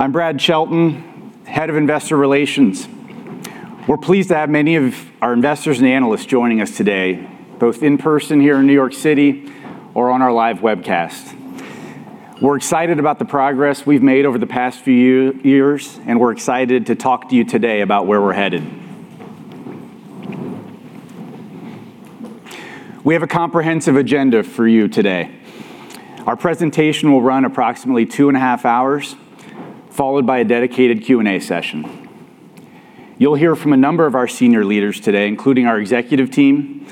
I'm Brad Chelton, Head of Investor Relations. We're pleased to have many of our investors and analysts joining us today, both in person here in New York City or on our live webcast. We're excited about the progress we've made over the past few years, and we're excited to talk to you today about where we're headed. We have a comprehensive agenda for you today. Our presentation will run approximately two and a half hours, followed by a dedicated Q&A session. You'll hear from a number of our senior leaders today, including our executive team,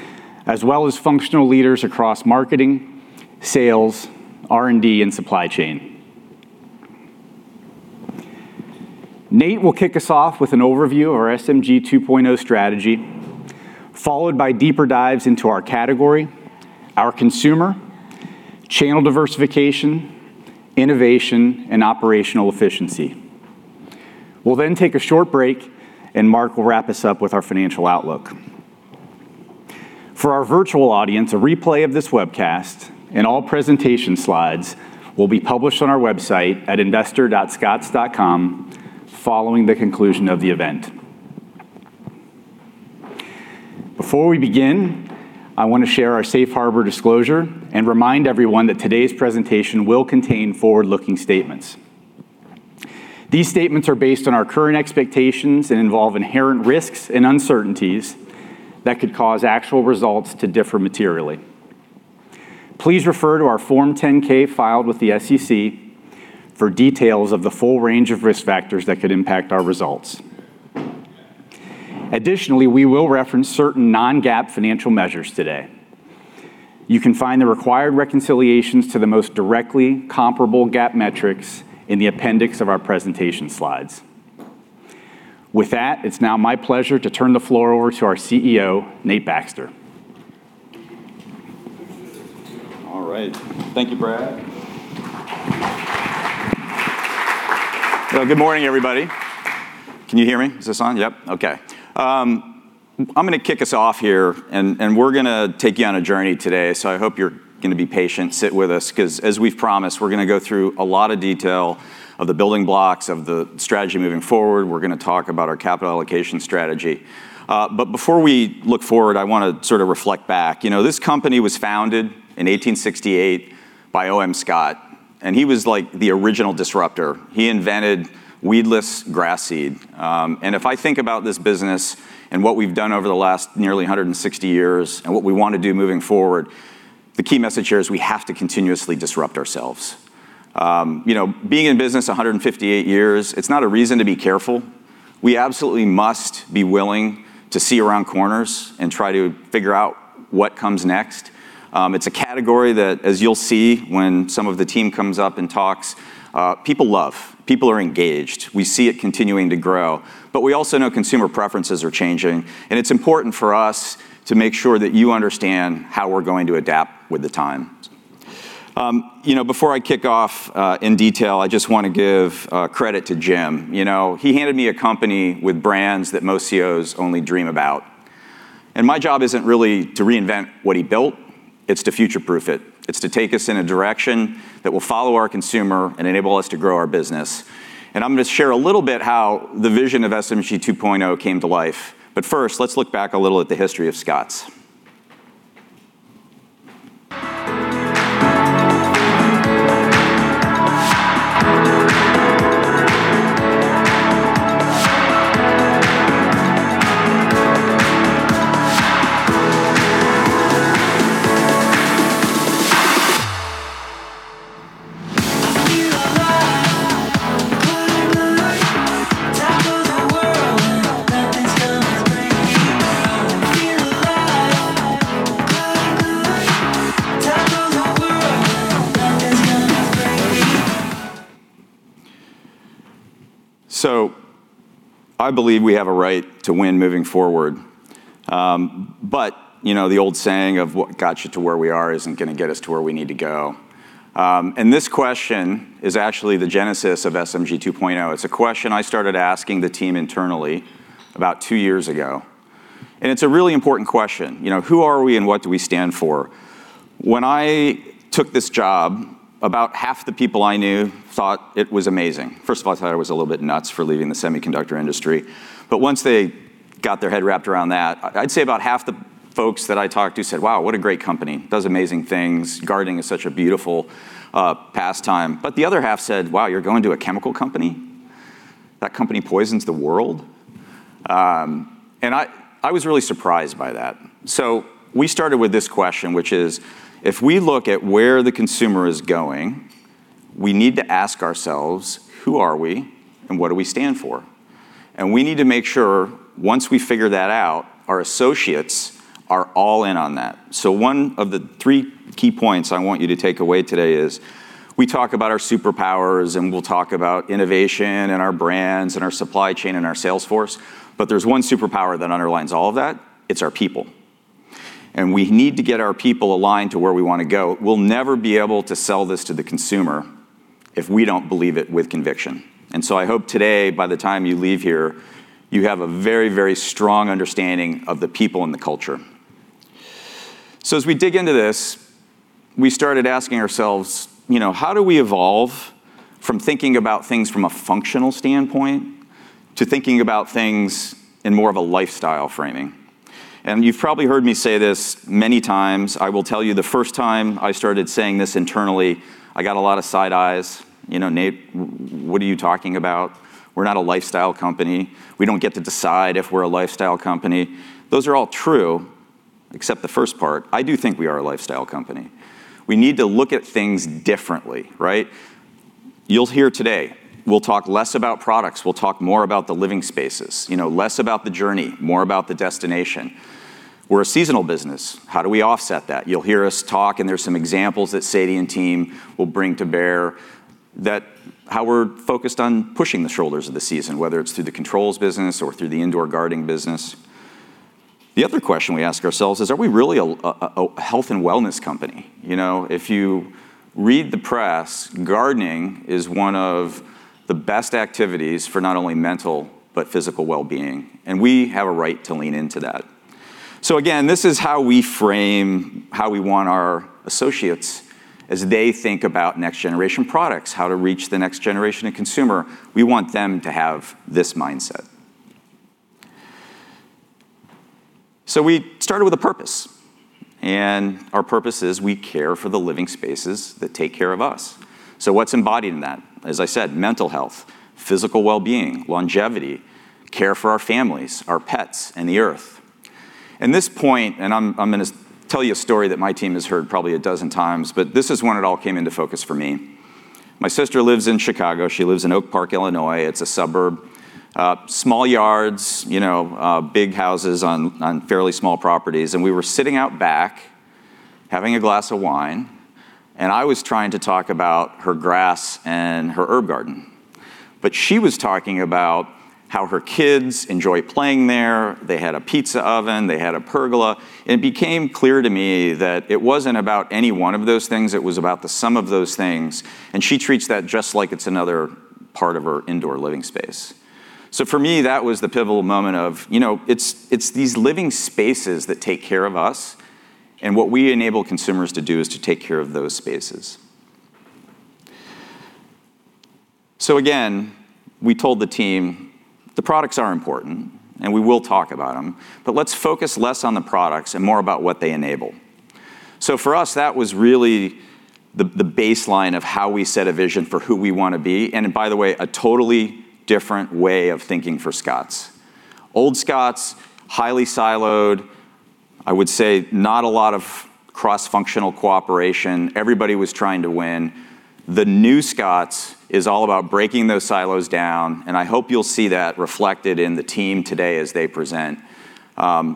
as well as functional leaders across marketing, sales, R&D, and supply chain. Nate will kick us off with an overview of our SMG 2.0 strategy, followed by deeper dives into our category, our consumer, channel diversification, innovation, and operational efficiency. We'll take a short break and Mark will wrap us up with our financial outlook. For our virtual audience, a replay of this webcast and all presentation slides will be published on our website at investor.scotts.com following the conclusion of the event. Before we begin, I want to share our safe harbor disclosure and remind everyone that today's presentation will contain forward-looking statements. These statements are based on our current expectations and involve inherent risks and uncertainties that could cause actual results to differ materially. Please refer to our Form 10-K filed with the SEC for details of the full range of risk factors that could impact our results. Additionally, we will reference certain non-GAAP financial measures today. You can find the required reconciliations to the most directly comparable GAAP metrics in the appendix of our presentation slides. With that, it's now my pleasure to turn the floor over to our CEO, Nate Baxter. All right. Thank you, Brad. Well, good morning, everybody. Can you hear me? Is this on? Yep, okay. I'm going to kick us off here. We're going to take you on a journey today. I hope you're going to be patient, sit with us because, as we've promised, we're going to go through a lot of detail of the building blocks of the strategy moving forward. We're going to talk about our capital allocation strategy. Before we look forward, I want to sort of reflect back. This company was founded in 1868 by O.M. Scott. He was like the original disruptor. He invented weedless grass seed. If I think about this business and what we've done over the last nearly 160 years and what we want to do moving forward, the key message here is we have to continuously disrupt ourselves. Being in business 158 years, it's not a reason to be careful. We absolutely must be willing to see around corners and try to figure out what comes next. It's a category that, as you'll see when some of the team comes up and talks, people love. People are engaged. We see it continuing to grow, but we also know consumer preferences are changing, and it's important for us to make sure that you understand how we're going to adapt with the time. Before I kick off in detail, I just want to give credit to Jim. He handed me a company with brands that most CEOs only dream about. My job isn't really to reinvent what he built, it's to future-proof it. It's to take us in a direction that will follow our consumer and enable us to grow our business. I'm going to share a little bit how the vision of SMG 2.0 came to life. First, let's look back a little at the history of Scotts. I believe we have a right to win moving forward. The old saying of what got you to where we are isn't going to get us to where we need to go. This question is actually the genesis of SMG 2.0. It's a question I started asking the team internally about two years ago. It's a really important question. Who are we and what do we stand for? When I took this job, about half the people I knew thought it was amazing. First of all, they thought I was a little bit nuts for leaving the semiconductor industry. Once they got their head wrapped around that, I'd say about half the folks that I talked to said, "Wow, what a great company. Does amazing things. Gardening is such a beautiful pastime." The other half said, "Wow, you're going to a chemical company? That company poisons the world." I was really surprised by that. We started with this question, which is if we look at where the consumer is going, we need to ask ourselves who are we and what do we stand for? We need to make sure once we figure that out, our associates are all in on that. One of the three key points I want you to take away today is we talk about our superpowers, and we'll talk about innovation and our brands and our supply chain and our sales force, but there's one superpower that underlines all of that. It's our people. We need to get our people aligned to where we want to go. We'll never be able to sell this to the consumer if we don't believe it with conviction. I hope today by the time you leave here, you have a very strong understanding of the people and the culture. As we dig into this, we started asking ourselves, how do we evolve from thinking about things from a functional standpoint to thinking about things in more of a lifestyle framing? You've probably heard me say this many times. I will tell you the first time I started saying this internally, I got a lot of side eyes. "Nate, what are you talking about? We're not a lifestyle company. We don't get to decide if we're a lifestyle company." Those are all true, except the first part. I do think we are a lifestyle company. We need to look at things differently, right? You'll hear today, we'll talk less about products, we'll talk more about the living spaces, less about the journey, more about the destination. We're a seasonal business. How do we offset that? You'll hear us talk, and there's some examples that Sadie and team will bring to bear that how we're focused on pushing the shoulders of the season, whether it's through the controls business or through the indoor gardening business. The other question we ask ourselves is, are we really a health and wellness company? If you read the press, gardening is one of the best activities for not only mental, but physical wellbeing. We have a right to lean into that. Again, this is how we frame how we want our associates as they think about next-generation products, how to reach the next generation and consumer. We want them to have this mindset. We started with a purpose, and our purpose is we care for the living spaces that take care of us. What's embodied in that? As I said, mental health, physical wellbeing, longevity, care for our families, our pets, and the Earth. This point, and I'm going to tell you a story that my team has heard probably a dozen times, but this is when it all came into focus for me. My sister lives in Chicago. She lives in Oak Park, Illinois. It's a suburb. Small yards, big houses on fairly small properties. We were sitting out back having a glass of wine, and I was trying to talk about her grass and her herb garden. She was talking about how her kids enjoy playing there. They had a pizza oven. They had a pergola. It became clear to me that it wasn't about any one of those things. It was about the sum of those things. She treats that just like it's another part of her indoor living space. For me, that was the pivotal moment of it's these living spaces that take care of us, and what we enable consumers to do is to take care of those spaces. Again, we told the team the products are important, and we will talk about them. Let's focus less on the products and more about what they enable. For us, that was really the baseline of how we set a vision for who we want to be, and by the way, a totally different way of thinking for Scotts. Old Scotts, highly siloed. I would say not a lot of cross-functional cooperation. Everybody was trying to win. The new Scotts is all about breaking those silos down, and I hope you'll see that reflected in the team today as they present.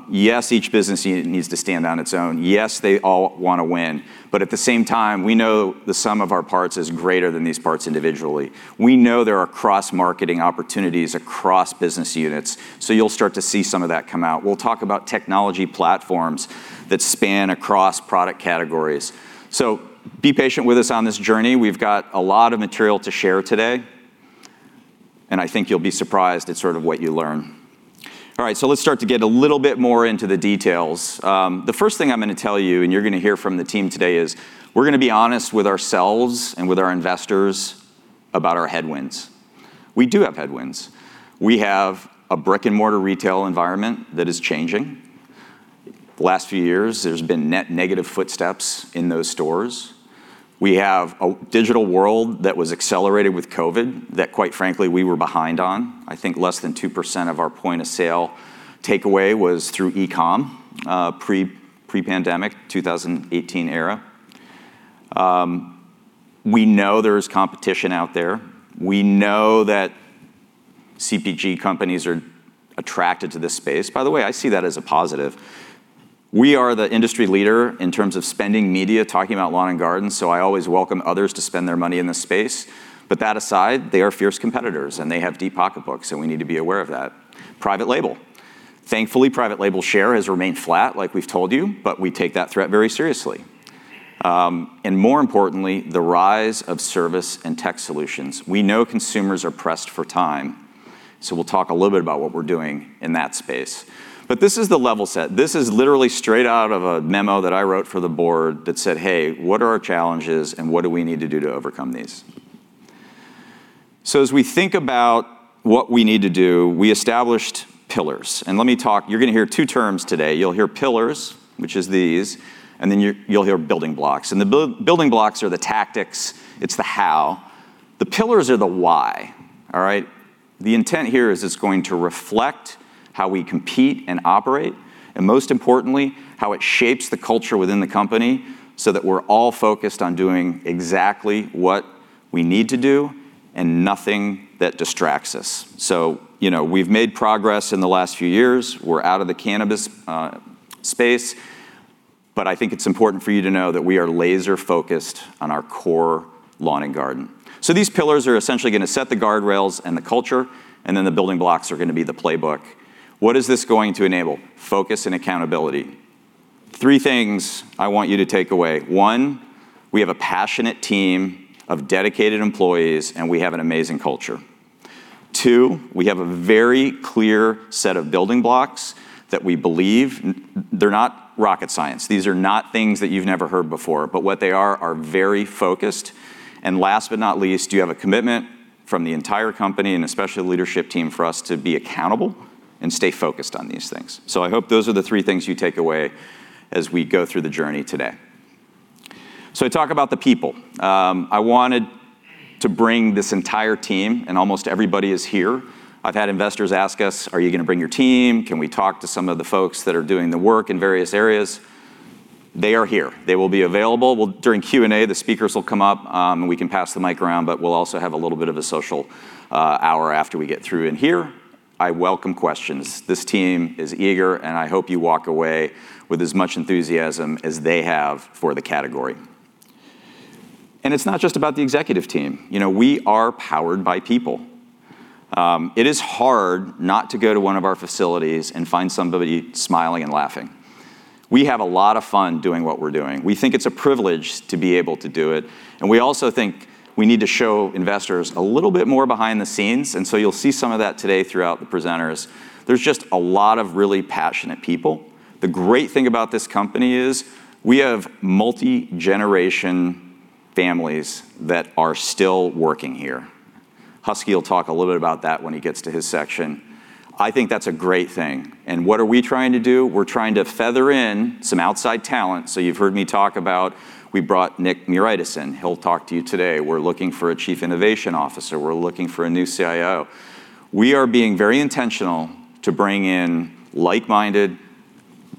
Yes, each business unit needs to stand on its own. Yes, they all want to win. At the same time, we know the sum of our parts is greater than these parts individually. We know there are cross-marketing opportunities across business units. You'll start to see some of that come out. We'll talk about technology platforms that span across product categories. Be patient with us on this journey. We've got a lot of material to share today, and I think you'll be surprised at sort of what you learn. All right, let's start to get a little bit more into the details. The first thing I'm going to tell you, and you're going to hear from the team today, is we're going to be honest with ourselves and with our investors about our headwinds. We do have headwinds. We have a brick-and-mortar retail environment that is changing. The last few years, there's been net negative footsteps in those stores. We have a digital world that was accelerated with COVID that quite frankly, we were behind on. I think less than 2% of our point-of-sale takeaway was through e-com, pre-pandemic, 2018 era. We know there is competition out there. We know that CPG companies are attracted to this space. By the way, I see that as a positive. We are the industry leader in terms of spending media talking about lawn and garden, I always welcome others to spend their money in this space. That aside, they are fierce competitors and they have deep pocketbooks, and we need to be aware of that. Private label. Thankfully, private label share has remained flat, like we've told you, we take that threat very seriously. More importantly, the rise of service and tech solutions. We know consumers are pressed for time, we'll talk a little bit about what we're doing in that space. This is the level set. This is literally straight out of a memo that I wrote for the board that said, "Hey, what are our challenges and what do we need to do to overcome these?" As we think about what we need to do, we established pillars. You're going to hear two terms today. You'll hear pillars, which is these, and then you'll hear building blocks. The building blocks are the tactics. It's the how. The pillars are the why. All right? The intent here is it's going to reflect how we compete and operate, and most importantly, how it shapes the culture within the company so that we're all focused on doing exactly what we need to do and nothing that distracts us. We've made progress in the last few years. We're out of the cannabis space, I think it's important for you to know that we are laser-focused on our core lawn and garden. These pillars are essentially going to set the guardrails and the culture, and then the building blocks are going to be the playbook. What is this going to enable? Focus and accountability. Three things I want you to take away. One, we have a passionate team of dedicated employees, and we have an amazing culture. Two, we have a very clear set of building blocks that we believe. They're not rocket science. These are not things that you've never heard before, what they are very focused. Last but not least, you have a commitment from the entire company, and especially the leadership team, for us to be accountable and stay focused on these things. I hope those are the three things you take away as we go through the journey today. I talk about the people. I wanted to bring this entire team, and almost everybody is here. I've had investors ask us, "Are you going to bring your team? Can we talk to some of the folks that are doing the work in various areas? They are here. They will be available. During Q&A, the speakers will come up, and we can pass the mic around, but we'll also have a little bit of a social hour after we get through in here. I welcome questions. This team is eager, and I hope you walk away with as much enthusiasm as they have for the category. It's not just about the executive team. We are powered by people. It is hard not to go to one of our facilities and find somebody smiling and laughing. We have a lot of fun doing what we're doing. We think it's a privilege to be able to do it, we also think we need to show investors a little bit more behind the scenes, you'll see some of that today throughout the presenters. There's just a lot of really passionate people. The great thing about this company is we have multi-generation families that are still working here. Husky will talk a little bit about that when he gets to his section. I think that's a great thing. What are we trying to do? We're trying to feather in some outside talent. You've heard me talk about, we brought Nick Miaritis in. He'll talk to you today. We're looking for a chief innovation officer. We're looking for a new CIO. We are being very intentional to bring in like-minded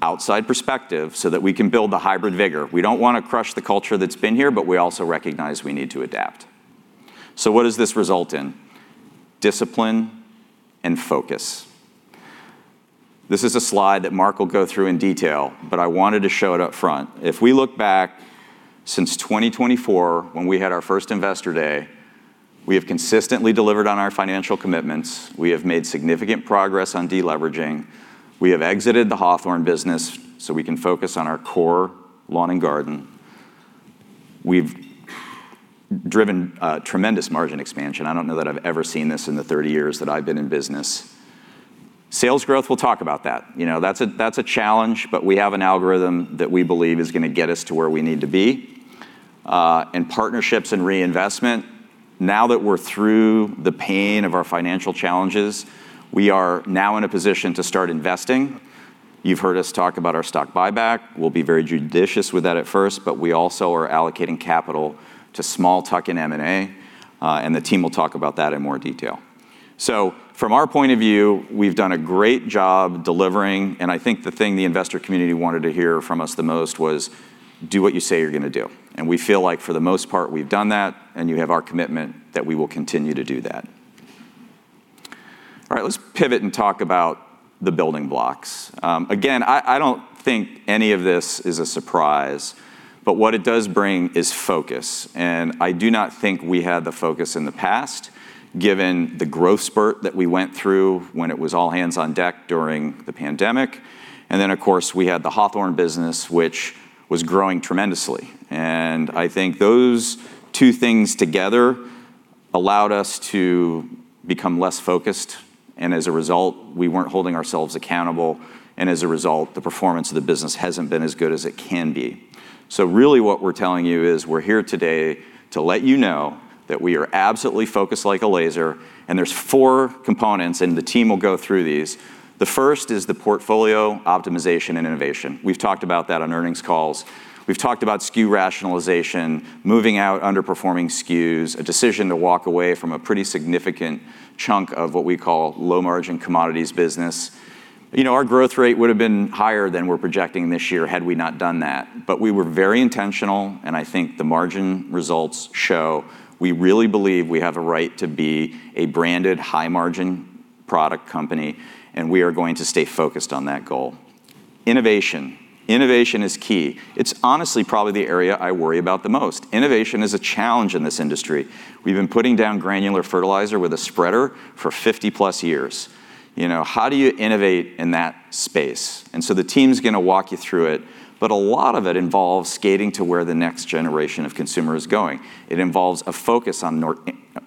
outside perspective so that we can build the hybrid vigor. We don't want to crush the culture that's been here, we also recognize we need to adapt. What does this result in? Discipline and focus. This is a slide that Mark will go through in detail, I wanted to show it up front. If we look back since 2024, when we had our first investor day, we have consistently delivered on our financial commitments. We have made significant progress on de-leveraging. We have exited the Hawthorne business so we can focus on our core lawn and garden. We've driven tremendous margin expansion. I don't know that I've ever seen this in the 30 years that I've been in business. Sales growth, we'll talk about that. That's a challenge, but we have an algorithm that we believe is going to get us to where we need to be. Partnerships and reinvestment, now that we're through the pain of our financial challenges, we are now in a position to start investing. You've heard us talk about our stock buyback. We'll be very judicious with that at first, we also are allocating capital to small tuck-in M&A, the team will talk about that in more detail. From our point of view, we've done a great job delivering, I think the thing the investor community wanted to hear from us the most was, "Do what you say you're going to do." We feel like for the most part, we've done that, you have our commitment that we will continue to do that. All right. Let's pivot and talk about the building blocks. I don't think any of this is a surprise, what it does bring is focus. I do not think we had the focus in the past given the growth spurt that we went through when it was all hands on deck during the pandemic. Then, of course, we had the Hawthorne business, which was growing tremendously. I think those two things together allowed us to become less focused. As a result, we weren't holding ourselves accountable. As a result, the performance of the business hasn't been as good as it can be. Really what we're telling you is we're here today to let you know that we are absolutely focused like a laser. There's four components, and the team will go through these. The first is the portfolio optimization and innovation. We've talked about that on earnings calls. We've talked about SKU rationalization, moving out underperforming SKUs, a decision to walk away from a pretty significant chunk of what we call low-margin commodities business. Our growth rate would have been higher than we're projecting this year had we not done that. We were very intentional. I think the margin results show we really believe we have a right to be a branded high-margin product company. We are going to stay focused on that goal. Innovation. Innovation is key. It's honestly probably the area I worry about the most. Innovation is a challenge in this industry. We've been putting down granular fertilizer with a spreader for 50+ years. How do you innovate in that space? The team's going to walk you through it, a lot of it involves skating to where the next generation of consumer is going. It involves a focus on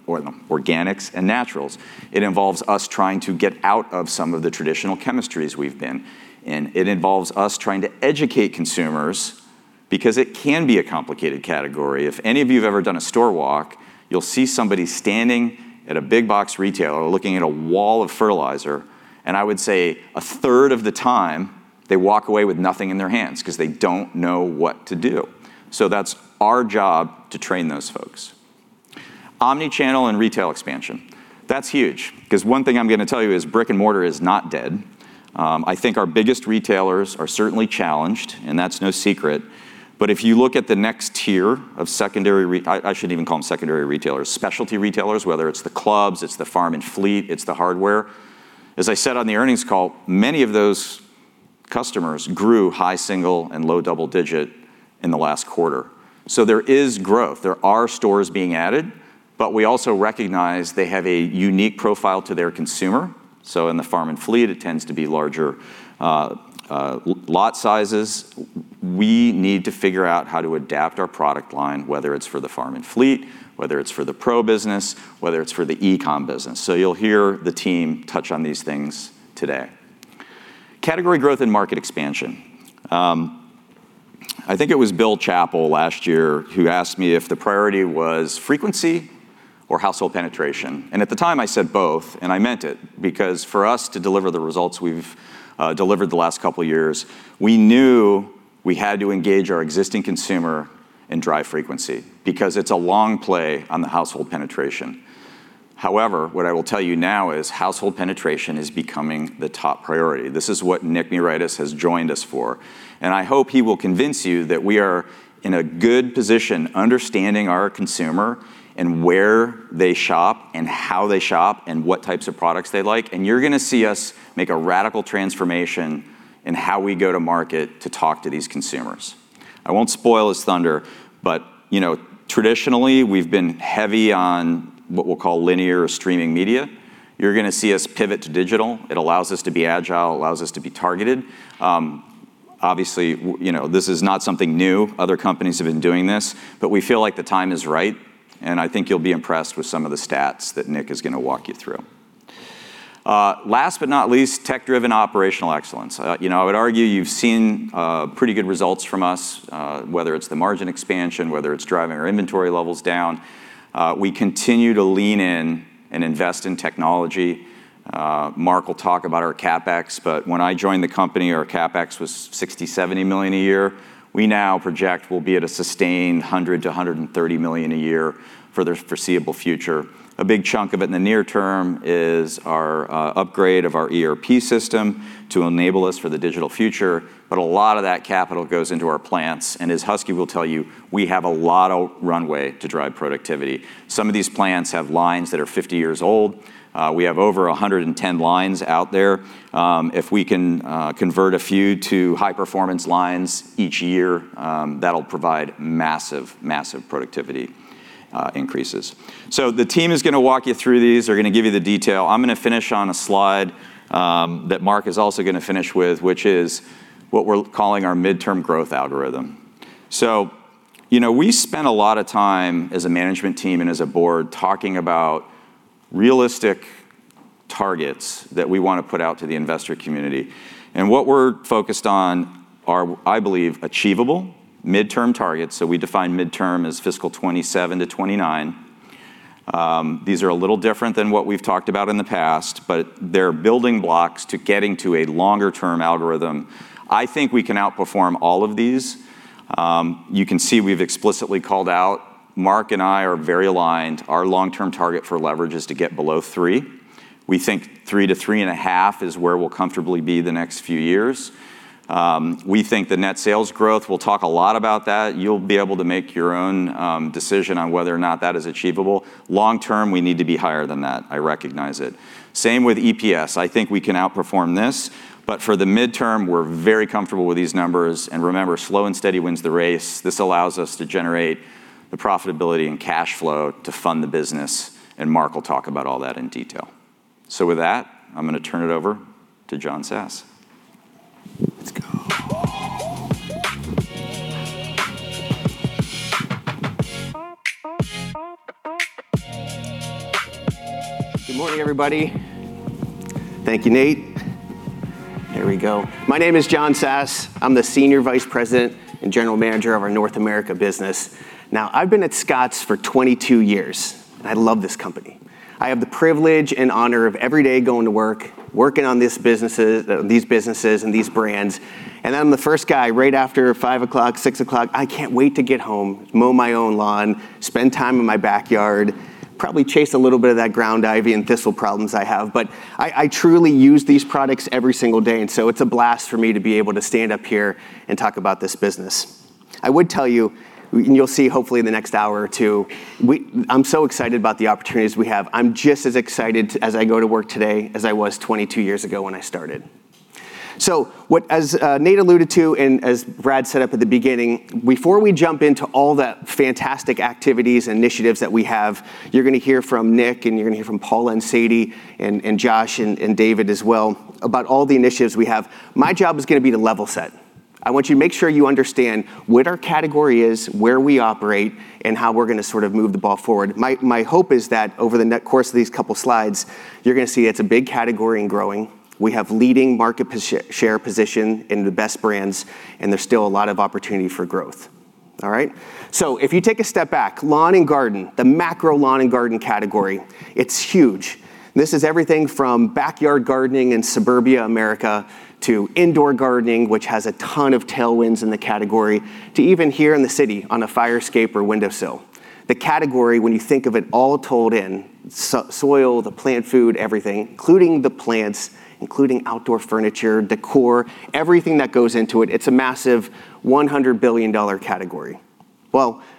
organics and naturals. It involves us trying to get out of some of the traditional chemistries we've been in. It involves us trying to educate consumers because it can be a complicated category. If any of you have ever done a store walk, you'll see somebody standing at a big box retailer looking at a wall of fertilizer. I would say a third of the time, they walk away with nothing in their hands because they don't know what to do. That's our job to train those folks. Omnichannel and retail expansion. That's huge, one thing I'm going to tell you is brick-and-mortar is not dead. I think our biggest retailers are certainly challenged. That's no secret. If you look at the next tier of secondary, I shouldn't even call them secondary retailers. Specialty retailers, whether it's the clubs, it's the farm and fleet, it's the hardware. As I said on the earnings call, many of those customers grew high single and low double digit in the last quarter. There is growth. There are stores being added, we also recognize they have a unique profile to their consumer. In the farm and fleet, it tends to be larger lot sizes. We need to figure out how to adapt our product line, whether it's for the farm and fleet, whether it's for the pro business, whether it's for the e-com business. You'll hear the team touch on these things today. Category growth and market expansion. I think it was Bill Chappell last year who asked me if the priority was frequency or household penetration, and at the time I said both, and I meant it, because for us to deliver the results we've delivered the last couple of years, we knew we had to engage our existing consumer and drive frequency, because it's a long play on the household penetration. What I will tell you now is household penetration is becoming the top priority. This is what Nick Miaritis has joined us for. I hope he will convince you that we are in a good position, understanding our consumer and where they shop and how they shop and what types of products they like. You're going to see us make a radical transformation in how we go to market to talk to these consumers. I won't spoil his thunder, traditionally we've been heavy on what we'll call linear or streaming media. You're going to see us pivot to digital. It allows us to be agile, it allows us to be targeted. Obviously, this is not something new. Other companies have been doing this. We feel like the time is right, and I think you'll be impressed with some of the stats that Nick is going to walk you through. Last but not least, tech-driven operational excellence. I would argue you've seen pretty good results from us, whether it's the margin expansion, whether it's driving our inventory levels down. We continue to lean in and invest in technology. Mark will talk about our CapEx, when I joined the company, our CapEx was $60 million-$70 million a year. We now project we'll be at a sustained $100 million-$130 million a year for the foreseeable future. A big chunk of it in the near term is our upgrade of our ERP system to enable us for the digital future. A lot of that capital goes into our plants. As Husky will tell you, we have a lot of runway to drive productivity. Some of these plants have lines that are 50 years old. We have over 110 lines out there. If we can convert a few to high-performance lines each year, that'll provide massive productivity increases. The team is going to walk you through these. They're going to give you the detail. I'm going to finish on a slide that Mark is also going to finish with, which is what we're calling our midterm growth algorithm. We spent a lot of time as a management team and as a board talking about realistic targets that we want to put out to the investor community. What we're focused on are, I believe, achievable midterm targets. We define midterm as fiscal 2027-2029. These are a little different than what we've talked about in the past, they're building blocks to getting to a longer-term algorithm. I think we can outperform all of these. You can see we've explicitly called out, Mark and I are very aligned. Our long-term target for leverage is to get below three. We think three to three and a half is where we'll comfortably be the next few years. We think the net sales growth, we'll talk a lot about that. You'll be able to make your own decision on whether or not that is achievable. Long term, we need to be higher than that. I recognize it. Same with EPS. I think we can outperform this. For the midterm, we're very comfortable with these numbers. Remember, slow and steady wins the race. This allows us to generate the profitability and cash flow to fund the business, and Mark will talk about all that in detail. With that, I'm going to turn it over to John Sass. Let's go. Good morning, everybody. Thank you, Nate. Here we go. My name is John Sass. I'm the Senior Vice President and General Manager of our North America business. I've been at Scotts for 22 years, and I love this company. I have the privilege and honor of every day going to work, working on these businesses and these brands, and I'm the first guy, right after 5:00, 6:00, I can't wait to get home, mow my own lawn, spend time in my backyard, probably chase a little bit of that ground ivy and thistle problems I have. I truly use these products every single day, and so it's a blast for me to be able to stand up here and talk about this business. I would tell you, and you'll see hopefully in the next hour or two, I'm so excited about the opportunities we have. I'm just as excited as I go to work today as I was 22 years ago when I started. As Nate alluded to, and as Brad said up at the beginning, before we jump into all the fantastic activities and initiatives that we have, you're going to hear from Nick, and you're going to hear from Paula and Sadie, and Josh, and David as well, about all the initiatives we have. My job is going to be to level set. I want you to make sure you understand what our category is, where we operate, and how we're going to sort of move the ball forward. My hope is that over the course of these couple slides, you're going to see it's a big category and growing. We have leading market share position in the best brands, and there's still a lot of opportunity for growth. All right? If you take a step back, lawn and garden, the macro lawn and garden category, it's huge. This is everything from backyard gardening in suburbia America to indoor gardening, which has a ton of tailwinds in the category, to even here in the city on a fire escape or windowsill. The category, when you think of it all told in, soil, the plant food, everything, including the plants, including outdoor furniture, décor, everything that goes into it's a massive $100 billion category.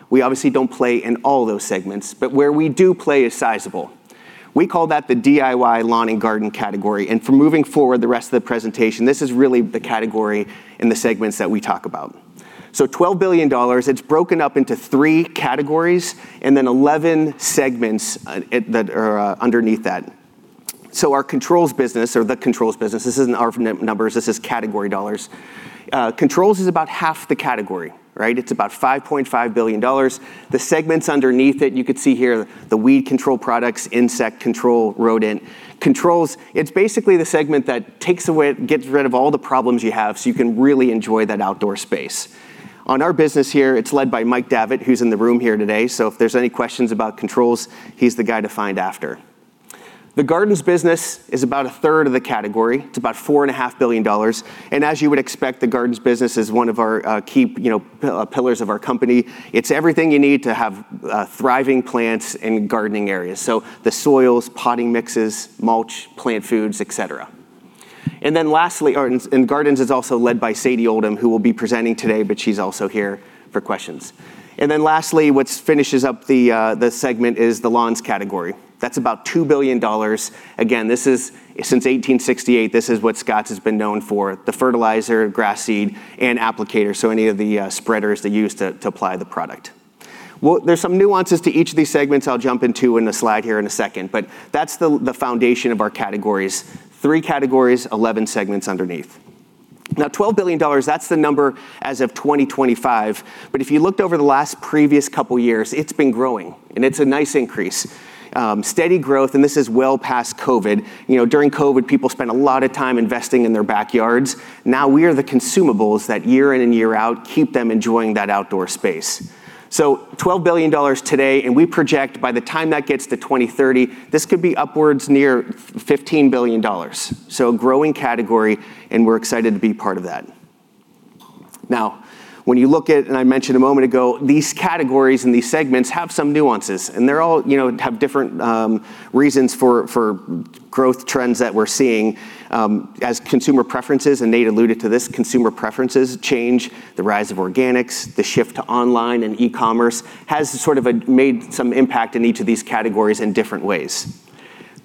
We obviously don't play in all those segments, but where we do play is sizable. We call that the DIY lawn and garden category, and for moving forward the rest of the presentation, this is really the category and the segments that we talk about. $12 billion, it's broken up into three categories and then 11 segments that are underneath that. Our controls business, or the controls business, this isn't our numbers, this is category dollars. Controls is about half the category. It's about $5.5 billion. The segments underneath it, you could see here, the weed control products, insect control, rodent controls. It's basically the segment that gets rid of all the problems you have so you can really enjoy that outdoor space. On our business here, it's led by Mike Davitt, who's in the room here today. If there's any questions about controls, he's the guy to find after. The gardens business is about a third of the category. It's about $4.5 billion. As you would expect, the gardens business is one of our key pillars of our company. It's everything you need to have thriving plants and gardening areas. The soils, potting mixes, mulch, plant foods, et cetera. Gardens is also led by Sadie Oldham, who will be presenting today, but she's also here for questions. Lastly, what finishes up the segment is the lawns category. That's about $2 billion. Again, since 1868, this is what Scotts has been known for, the fertilizer, grass seed, and applicators, so any of the spreaders they use to apply the product. There's some nuances to each of these segments I'll jump into in a slide here in a second, but that's the foundation of our categories. Three categories, 11 segments underneath. $12 billion, that's the number as of 2025, but if you looked over the last previous couple of years, it's been growing, and it's a nice increase. Steady growth, and this is well past COVID. During COVID, people spent a lot of time investing in their backyards. We are the consumables that year in and year out keep them enjoying that outdoor space. $12 billion today, and we project by the time that gets to 2030, this could be upwards near $15 billion. A growing category, and we're excited to be part of that. When you look at, and I mentioned a moment ago, these categories and these segments have some nuances, and they all have different reasons for growth trends that we're seeing as consumer preferences, and Nate alluded to this, consumer preferences change, the rise of organics, the shift to online and e-commerce has sort of made some impact in each of these categories in different ways.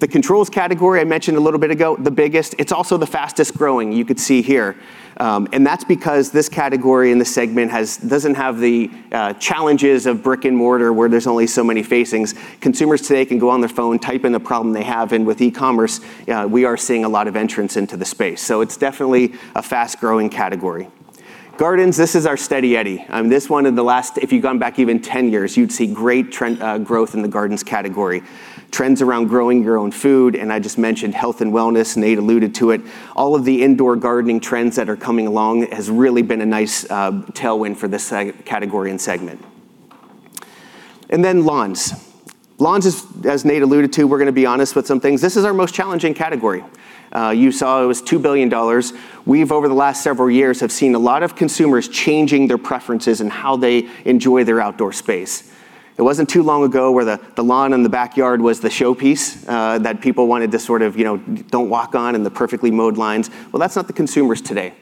The controls category I mentioned a little bit ago, the biggest. It's also the fastest-growing you could see here. That's because this category and this segment doesn't have the challenges of brick and mortar where there's only so many facings. Consumers today can go on their phone, type in the problem they have, and with e-commerce, we are seeing a lot of entrants into the space. It's definitely a fast-growing category. Gardens, this is our steady eddy. If you'd gone back even 10 years, you'd see great growth in the gardens category. Trends around growing your own food, and I just mentioned health and wellness, Nate alluded to it. All of the indoor gardening trends that are coming along has really been a nice tailwind for this category and segment. Lawns. Lawns, as Nate alluded to, we're going to be honest with some things. This is our most challenging category. You saw it was $2 billion. We've, over the last several years, have seen a lot of consumers changing their preferences and how they enjoy their outdoor space. It wasn't too long ago where the lawn and the backyard was the showpiece that people wanted to sort of don't walk on and the perfectly mowed lines. Well, that's not the consumers today.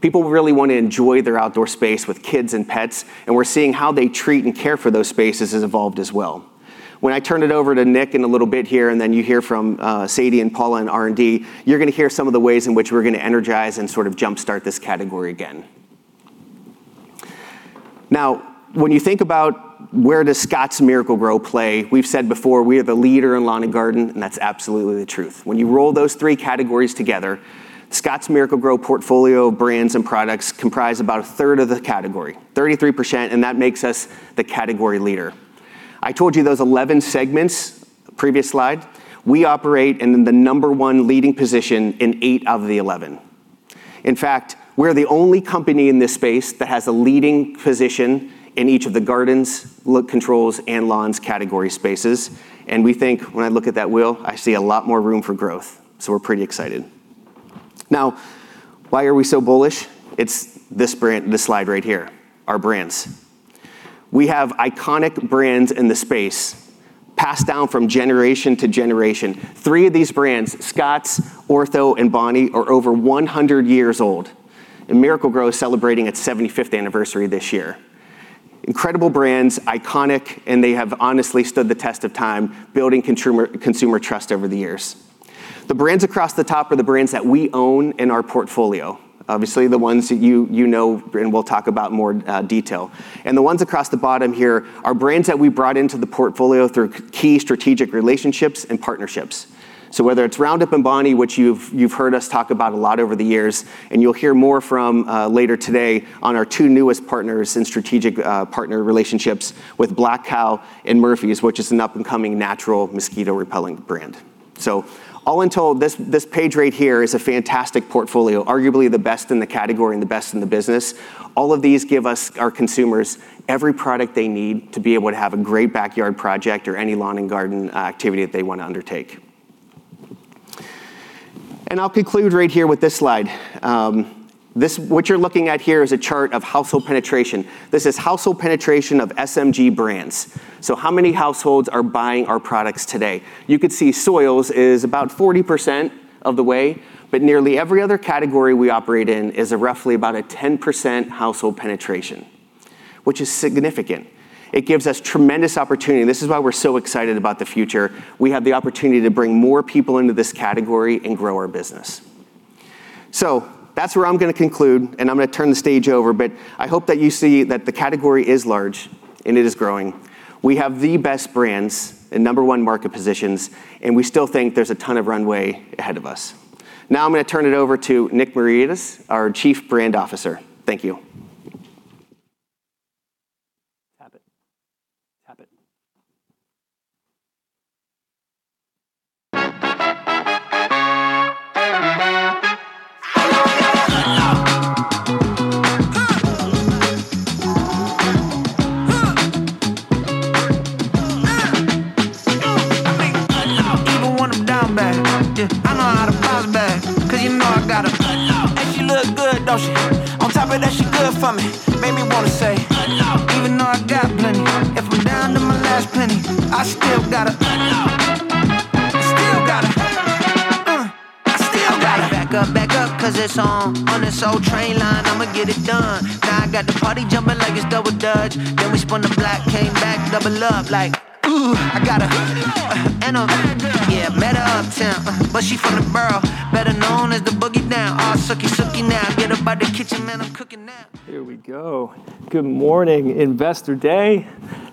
People really want to enjoy their outdoor space with kids and pets, and we're seeing how they treat and care for those spaces has evolved as well. When I turn it over to Nick in a little bit here, and then you hear from Sadie and Paula in R&D, you're going to hear some of the ways in which we're going to energize and sort of jumpstart this category again. When you think about where does Scotts Miracle-Gro play, we've said before we are the leader in lawn and garden, and that's absolutely the truth. When you roll those three categories together, Scotts Miracle-Gro portfolio of brands and products comprise about a third of the category, 33%, and that makes us the category leader. I told you those 11 segments, previous slide, we operate in the number one leading position in eight of the 11. In fact, we're the only company in this space that has a leading position in each of the gardens, controls, and lawns category spaces. We think when I look at that wheel, I see a lot more room for growth. We're pretty excited. Why are we so bullish? It's this slide right here, our brands. We have iconic brands in the space passed down from generation to generation. Three of these brands, Scotts, Ortho, and Bonide, are over 100 years old, and Miracle-Gro is celebrating its 75th anniversary this year. Incredible brands, iconic, and they have honestly stood the test of time, building consumer trust over the years. The brands across the top are the brands that we own in our portfolio. Obviously, the ones that you know and we'll talk about in more detail. The ones across the bottom here are brands that we brought into the portfolio through key strategic relationships and partnerships. Whether it's Roundup and Bonide, which you've heard us talk about a lot over the years, and you'll hear more from later today on our two newest partners in strategic partner relationships with Black Kow and Murphy's, which is an up-and-coming natural mosquito-repelling brand. All in told, this page right here is a fantastic portfolio, arguably the best in the category and the best in the business. All of these give our consumers every product they need to be able to have a great backyard project or any lawn and garden activity that they want to undertake. I'll conclude right here with this slide. What you're looking at here is a chart of household penetration. This is household penetration of SMG brands. How many households are buying our products today? You could see soils is about 40% of the way, but nearly every other category we operate in is roughly about a 10% household penetration, which is significant. It gives us tremendous opportunity, and this is why we're so excited about the future. We have the opportunity to bring more people into this category and grow our business. That's where I'm going to conclude, and I'm going to turn the stage over, but I hope that you see that the category is large. It is growing. We have the best brands in number 1 market positions, and we still think there's a ton of runway ahead of us. I'm going to turn it over to Nick Miaritis, our Chief Brand Officer. Thank you. Here we go. Good morning, Investor Day.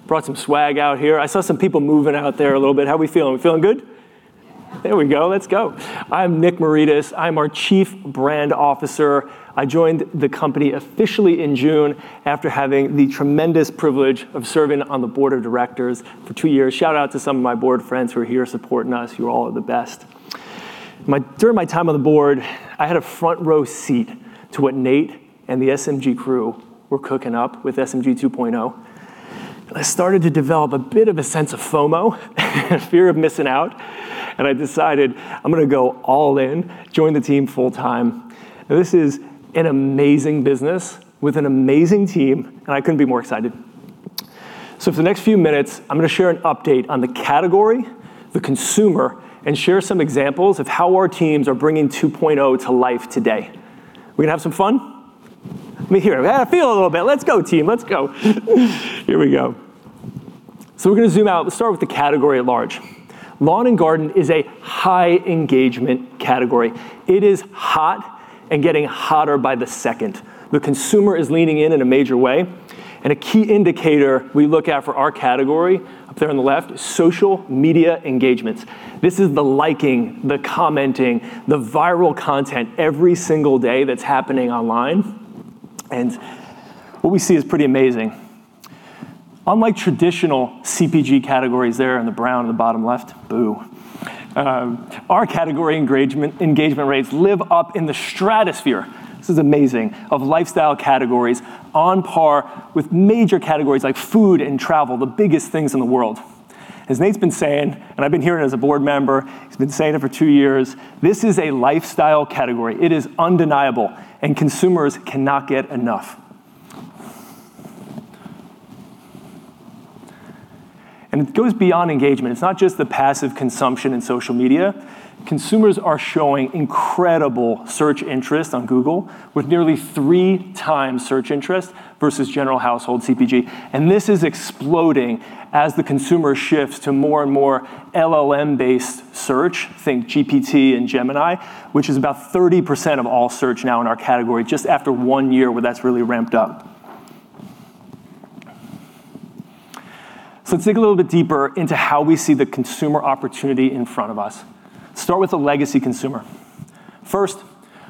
Brought some swag out here. I saw some people moving out there a little bit. How we feeling? We feeling good? Yeah. There we go. Let's go. I'm Nick Miaritis. I'm our Chief Brand Officer. I joined the company officially in June after having the tremendous privilege of serving on the board of directors for two years. Shout out to some of my board friends who are here supporting us. You all are the best. During my time on the board, I had a front row seat to what Nate and the SMG crew were cooking up with SMG 2.0. I started to develop a bit of a sense of FOMO, fear of missing out, and I decided I'm going to go all in, join the team full time. This is an amazing business with an amazing team, and I couldn't be more excited. For the next few minutes, I'm going to share an update on the category, the consumer, and share some examples of how our teams are bringing 2.0 to life today. We going to have some fun? Let me hear it. I got to feel it a little bit. Let's go, team. Let's go. Here we go. We're going to zoom out. Let's start with the category at large. Lawn and garden is a high-engagement category. It is hot and getting hotter by the second. The consumer is leaning in in a major way, and a key indicator we look at for our category, up there on the left, social media engagements. This is the liking, the commenting, the viral content every single day that's happening online, and what we see is pretty amazing. Unlike traditional CPG categories there in the brown on the bottom left, boo, our category engagement rates live up in the stratosphere, this is amazing, of lifestyle categories on par with major categories like food and travel, the biggest things in the world. As Nate's been saying, and I've been hearing it as a board member, he's been saying it for two years, this is a lifestyle category. It is undeniable, and consumers cannot get enough. It goes beyond engagement. It's not just the passive consumption in social media. Consumers are showing incredible search interest on Google, with nearly three times search interest versus general household CPG. This is exploding as the consumer shifts to more and more LLM-based search, think GPT and Gemini, which is about 30% of all search now in our category, just after one year where that's really ramped up. Let's dig a little bit deeper into how we see the consumer opportunity in front of us. Start with the legacy consumer. First,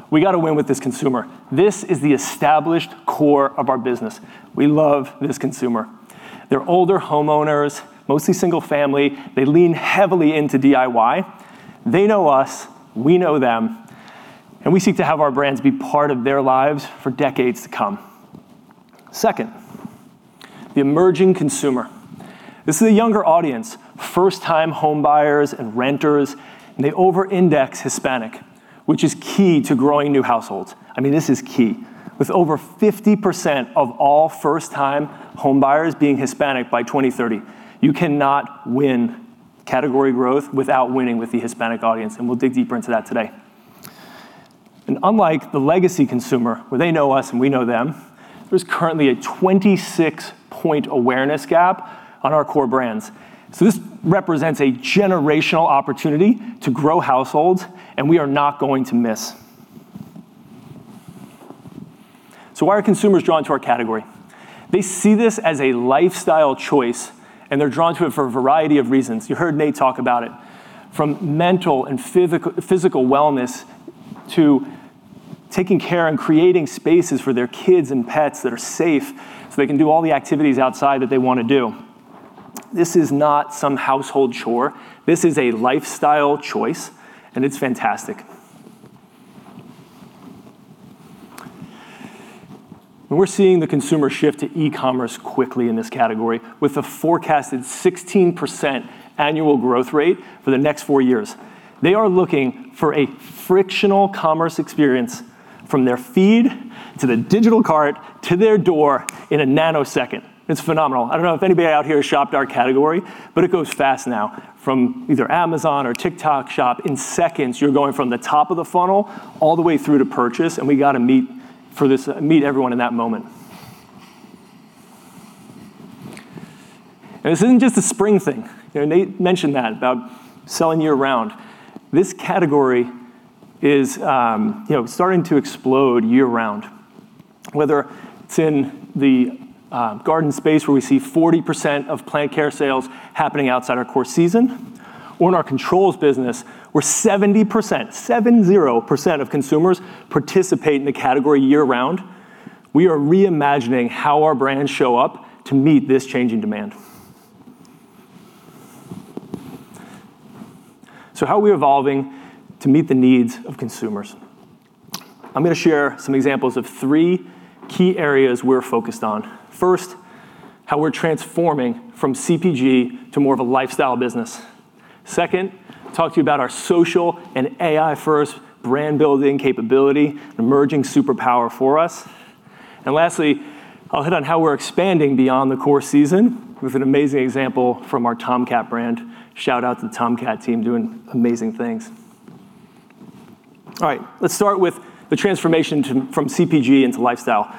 we got to win with this consumer. This is the established core of our business. We love this consumer. They're older homeowners, mostly single family. They lean heavily into DIY. They know us. We know them. We seek to have our brands be part of their lives for decades to come. Second, the emerging consumer. This is a younger audience, first-time homebuyers and renters. They over-index Hispanic, which is key to growing new households. I mean, this is key. With over 50% of all first-time homebuyers being Hispanic by 2030, you cannot win category growth without winning with the Hispanic audience. We'll dig deeper into that today. Unlike the legacy consumer, where they know us and we know them, there's currently a 26-point awareness gap on our core brands. This represents a generational opportunity to grow households. We are not going to miss. Why are consumers drawn to our category? They see this as a lifestyle choice. They're drawn to it for a variety of reasons. You heard Nate talk about it. From mental and physical wellness to taking care and creating spaces for their kids and pets that are safe so they can do all the activities outside that they want to do. This is not some household chore. This is a lifestyle choice. It's fantastic. We're seeing the consumer shift to e-commerce quickly in this category, with a forecasted 16% annual growth rate for the next four years. They are looking for a frictional commerce experience from their feed to the digital cart to their door in a nanosecond. It's phenomenal. I don't know if anybody out here has shopped our category. It goes fast now. From either Amazon or TikTok Shop, in seconds, you're going from the top of the funnel all the way through to purchase. We got to meet everyone in that moment. This isn't just a spring thing. Nate mentioned that about selling year-round. This category is starting to explode year-round, whether it's in the garden space where we see 40% of plant care sales happening outside our core season, or in our controls business, where 70% of consumers participate in the category year-round. We are re-imagining how our brands show up to meet this changing demand. How are we evolving to meet the needs of consumers? I'm going to share some examples of three key areas we're focused on. First, how we're transforming from CPG to more of a lifestyle business. Second, talk to you about our social and AI-first brand-building capability, an emerging superpower for us. Lastly, I'll hit on how we're expanding beyond the core season with an amazing example from our Tomcat brand. Shout out to the Tomcat team, doing amazing things. All right. Let's start with the transformation from CPG into lifestyle.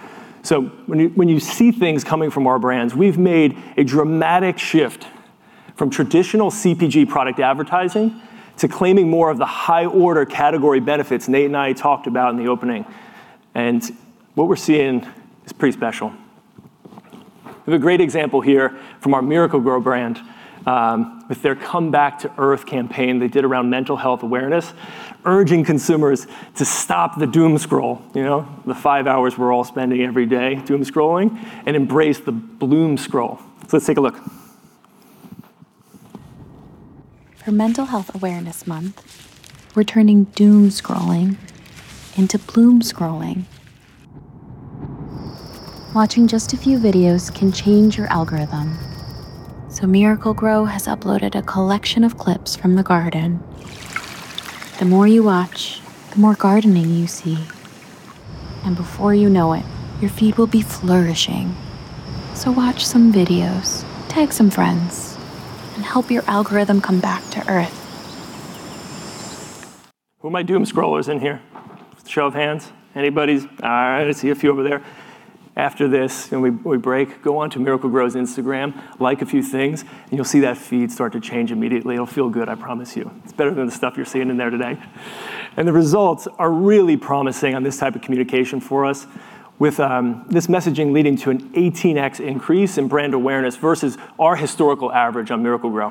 When you see things coming from our brands, we've made a dramatic shift from traditional CPG product advertising to claiming more of the high-order category benefits Nate and I talked about in the opening. What we're seeing is pretty special. We have a great example here from our Miracle-Gro brand, with their Come Back to Earth campaign they did around mental health awareness, urging consumers to stop the doom scroll, the 5 hours we're all spending every day doom scrolling, and embrace the bloom scroll. Let's take a look. For Mental Health Awareness Month, we're turning doom scrolling into bloom scrolling. Watching just a few videos can change your algorithm. Miracle-Gro has uploaded a collection of clips from the garden. The more you watch, the more gardening you see. Before you know it, your feed will be flourishing. Watch some videos, tag some friends, and help your algorithm come back to earth. Who are my doom scrollers in here? Show of hands. Anybody? All right, I see a few over there. After this, when we break, go onto Miracle-Gro's Instagram, like a few things, and you'll see that feed start to change immediately. It'll feel good, I promise you. It's better than the stuff you're seeing in there today. The results are really promising on this type of communication for us, with this messaging leading to an 18x increase in brand awareness versus our historical average on Miracle-Gro.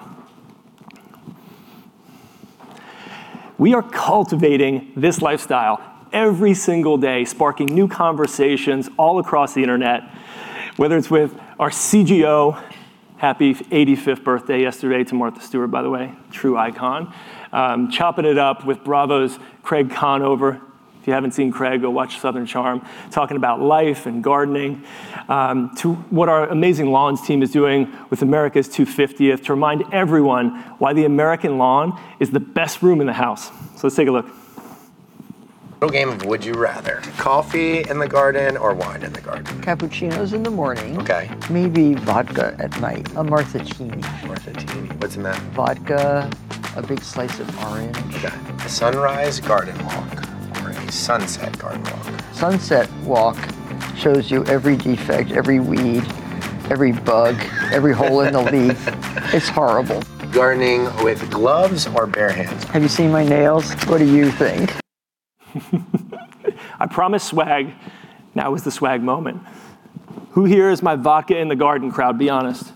We are cultivating this lifestyle every single day, sparking new conversations all across the internet, whether it's with our CGO, happy 85th birthday yesterday to Martha Stewart, by the way, true icon. Chopping it up with Bravo's Craig Conover. If you haven't seen Craig, go watch "Southern Charm," talking about life and gardening. To what our amazing Lawns team is doing with America's 250th to remind everyone why the American lawn is the best room in the house. Let's take a look. A game of would you rather, coffee in the garden or wine in the garden? Cappuccinos in the morning. Okay. Maybe vodka at night. A Martha-tini. Martha-tini. What's in that? Vodka, a big slice of orange. Okay. A sunrise garden walk or a sunset garden walk? Sunset walk shows you every defect, every weed, every hole in the leaf. It's horrible. Gardening with gloves or bare hands? Have you seen my nails? What do you think? I promised swag. Now is the swag moment. Who here is my vodka in the garden crowd? Be honest.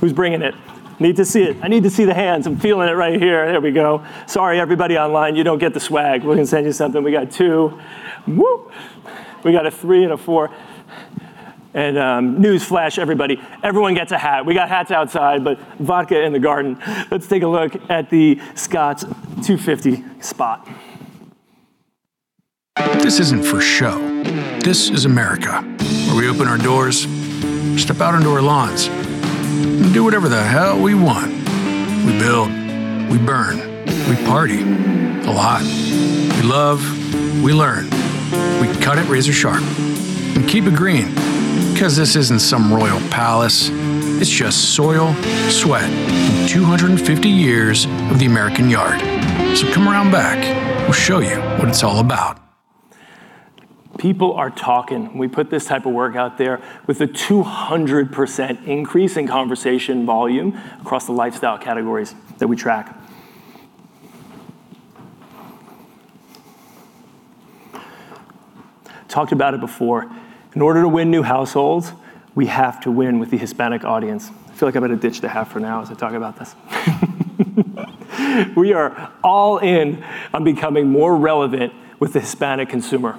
Who's bringing it? Need to see it. I need to see the hands. I'm feeling it right here. There we go. Sorry, everybody online, you don't get the swag. We can send you something. We got two. Whoop. We got a three and a four. Newsflash, everybody. Everyone gets a hat. We got hats outside, but vodka in the garden. Let's take a look at the Scotts 250 spot. This isn't for show. This is America, where we open our doors, step out into our lawns, and do whatever the hell we want. We build, we burn, we party, a lot. We love, we learn. We cut it razor sharp and keep it green, because this isn't some royal palace. It's just soil, sweat, and 250 years of the American yard. Come around back. We'll show you what it's all about. People are talking. We put this type of work out there with a 200% increase in conversation volume across the lifestyle categories that we track. Talked about it before. In order to win new households, we have to win with the Hispanic audience. I feel like I'm going to ditch the hat for now as I talk about this. We are all in on becoming more relevant with the Hispanic consumer.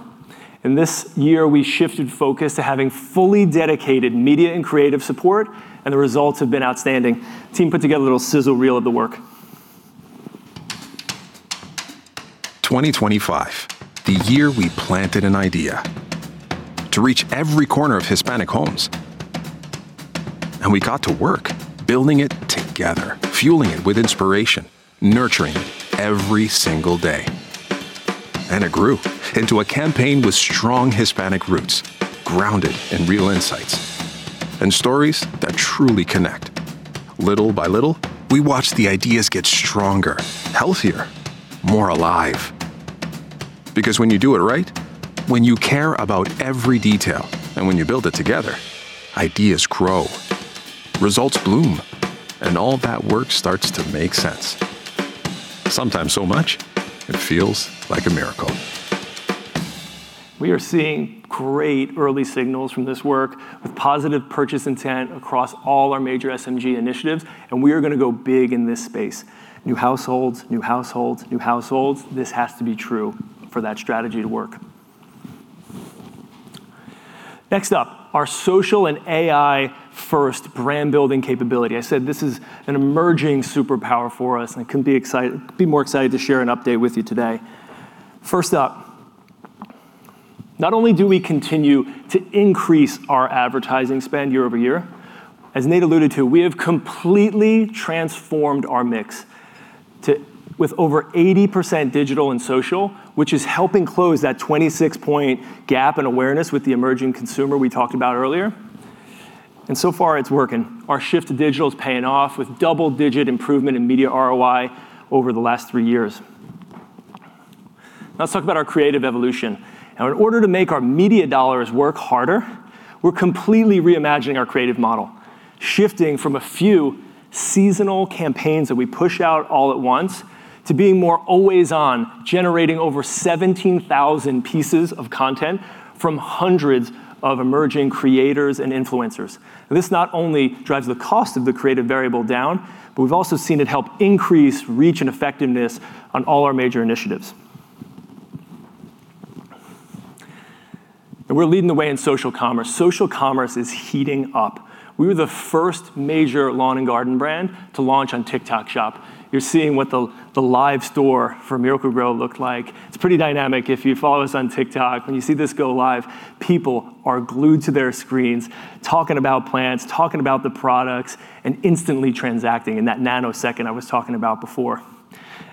This year, we shifted focus to having fully dedicated media and creative support, and the results have been outstanding. Team put together a little sizzle reel of the work. 2025, the year we planted an idea to reach every corner of Hispanic homes. We got to work building it together, fueling it with inspiration, nurturing it every single day. It grew into a campaign with strong Hispanic roots, grounded in real insights. Stories that truly connect. Little by little, we watch the ideas get stronger, healthier, more alive. When you do it right, when you care about every detail, and when you build it together, ideas grow, results bloom, and all that work starts to make sense. Sometimes so much, it feels like a miracle. We are seeing great early signals from this work with positive purchase intent across all our major SMG initiatives. We are going to go big in this space. New households, new households, new households. This has to be true for that strategy to work. Next up, our social and AI-first brand-building capability. I said this is an emerging superpower for us, and I couldn't be more excited to share an update with you today. First up, not only do we continue to increase our advertising spend year-over-year, as Nate alluded to, we have completely transformed our mix with over 80% digital and social, which is helping close that 26-point gap in awareness with the emerging consumer we talked about earlier. So far, it's working. Our shift to digital is paying off with double-digit improvement in media ROI over the last three years. Let's talk about our creative evolution. In order to make our media dollars work harder, we're completely reimagining our creative model, shifting from a few seasonal campaigns that we push out all at once to being more always on, generating over 17,000 pieces of content from hundreds of emerging creators and influencers. This not only drives the cost of the creative variable down, but we've also seen it help increase reach and effectiveness on all our major initiatives. We're leading the way in social commerce. Social commerce is heating up. We were the first major lawn and garden brand to launch on TikTok Shop. You're seeing what the live store for Miracle-Gro looked like. It's pretty dynamic. If you follow us on TikTok, when you see this go live, people are glued to their screens, talking about plants, talking about the products, and instantly transacting in that nanosecond I was talking about before.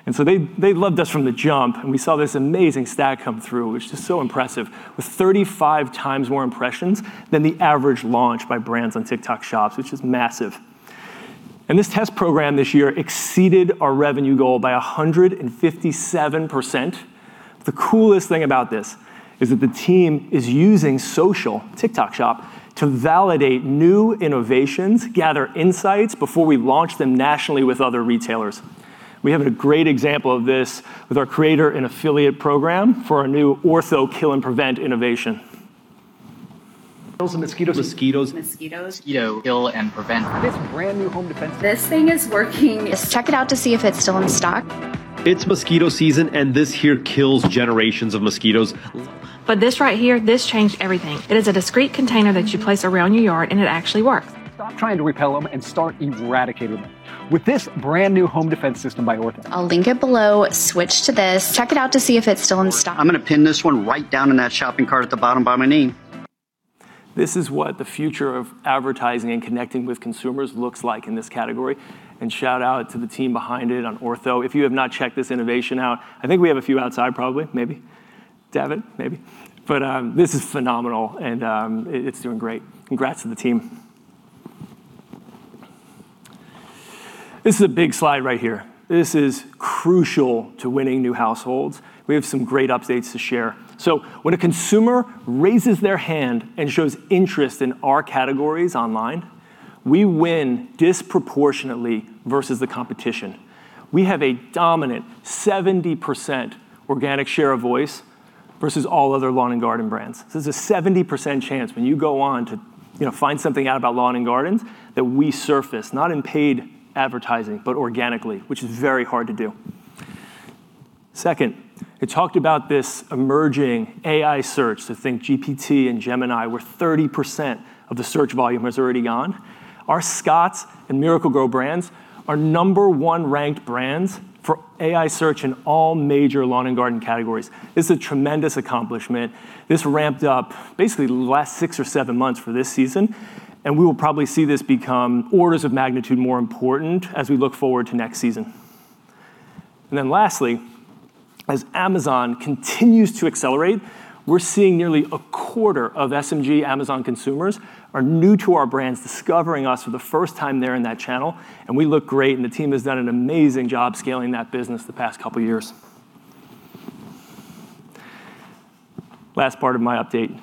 They loved us from the jump, and we saw this amazing stat come through, which is so impressive, with 35 times more impressions than the average launch by brands on TikTok Shops, which is massive. This test program this year exceeded our revenue goal by 157%. The coolest thing about this is that the team is using social, TikTok Shop, to validate new innovations, gather insights before we launch them nationally with other retailers. We have a great example of this with our creator and affiliate program for our new Ortho Kill and Prevent innovation. Kills the mosquitoes. Mosquitoes. Mosquitoes. Mosquito. Kill and prevent. This brand-new home defense system. This thing is working. Just check it out to see if it's still in stock. It's mosquito season, this here kills generations of mosquitoes. This right here, this changed everything. It is a discreet container that you place around your yard, and it actually works. Stop trying to repel them and start eradicating them with this brand-new home defense system by Ortho. I'll link it below. Switch to this. Check it out to see if it's still in stock. I'm going to pin this one right down in that shopping cart at the bottom by my knee. This is what the future of advertising and connecting with consumers looks like in this category. Shout out to the team behind it on Ortho. If you have not checked this innovation out, I think we have a few outside probably, maybe. Devin, maybe. This is phenomenal, and it's doing great. Congrats to the team. This is a big slide right here. This is crucial to winning new households. We have some great updates to share. When a consumer raises their hand and shows interest in our categories online, we win disproportionately versus the competition. We have a dominant 70% organic share of voice versus all other lawn and garden brands. This is a 70% chance when you go on to find something out about lawn and gardens that we surface, not in paid advertising, but organically, which is very hard to do. Second, I talked about this emerging AI search. Think GPT and Gemini, where 30% of the search volume has already gone. Our Scotts and Miracle-Gro brands are number one ranked brands for AI search in all major lawn and garden categories. This is a tremendous accomplishment. This ramped up basically the last six or seven months for this season, and we will probably see this become orders of magnitude more important as we look forward to next season. Lastly, as Amazon continues to accelerate, we're seeing nearly a quarter of SMG Amazon consumers are new to our brands, discovering us for the first time there in that channel, and we look great, and the team has done an amazing job scaling that business the past couple of years. Last part of my update,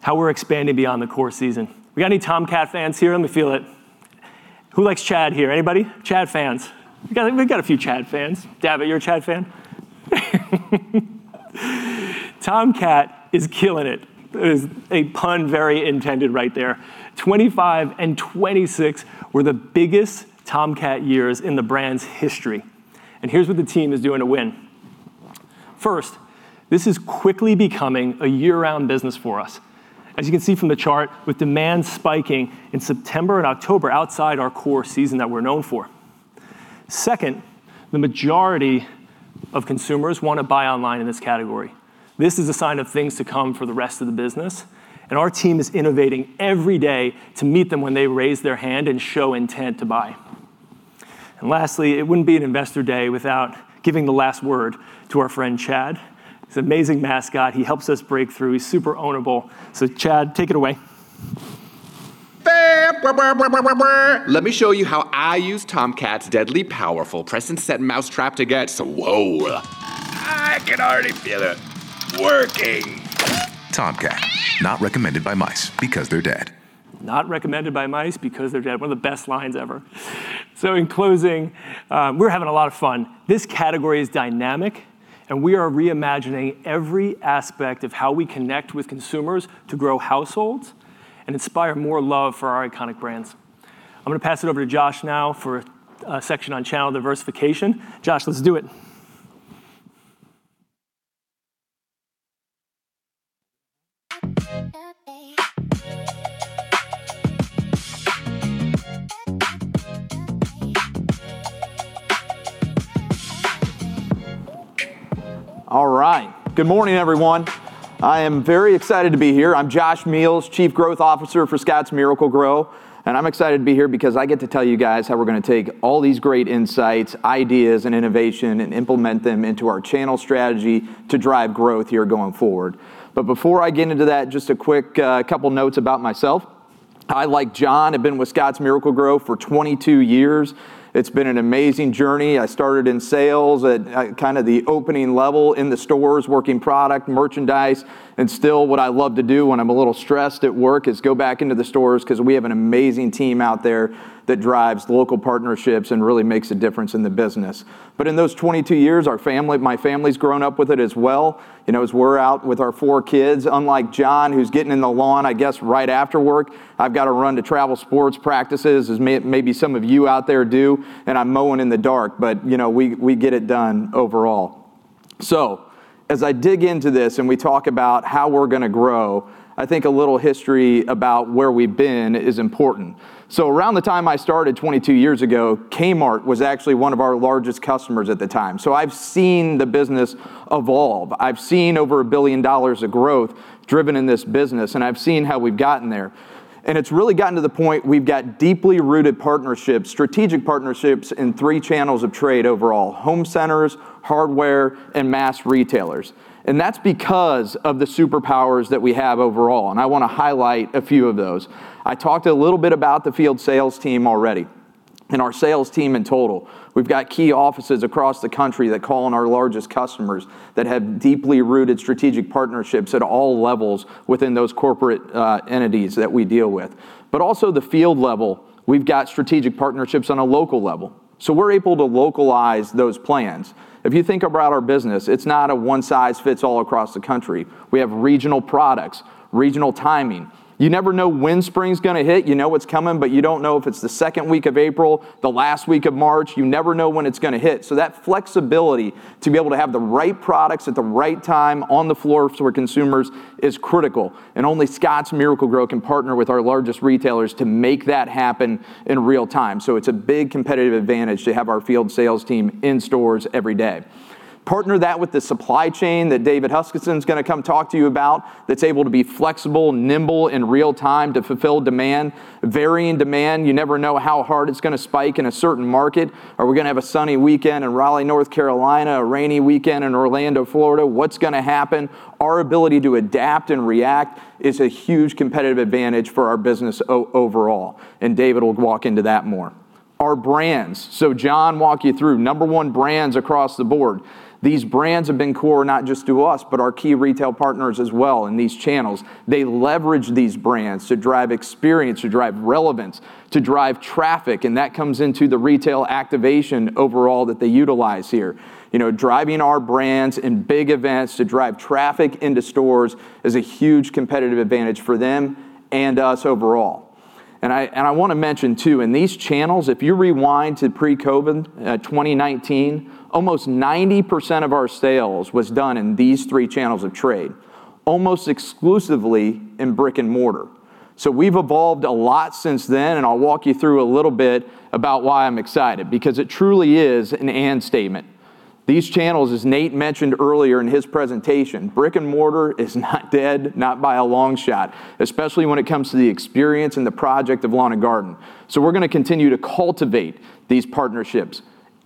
how we're expanding beyond the core season. We got any Tomcat fans here? Let me feel it. Who likes Chad here? Anybody? Chad fans. We got a few Chad fans. David, you're a Chad fan? Tomcat is killing it. It is a pun very intended right there. 2025 and 2026 were the biggest Tomcat years in the brand's history. Here's what the team is doing to win. First, this is quickly becoming a year-round business for us. As you can see from the chart, with demand spiking in September and October outside our core season that we're known for. Second, the majority of consumers want to buy online in this category. This is a sign of things to come for the rest of the business, and our team is innovating every day to meet them when they raise their hand and show intent to buy. Lastly, it wouldn't be an Investor Day without giving the last word to our friend Chad. He's an amazing mascot. He helps us break through. He's super ownable. Chad, take it away. Let me show you how I use Tomcat's deadly powerful press-and-set mouse trap to get swole. I can already feel it working. Tomcat, not recommended by mice, because they're dead. Not recommended by mice because they're dead. One of the best lines ever. In closing, we're having a lot of fun. This category is dynamic, and we are reimagining every aspect of how we connect with consumers to grow households and inspire more love for our iconic brands. I'm going to pass it over to Josh now for a section on channel diversification. Josh, let's do it. All right. Good morning, everyone. I am very excited to be here. I'm Josh Meihls, Chief Growth Officer for Scotts Miracle-Gro, and I'm excited to be here because I get to tell you guys how we're going to take all these great insights, ideas, and innovation, and implement them into our channel strategy to drive growth here going forward. Before I get into that, just a quick couple of notes about myself. I, like John, have been with Scotts Miracle-Gro for 22 years. It's been an amazing journey. I started in sales at kind of the opening level in the stores, working product, merchandise. Still what I love to do when I'm a little stressed at work is go back into the stores, because we have an amazing team out there that drives local partnerships and really makes a difference in the business. In those 22 years, my family's grown up with it as well. As we're out with our four kids, unlike John, who's getting in the lawn, I guess, right after work, I've got to run to travel sports practices as maybe some of you out there do, and I'm mowing in the dark. We get it done overall. As I dig into this and we talk about how we're going to grow, I think a little history about where we've been is important. Around the time I started 22 years ago, Kmart was actually one of our largest customers at the time. I've seen the business evolve. I've seen over $1 billion of growth driven in this business, and I've seen how we've gotten there. It's really gotten to the point we've got deeply rooted partnerships, strategic partnerships in three channels of trade overall: home centers, hardware, and mass retailers. That's because of the superpowers that we have overall, and I want to highlight a few of those. I talked a little bit about the field sales team already and our sales team in total. We've got key offices across the country that call on our largest customers that have deeply rooted strategic partnerships at all levels within those corporate entities that we deal with. Also the field level, we've got strategic partnerships on a local level. We're able to localize those plans. If you think about our business, it's not a one size fits all across the country. We have regional products, regional timing. You never know when spring's going to hit. You know it's coming, but you don't know if it's the second week of April, the last week of March. You never know when it's going to hit. That flexibility to be able to have the right products at the right time on the floor for consumers is critical, and only Scotts Miracle-Gro can partner with our largest retailers to make that happen in real time. It's a big competitive advantage to have our field sales team in stores every day. Partner that with the supply chain that David Huskisson's going to come talk to you about, that's able to be flexible, nimble in real time to fulfill demand. Varying demand, you never know how hard it's going to spike in a certain market. Are we going to have a sunny weekend in Raleigh, North Carolina, a rainy weekend in Orlando, Florida? What's going to happen? Our ability to adapt and react is a huge competitive advantage for our business overall, David will walk into that more. Our brands. John walked you through number one brands across the board. These brands have been core not just to us, but our key retail partners as well in these channels. They leverage these brands to drive experience, to drive relevance, to drive traffic, and that comes into the retail activation overall that they utilize here. Driving our brands in big events to drive traffic into stores is a huge competitive advantage for them and us overall. I want to mention, too, in these channels, if you rewind to pre-COVID, 2019, almost 90% of our sales was done in these three channels of trade, almost exclusively in brick and mortar. We've evolved a lot since then, and I'll walk you through a little bit about why I'm excited, because it truly is an and statement. These channels, as Nate mentioned earlier in his presentation, brick and mortar is not dead, not by a long shot, especially when it comes to the experience and the project of lawn and garden. We're going to continue to cultivate these partnerships,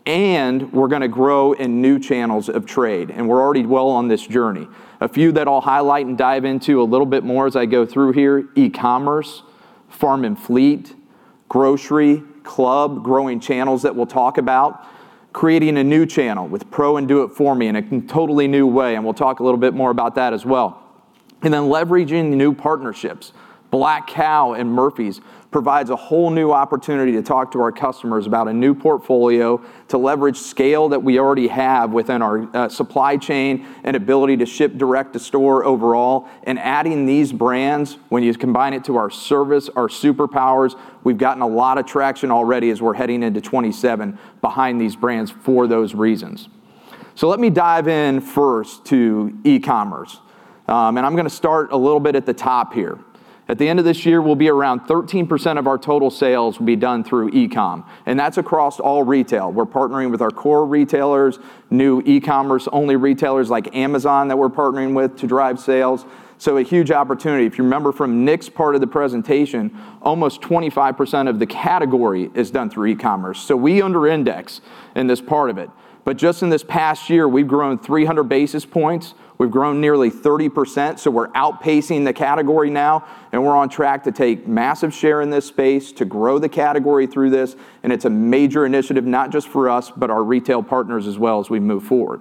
and we're going to grow in new channels of trade, and we're already well on this journey. A few that I'll highlight and dive into a little bit more as I go through here, e-commerce, farm and fleet, grocery, club, growing channels that we'll talk about, creating a new channel with pro and do it for me in a totally new way, and we'll talk a little bit more about that as well. Then leveraging new partnerships. Black Kow and Murphy's provides a whole new opportunity to talk to our customers about a new portfolio to leverage scale that we already have within our supply chain and ability to ship direct to store overall. Adding these brands, when you combine it to our service, our superpowers, we've gotten a lot of traction already as we're heading into 2027 behind these brands for those reasons. Let me dive in first to e-commerce. I'm going to start a little bit at the top here. At the end of this year, we'll be around 13% of our total sales will be done through e-com, and that's across all retail. We're partnering with our core retailers, new e-commerce only retailers like Amazon that we're partnering with to drive sales. A huge opportunity. If you remember from Nick's part of the presentation, almost 25% of the category is done through e-commerce. We under-index in this part of it. Just in this past year, we've grown 300 basis points. We've grown nearly 30%, we're outpacing the category now, and we're on track to take massive share in this space to grow the category through this. It's a major initiative, not just for us, but our retail partners as well as we move forward.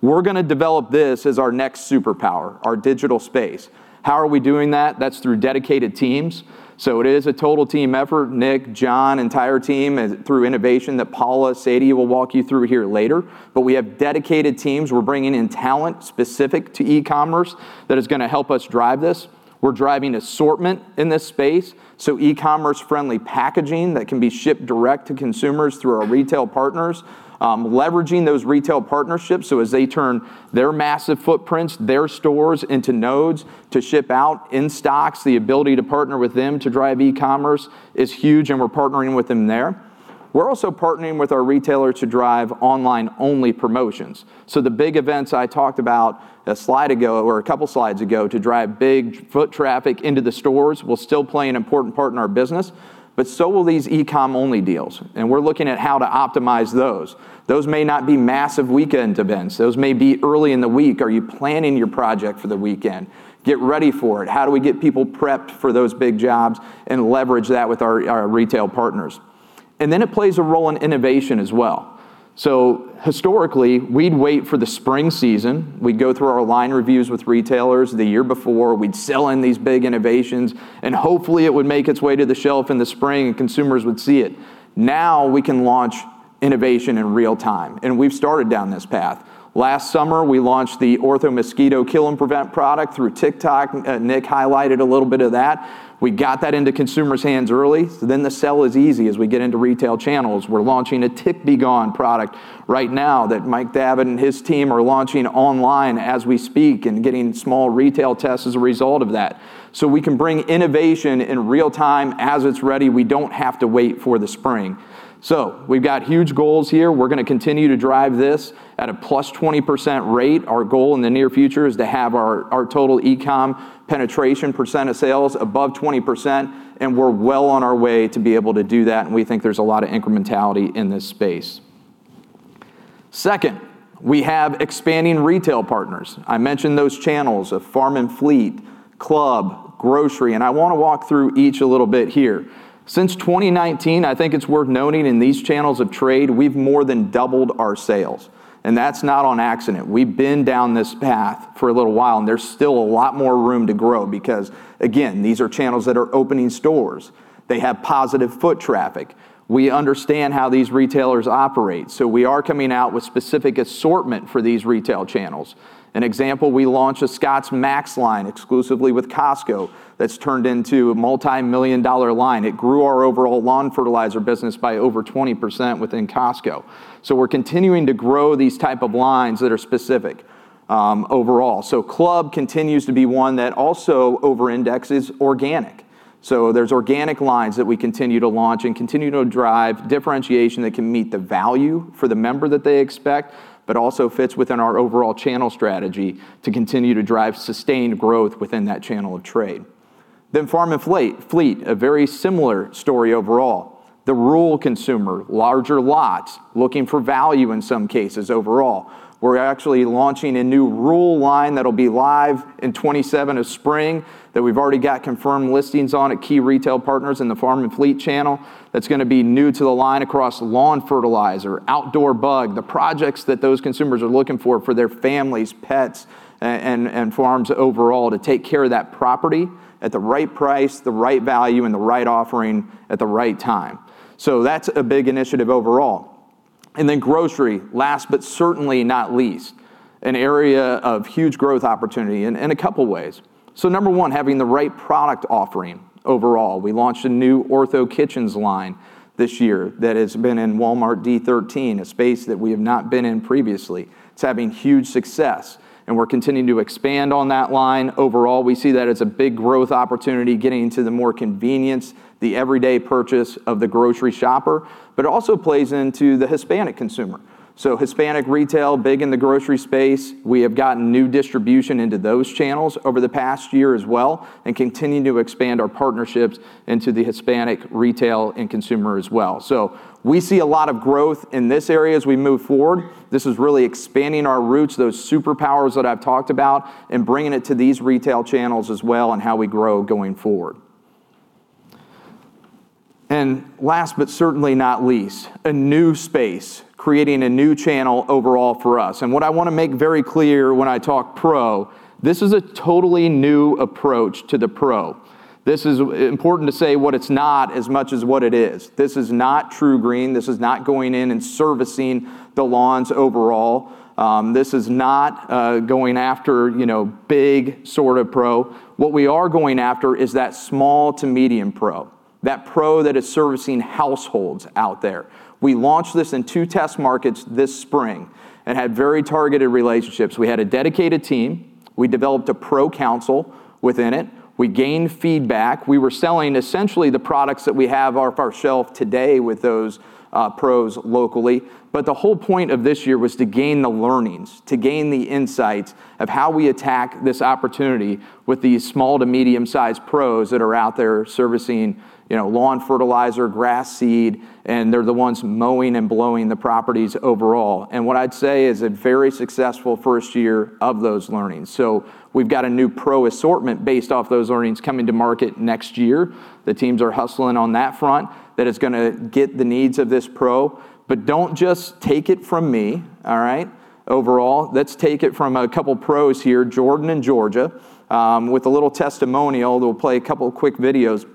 We're going to develop this as our next superpower, our digital space. How are we doing that? That's through dedicated teams. It is a total team effort. Nick, John, entire team, through innovation that Paula, Sadie will walk you through here later. We have dedicated teams. We're bringing in talent specific to e-commerce that is going to help us drive this. We're driving assortment in this space, e-commerce friendly packaging that can be shipped direct to consumers through our retail partners, leveraging those retail partnerships, as they turn their massive footprints, their stores, into nodes to ship out in stocks, the ability to partner with them to drive e-commerce is huge, and we're partnering with them there. We're also partnering with our retailer to drive online only promotions. The big events I talked about a slide ago, or a couple slides ago, to drive big foot traffic into the stores will still play an important part in our business, so will these e-com only deals. We're looking at how to optimize those. Those may not be massive weekend events. Those may be early in the week. Are you planning your project for the weekend? Get ready for it. How do we get people prepped for those big jobs and leverage that with our retail partners? Then it plays a role in innovation as well. Historically, we'd wait for the spring season. We'd go through our line reviews with retailers the year before. We'd sell in these big innovations, hopefully it would make its way to the shelf in the spring and consumers would see it. Now we can launch innovation in real time, and we've started down this path. Last summer, we launched the Ortho Mosquito Kill and Prevent product through TikTok. Nick highlighted a little bit of that. We got that into consumers' hands early, then the sell is easy as we get into retail channels. We're launching a Tick B' Gon product right now that Mike Davitt and his team are launching online as we speak and getting small retail tests as a result of that. We can bring innovation in real time as it's ready. We don't have to wait for the spring. We've got huge goals here. We're going to continue to drive this at a plus 20% rate. Our goal in the near future is to have our total e-com penetration percent of sales above 20%, we're well on our way to be able to do that, and we think there's a lot of incrementality in this space. Second, we have expanding retail partners. I mentioned those channels of farm and fleet, club, grocery, I want to walk through each a little bit here. Since 2019, I think it's worth noting in these channels of trade, we've more than doubled our sales, and that's not on accident. We've been down this path for a little while, and there's still a lot more room to grow because, again, these are channels that are opening stores. They have positive foot traffic. We understand how these retailers operate. We are coming out with specific assortment for these retail channels. An example, we launched a Scotts MAX line exclusively with Costco that's turned into a multimillion-dollar line. It grew our overall lawn fertilizer business by over 20% within Costco. We're continuing to grow these type of lines that are specific overall. Club continues to be one that also over-indexes organic. There's organic lines that we continue to launch and continue to drive differentiation that can meet the value for the member that they expect, but also fits within our overall channel strategy to continue to drive sustained growth within that channel of trade. Farm and fleet, a very similar story overall. The rural consumer, larger lots, looking for value in some cases overall. We're actually launching a new rural line that'll be live in 2027 of spring that we've already got confirmed listings on at key retail partners in the farm and fleet channel that's going to be new to the line across lawn fertilizer, outdoor bug, the projects that those consumers are looking for their families, pets, and farms overall to take care of that property at the right price, the right value, and the right offering at the right time. That's a big initiative overall. Grocery, last but certainly not least, an area of huge growth opportunity in a couple ways. Number one, having the right product offering overall. We launched a new Ortho Kitchens line this year that has been in Walmart D13, a space that we have not been in previously. It's having huge success, and we're continuing to expand on that line. Overall, we see that as a big growth opportunity getting into the more convenience, the everyday purchase of the grocery shopper, but it also plays into the Hispanic consumer. Hispanic retail, big in the grocery space. We have gotten new distribution into those channels over the past year as well and continue to expand our partnerships into the Hispanic retail and consumer as well. We see a lot of growth in this area as we move forward. This is really expanding our roots, those superpowers that I've talked about, and bringing it to these retail channels as well and how we grow going forward. Last but certainly not least, a new space, creating a new channel overall for us. What I want to make very clear when I talk pro, this is a totally new approach to the pro. This is important to say what it's not as much as what it is. This is not TruGreen. This is not going in and servicing the lawns overall. This is not going after big sort of pro. What we are going after is that small to medium pro, that pro that is servicing households out there. We launched this in two test markets this spring and had very targeted relationships. We had a dedicated team. We developed a pro council within it. We gained feedback. We were selling essentially the products that we have off our shelf today with those pros locally. The whole point of this year was to gain the learnings, to gain the insights of how we attack this opportunity with these small to medium-sized pros that are out there servicing lawn fertilizer, grass seed, and they're the ones mowing and blowing the properties overall. What I'd say is a very successful first year of those learnings. We've got a new pro assortment based off those learnings coming to market next year. The teams are hustling on that front that is going to get the needs of this pro. Don't just take it from me. All right. Overall, let's take it from a couple pros here, Jordan and Georgia, with a little testimonial. They'll play a couple quick videos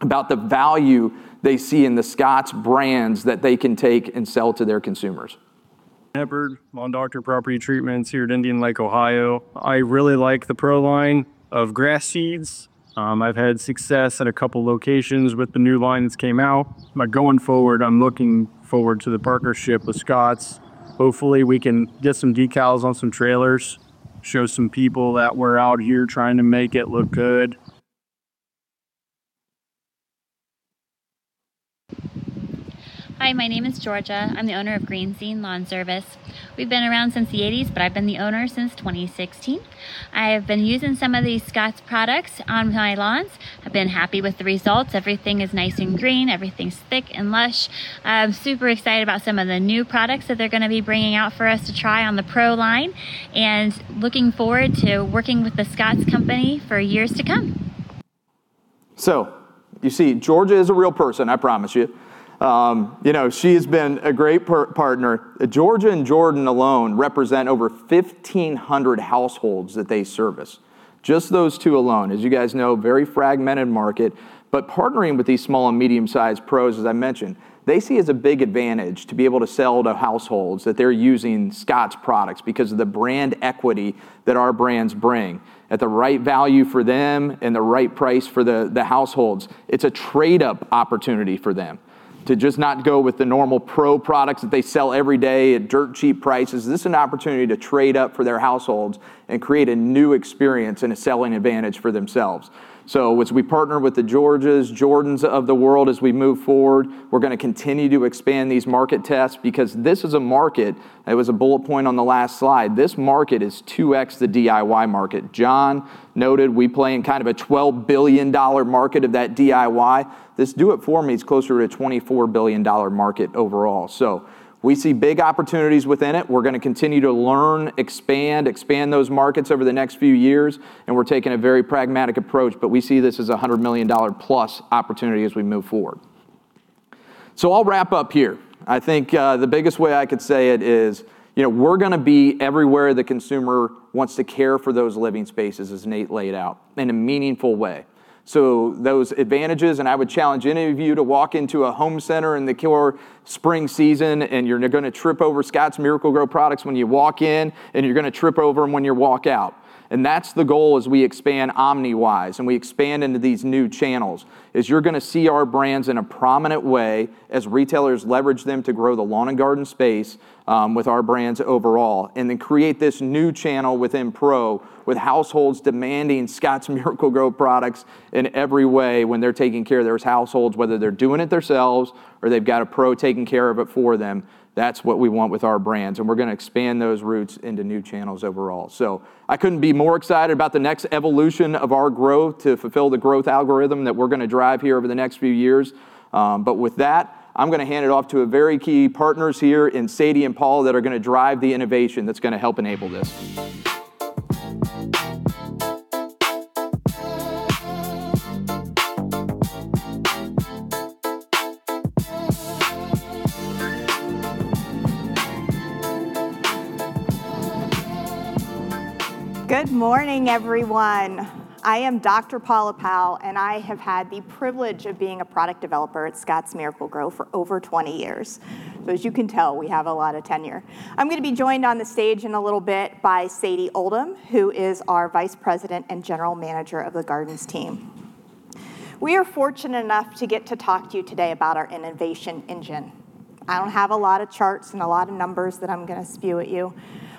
about the value they see in the Scotts brands that they can take and sell to their consumers. Hepburn, Lawn Doctor Property Treatments here at Indian Lake, Ohio. I really like the pro line of grass seeds. I've had success at a couple locations with the new line that's came out. Going forward, I'm looking forward to the partnership with Scotts. Hopefully, we can get some decals on some trailers, show some people that we're out here trying to make it look good. Hi, my name is Georgia. I'm the owner of Green Scene Lawn Service. We've been around since the '80s, I've been the owner since 2016. I have been using some of the Scotts products on my lawns. I've been happy with the results. Everything is nice and green, everything's thick and lush. I'm super excited about some of the new products that they're going to be bringing out for us to try on the pro line, and looking forward to working with the Scotts Company for years to come. You see, Georgia is a real person, I promise you. She has been a great partner. Georgia and Jordan alone represent over 1,500 households that they service. Just those two alone. As you guys know, very fragmented market, but partnering with these small and medium sized pros, as I mentioned, they see as a big advantage to be able to sell to households that they're using Scotts products because of the brand equity that our brands bring at the right value for them and the right price for the households. It's a trade-up opportunity for them to just not go with the normal pro products that they sell every day at dirt cheap prices. This is an opportunity to trade up for their households and create a new experience and a selling advantage for themselves. As we partner with the Georgias, Jordans of the world as we move forward, we're going to continue to expand these market tests because this is a market that was a bullet point on the last slide. This market is 2x the DIY market. John noted we play in kind of a $12 billion market of that DIY. This do it for me is closer to a $24 billion market overall. We see big opportunities within it. We're going to continue to learn, expand those markets over the next few years, and we're taking a very pragmatic approach. We see this as $100 million plus opportunity as we move forward. I'll wrap up here. I think the biggest way I could say it is we're going to be everywhere the consumer wants to care for those living spaces, as Nate laid out, in a meaningful way. Those advantages, I would challenge any of you to walk into a home center in the core spring season, you're going to trip over Scotts Miracle-Gro products when you walk in, you're going to trip over them when you walk out. That's the goal as we expand omni wise and we expand into these new channels, is you're going to see our brands in a prominent way as retailers leverage them to grow the lawn and garden space with our brands overall, then create this new channel within pro with households demanding Scotts Miracle-Gro products in every way when they're taking care of those households, whether they're doing it themselves or they've got a pro taking care of it for them. That's what we want with our brands, we're going to expand those roots into new channels overall. I couldn't be more excited about the next evolution of our growth to fulfill the growth algorithm that we're going to drive here over the next few years. With that, I'm going to hand it off to very key partners here in Sadie and Paula that are going to drive the innovation that's going to help enable this. Good morning, everyone. I am Dr. Paula Powell, and I have had the privilege of being a product developer at Scotts Miracle-Gro for over 20 years. As you can tell, we have a lot of tenure. I'm going to be joined on the stage in a little bit by Sadie Oldham, who is our Vice President and General Manager of the Gardens team. We are fortunate enough to get to talk to you today about our innovation engine. I don't have a lot of charts and a lot of numbers that I'm going to spew at you,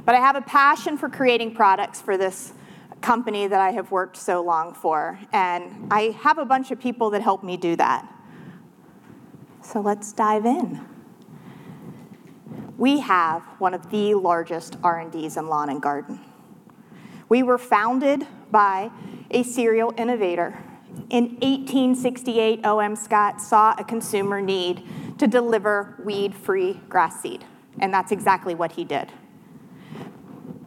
but I have a passion for creating products for this company that I have worked so long for, and I have a bunch of people that help me do that. Let's dive in. We have one of the largest R&Ds in lawn and garden. We were founded by a serial innovator. In 1868, O.M. Scott saw a consumer need to deliver weed-free grass seed, and that's exactly what he did.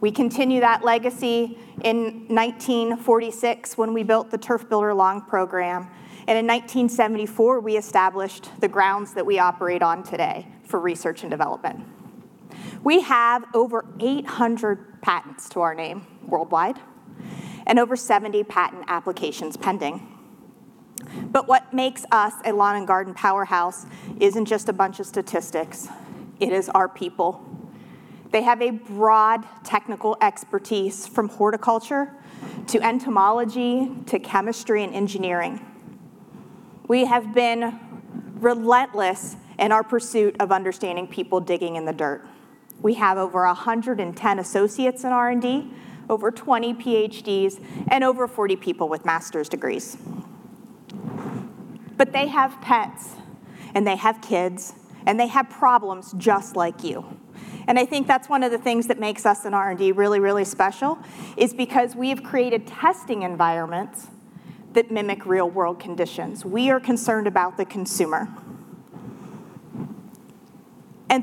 We continue that legacy in 1946 when we built the Turf Builder Lawn Program, and in 1974, we established the grounds that we operate on today for research and development. We have over 800 patents to our name worldwide and over 70 patent applications pending. What makes us a lawn and garden powerhouse isn't just a bunch of statistics. It is our people. They have a broad technical expertise, from horticulture to entomology to chemistry and engineering. We have been relentless in our pursuit of understanding people digging in the dirt. We have over 110 associates in R&D, over 20 PhDs, and over 40 people with master's degrees. They have pets, and they have kids, and they have problems just like you. I think that's one of the things that makes us in R&D really, really special is because we have created testing environments that mimic real-world conditions. We are concerned about the consumer.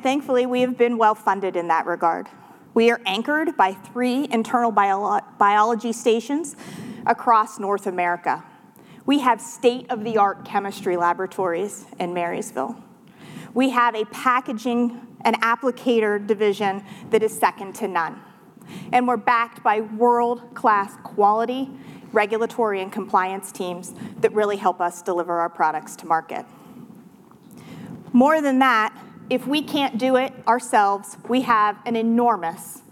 Thankfully, we have been well-funded in that regard. We are anchored by three internal biology stations across North America. We have state-of-the-art chemistry laboratories in Marysville. We have a packaging and applicator division that is second to none, and we're backed by world-class quality regulatory and compliance teams that really help us deliver our products to market. More than that, if we can't do it ourselves, we have an enormous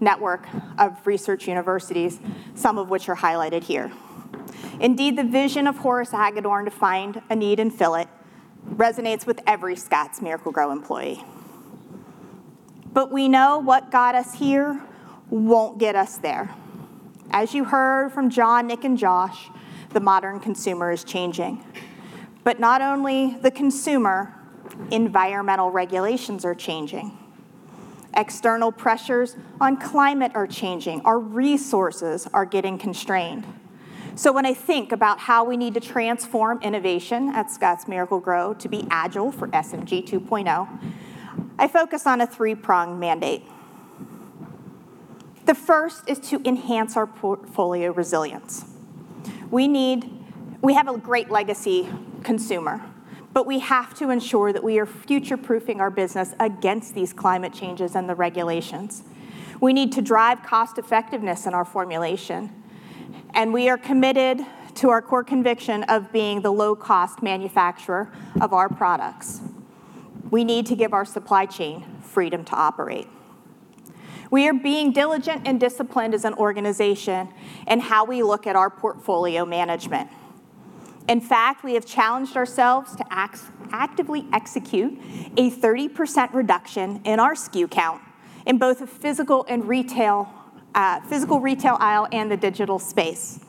network of research universities, some of which are highlighted here. Indeed, the vision of Horace Hagedorn to find a need and fill it resonates with every Scotts Miracle-Gro employee. We know what got us here won't get us there. As you heard from John, Nick, and Josh, the modern consumer is changing. Not only the consumer, environmental regulations are changing. External pressures on climate are changing. Our resources are getting constrained. When I think about how we need to transform innovation at Scotts Miracle-Gro to be agile for SMG 2.0, I focus on a three-pronged mandate. The first is to enhance our portfolio resilience. We have a great legacy consumer, but we have to ensure that we are future-proofing our business against these climate changes and the regulations. We need to drive cost-effectiveness in our formulation, and we are committed to our core conviction of being the low-cost manufacturer of our products. We need to give our supply chain freedom to operate. We are being diligent and disciplined as an organization in how we look at our portfolio management. In fact, we have challenged ourselves to actively execute a 30% reduction in our SKU count in both the physical retail aisle and the digital space.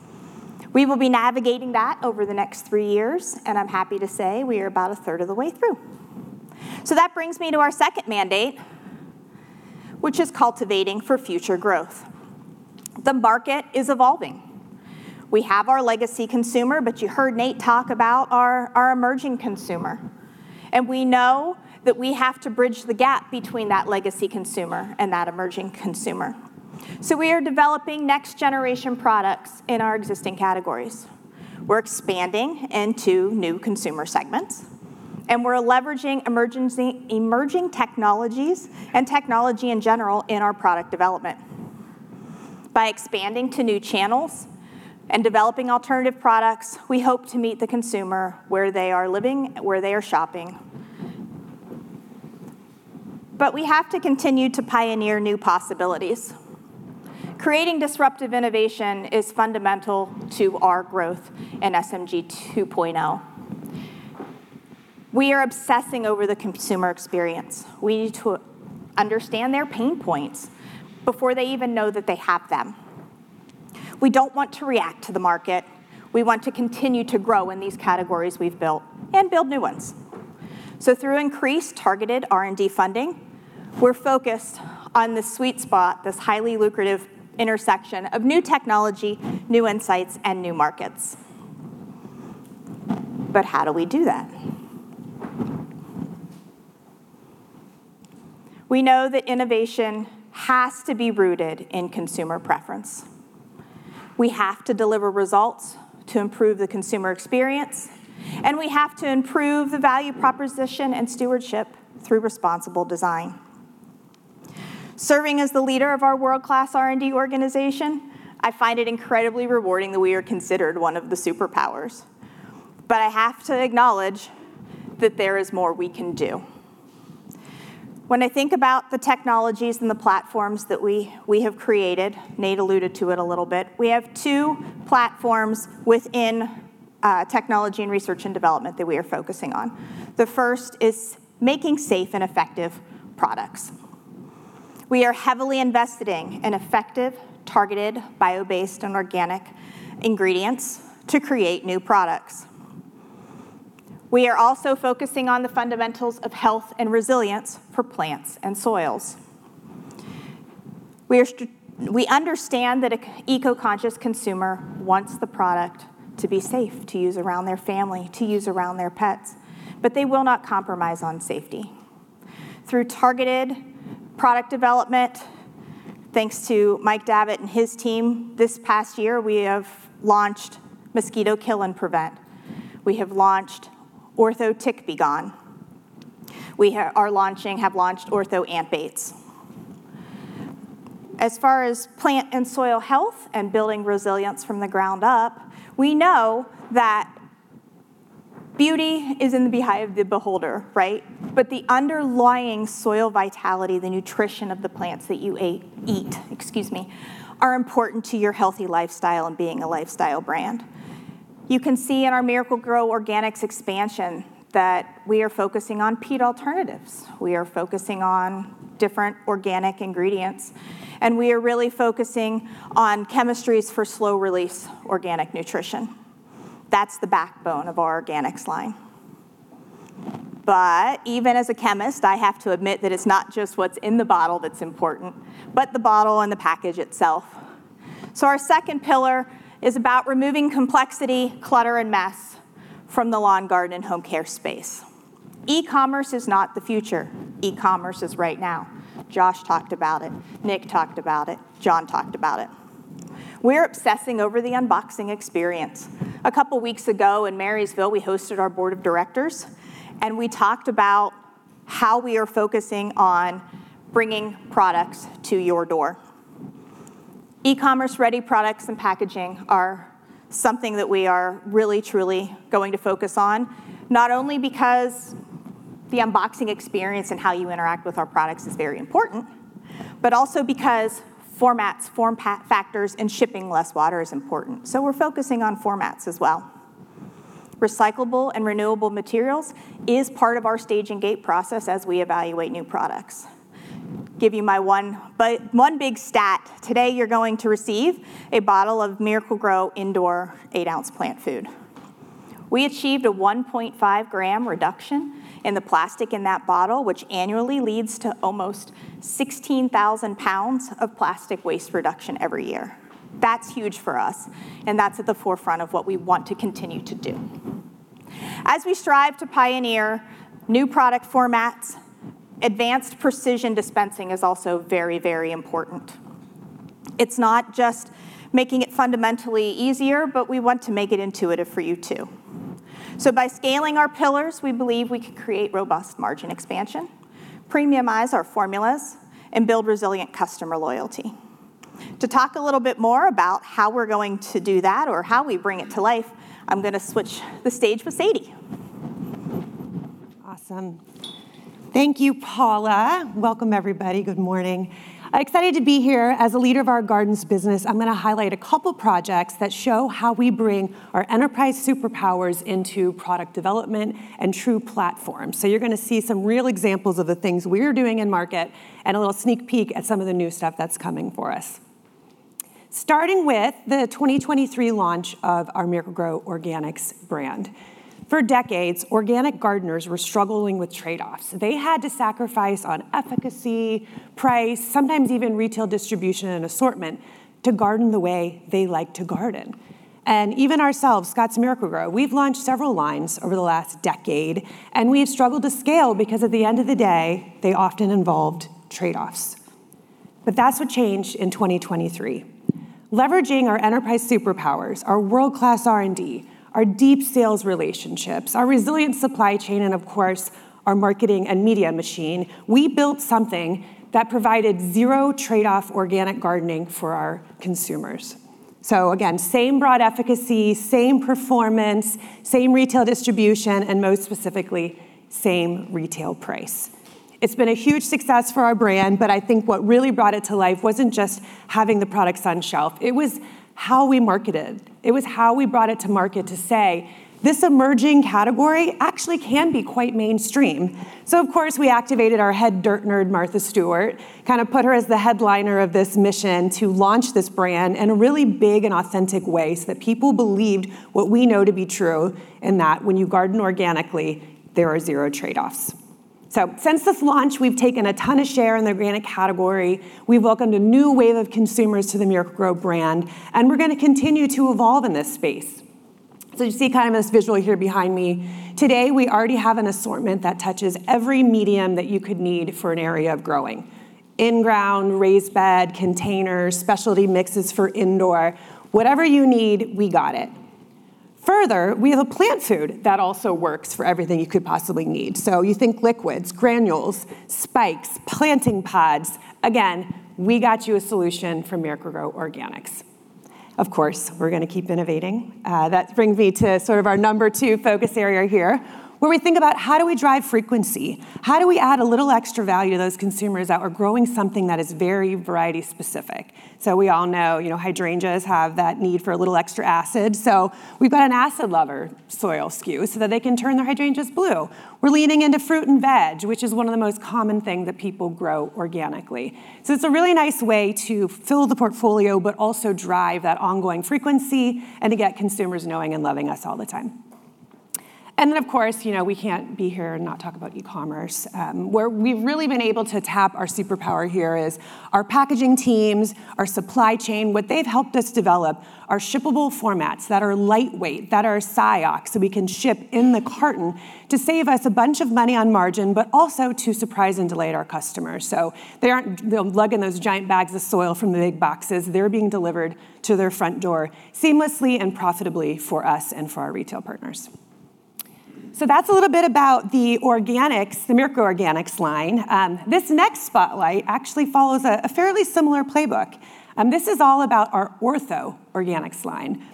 We will be navigating that over the next three years, and I'm happy to say we are about a third of the way through. That brings me to our second mandate, which is cultivating for future growth. The market is evolving. We have our legacy consumer, you heard Nate talk about our emerging consumer, and we know that we have to bridge the gap between that legacy consumer and that emerging consumer. We are developing next-generation products in our existing categories. We're expanding into new consumer segments, and we're leveraging emerging technologies and technology in general in our product development. By expanding to new channels and developing alternative products, we hope to meet the consumer where they are living, where they are shopping. We have to continue to pioneer new possibilities. Creating disruptive innovation is fundamental to our growth in SMG 2.0. We are obsessing over the consumer experience. We need to understand their pain points before they even know that they have them. We don't want to react to the market. We want to continue to grow in these categories we've built and build new ones. Through increased targeted R&D funding, we're focused on this sweet spot, this highly lucrative intersection of new technology, new insights, and new markets. How do we do that? We know that innovation has to be rooted in consumer preference. We have to deliver results to improve the consumer experience, and we have to improve the value proposition and stewardship through responsible design. Serving as the leader of our world-class R&D organization, I find it incredibly rewarding that we are considered one of the superpowers. I have to acknowledge that there is more we can do. When I think about the technologies and the platforms that we have created, Nate alluded to it a little bit, we have two platforms within technology and research and development that we are focusing on. The first is making safe and effective products. We are heavily investing in effective, targeted, bio-based, and organic ingredients to create new products. We are also focusing on the fundamentals of health and resilience for plants and soils. We understand that an eco-conscious consumer wants the product to be safe to use around their family, to use around their pets, but they will not compromise on safety. Through targeted product development, thanks to Mike Davitt and his team, this past year, we have launched Mosquito Kill and Prevent. We have launched Ortho Tick B' Gon. We have launched Ortho Ant Baits. As far as plant and soil health and building resilience from the ground up, we know that beauty is in the eye of the beholder, right? The underlying soil vitality, the nutrition of the plants that you eat, excuse me, are important to your healthy lifestyle and being a lifestyle brand. You can see in our Miracle-Gro Organics expansion that we are focusing on peat alternatives. We are focusing on different organic ingredients, and we are really focusing on chemistries for slow-release organic nutrition. That's the backbone of our organics line. Even as a chemist, I have to admit that it's not just what's in the bottle that's important, but the bottle and the package itself. Our second pillar is about removing complexity, clutter, and mess from the lawn care, garden, and home care space. E-commerce is not the future. E-commerce is right now. Josh talked about it, Nick talked about it, John talked about it. We're obsessing over the unboxing experience. A couple of weeks ago in Marysville, we hosted our board of directors, and we talked about how we are focusing on bringing products to your door. E-commerce-ready products and packaging are something that we are really, truly going to focus on, not only because the unboxing experience and how you interact with our products is very important, but also because formats, form factors, and shipping less water is important. We're focusing on formats as well. Recyclable and renewable materials is part of our stage and gate process as we evaluate new products. Give you my one big stat. Today, you're going to receive a bottle of Miracle-Gro Indoor 8-ounce Plant Food. We achieved a 1.5 g reduction in the plastic in that bottle, which annually leads to almost 16,000 lbs of plastic waste reduction every year. That's huge for us, and that's at the forefront of what we want to continue to do. As we strive to pioneer new product formats, advanced precision dispensing is also very, very important. It's not just making it fundamentally easier, but we want to make it intuitive for you, too. By scaling our pillars, we believe we can create robust margin expansion, premiumize our formulas, and build resilient customer loyalty. To talk a little bit more about how we're going to do that or how we bring it to life, I'm going to switch the stage with Sadie. Awesome. Thank you, Paula. Welcome, everybody. Good morning. Excited to be here. As a leader of our gardens business, I'm going to highlight a couple of projects that show how we bring our enterprise superpowers into product development and true platforms. You're going to see some real examples of the things we're doing in-market and a little sneak peek at some of the new stuff that's coming for us. Starting with the 2023 launch of our Miracle-Gro Organics brand. For decades, organic gardeners were struggling with trade-offs. They had to sacrifice on efficacy, price, sometimes even retail distribution and assortment to garden the way they like to garden. Even ourselves, Scotts Miracle-Gro, we've launched several lines over the last decade, and we've struggled to scale because at the end of the day, they often involved trade-offs. That's what changed in 2023. Leveraging our enterprise superpowers, our world-class R&D, our deep sales relationships, our resilient supply chain, and of course, our marketing and media machine, we built something that provided zero trade-off organic gardening for our consumers. Again, same broad efficacy, same performance, same retail distribution, and most specifically, same retail price. It's been a huge success for our brand, but I think what really brought it to life wasn't just having the products on shelf. It was how we marketed. It was how we brought it to market to say, "This emerging category actually can be quite mainstream." Of course, we activated our head dirt nerd, Martha Stewart, kind of put her as the headliner of this mission to launch this brand in a really big and authentic way so that people believed what we know to be true, and that when you garden organically, there are zero trade-offs. Since this launch, we've taken a ton of share in the organic category. We've welcomed a new wave of consumers to the Miracle-Gro brand, and we're going to continue to evolve in this space. You see this visual here behind me. Today, we already have an assortment that touches every medium that you could need for an area of growing. In-ground, raised bed, containers, specialty mixes for indoor. Whatever you need, we got it. Further, we have a plant food that also works for everything you could possibly need. You think liquids, granules, spikes, planting pods. Again, we got you a solution from Miracle-Gro Organics. Of course, we're going to keep innovating. That brings me to sort of our number two focus area here, where we think about how do we drive frequency? How do we add a little extra value to those consumers that are growing something that is very variety specific? We all know hydrangeas have that need for a little extra acid, so we've got an acid lover soil SKU so that they can turn their hydrangeas blue. We're leaning into fruit and veg, which is one of the most common thing that people grow organically. It's a really nice way to fill the portfolio, but also drive that ongoing frequency and to get consumers knowing and loving us all the time. Of course, we can't be here and not talk about e-commerce. Where we've really been able to tap our superpower here is our packaging teams, our supply chain, what they've helped us develop are shippable formats that are lightweight, that are SIOC, so we can ship in the carton to save us a bunch of money on margin, but also to surprise and delight our customers. They aren't lugging those giant bags of soil from the big boxes. They're being delivered to their front door seamlessly and profitably for us and for our retail partners. That's a little bit about the Miracle Organics line. This next spotlight actually follows a fairly similar playbook. This is all about our Ortho Organics line.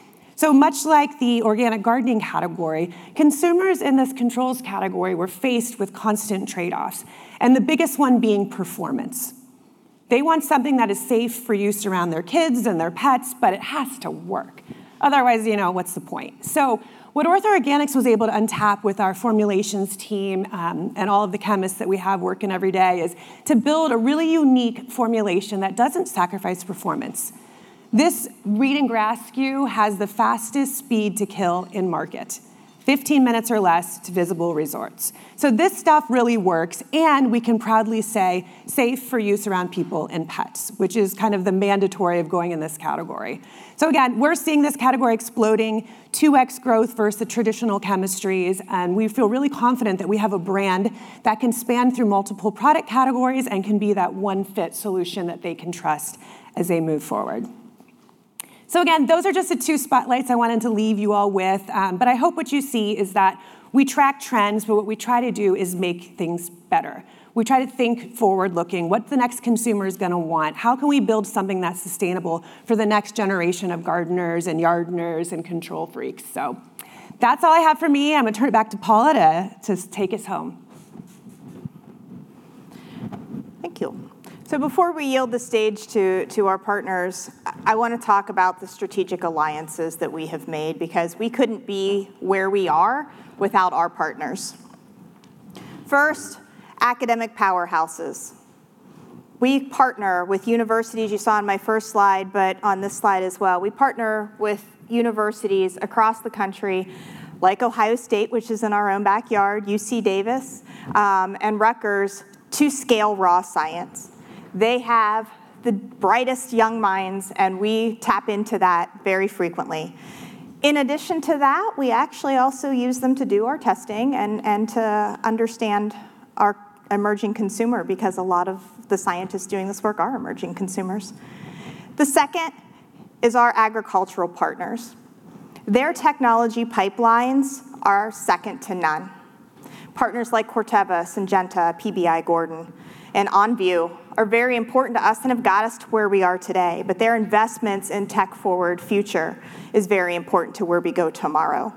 Much like the organic gardening category, consumers in this controls category were faced with constant trade-offs, and the biggest one being performance. They want something that is safe for use around their kids and their pets, but it has to work. Otherwise, what's the point? What Ortho Organics was able to untap with our formulations team, and all of the chemists that we have working every day, is to build a really unique formulation that doesn't sacrifice performance. This reed and grass SKU has the fastest speed to kill in market, 15 minutes or less to visible results. This stuff really works, and we can proudly say, safe for use around people and pets, which is kind of the mandatory of going in this category. Again, we're seeing this category exploding, 2x growth versus the traditional chemistries, and we feel really confident that we have a brand that can span through multiple product categories and can be that one-fit solution that they can trust as they move forward. Again, those are just the two spotlights I wanted to leave you all with. I hope what you see is that we track trends, but what we try to do is make things better. We try to think forward-looking. What's the next consumer's going to want? How can we build something that's sustainable for the next generation of gardeners and yardners and control freaks? That's all I have for me. I'm going to turn it back to Paula to take us home. Thank you. Before we yield the stage to our partners, I want to talk about the strategic alliances that we have made because we couldn't be where we are without our partners. First, academic powerhouses. We partner with universities, you saw on my first slide, but on this slide as well. We partner with universities across the country like Ohio State, which is in our own backyard, UC Davis, and Rutgers, to scale raw science. They have the brightest young minds and we tap into that very frequently. In addition to that, we actually also use them to do our testing and to understand our emerging consumer because a lot of the scientists doing this work are emerging consumers. The second is our agricultural partners. Their technology pipelines are second to none. Partners like Corteva, Syngenta, PBI-Gordon, and Envu are very important to us and have got us to where we are today. Their investments in tech forward future is very important to where we go tomorrow.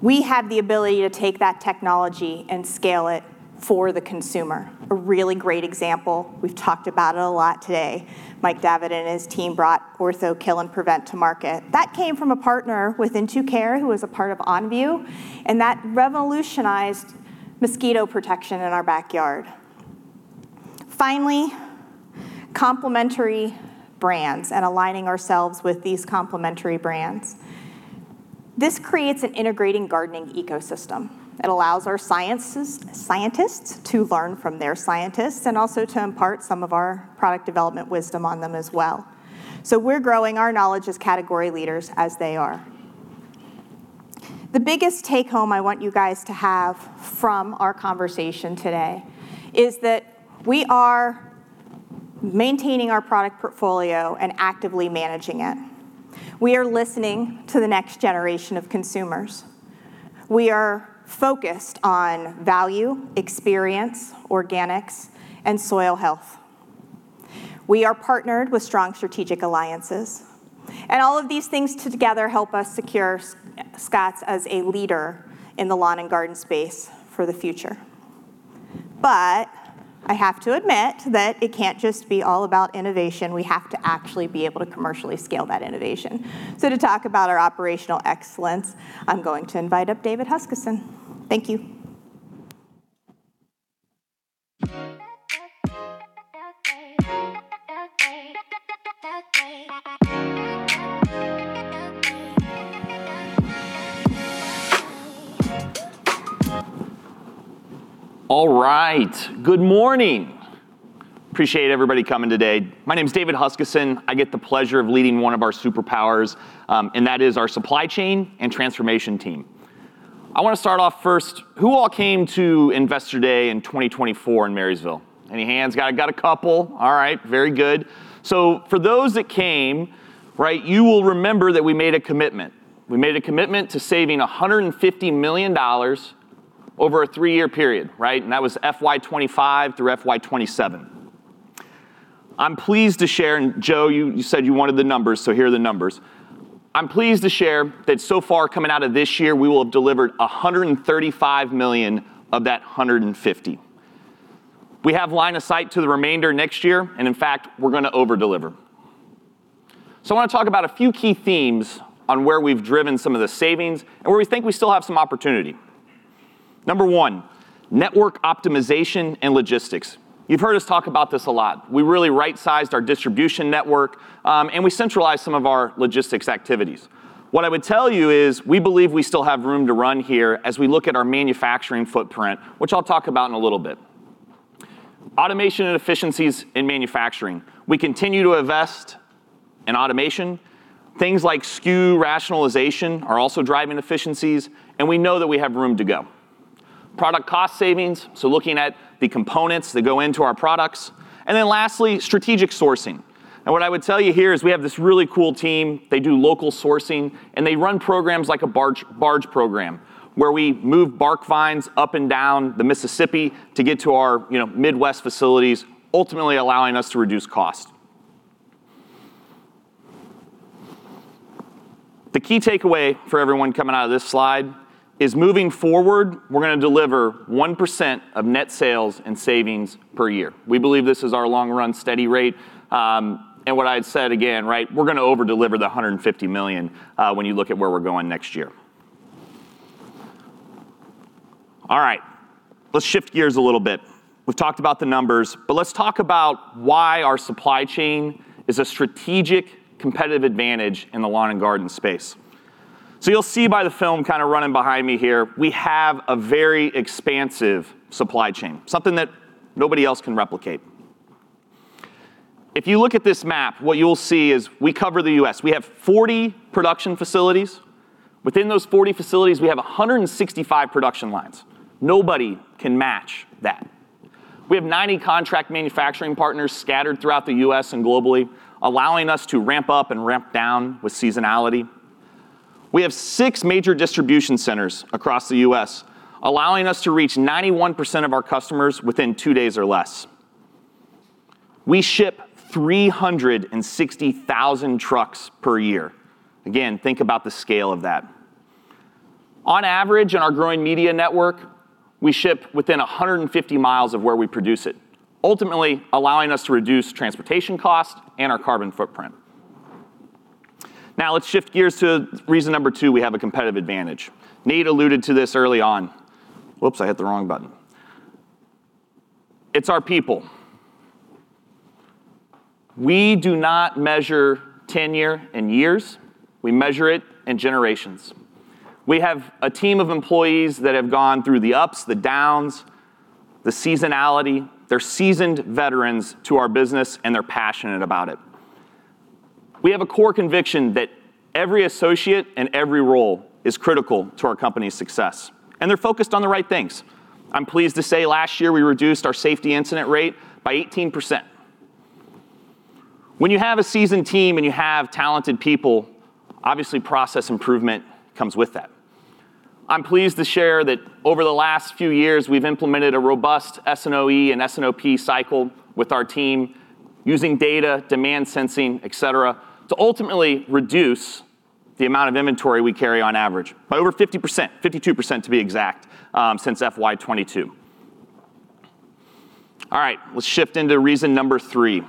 We have the ability to take that technology and scale it for the consumer. A really great example, we've talked about it a lot today. Mike Davitt and his team brought Ortho Kill and Prevent to market. That came from a partner with In2Care, who is a part of Envu, and that revolutionized mosquito protection in our backyard. Complementary brands and aligning ourselves with these complementary brands. This creates an integrating gardening ecosystem that allows our scientists to learn from their scientists and also to impart some of our product development wisdom on them as well. We're growing our knowledge as category leaders as they are. The biggest take-home I want you guys to have from our conversation today is that we are maintaining our product portfolio and actively managing it. We are listening to the next generation of consumers. We are focused on value, experience, organics, and soil health. We are partnered with strong strategic alliances. All of these things together help us secure Scotts as a leader in the lawn and garden space for the future. I have to admit that it can't just be all about innovation. We have to actually be able to commercially scale that innovation. To talk about our operational excellence, I'm going to invite up David Huskisson. Thank you. All right. Good morning. Appreciate everybody coming today. My name's David Huskisson. I get the pleasure of leading one of our superpowers, and that is our supply chain and transformation team. I want to start off first, who all came to Investor Day in 2024 in Marysville? Any hands? Got a couple. All right. Very good. For those that came, you will remember that we made a commitment. We made a commitment to saving $150 million over a three-year period. Right? That was FY 2025 through FY 2027. I'm pleased to share, and Joe, you said you wanted the numbers, here are the numbers. I'm pleased to share that so far coming out of this year, we will have delivered $135 million of that $150. We have line of sight to the remainder next year, and in fact, we're going to over-deliver. I want to talk about a few key themes on where we've driven some of the savings and where we think we still have some opportunity. Number one, network optimization and logistics. You've heard us talk about this a lot. We really right-sized our distribution network, and we centralized some of our logistics activities. What I would tell you is we believe we still have room to run here as we look at our manufacturing footprint, which I'll talk about in a little bit. Automation and efficiencies in manufacturing. We continue to invest in automation. Things like SKU rationalization are also driving efficiencies, and we know that we have room to go. Product cost savings, looking at the components that go into our products. Lastly, strategic sourcing. What I would tell you here is we have this really cool team. They do local sourcing, and they run programs like a barge program, where we move bark fines up and down the Mississippi to get to our Midwest facilities, ultimately allowing us to reduce cost. The key takeaway for everyone coming out of this slide is, moving forward, we're going to deliver 1% of net sales and savings per year. We believe this is our long-run steady rate. What I'd said again, we're going to over-deliver the $150 million when you look at where we're going next year. Let's shift gears a little bit. We've talked about the numbers, but let's talk about why our supply chain is a strategic competitive advantage in the lawn and garden space. You'll see by the film kind of running behind me here, we have a very expansive supply chain, something that nobody else can replicate. If you look at this map, what you'll see is we cover the U.S. We have 40 production facilities. Within those 40 facilities, we have 165 production lines. Nobody can match that. We have 90 contract manufacturing partners scattered throughout the U.S. and globally, allowing us to ramp up and ramp down with seasonality. We have six major distribution centers across the U.S., allowing us to reach 91% of our customers within two days or less. We ship 360,000 trucks per year. Again, think about the scale of that. On average, in our growing media network, we ship within 150 miles of where we produce it, ultimately allowing us to reduce transportation cost and our carbon footprint. Let's shift gears to reason number two we have a competitive advantage. Nate alluded to this early on. I hit the wrong button. It's our people. We do not measure tenure in years. We measure it in generations. We have a team of employees that have gone through the ups, the downs, the seasonality. They're seasoned veterans to our business, and they're passionate about it. We have a core conviction that every associate and every role is critical to our company's success, and they're focused on the right things. I'm pleased to say last year, we reduced our safety incident rate by 18%. When you have a seasoned team and you have talented people, obviously process improvement comes with that. I'm pleased to share that over the last few years, we've implemented a robust S&OE and S&OP cycle with our team using data, demand sensing, et cetera, to ultimately reduce the amount of inventory we carry on average by over 50%, 52% to be exact, since FY 2022. Let's shift into reason number three.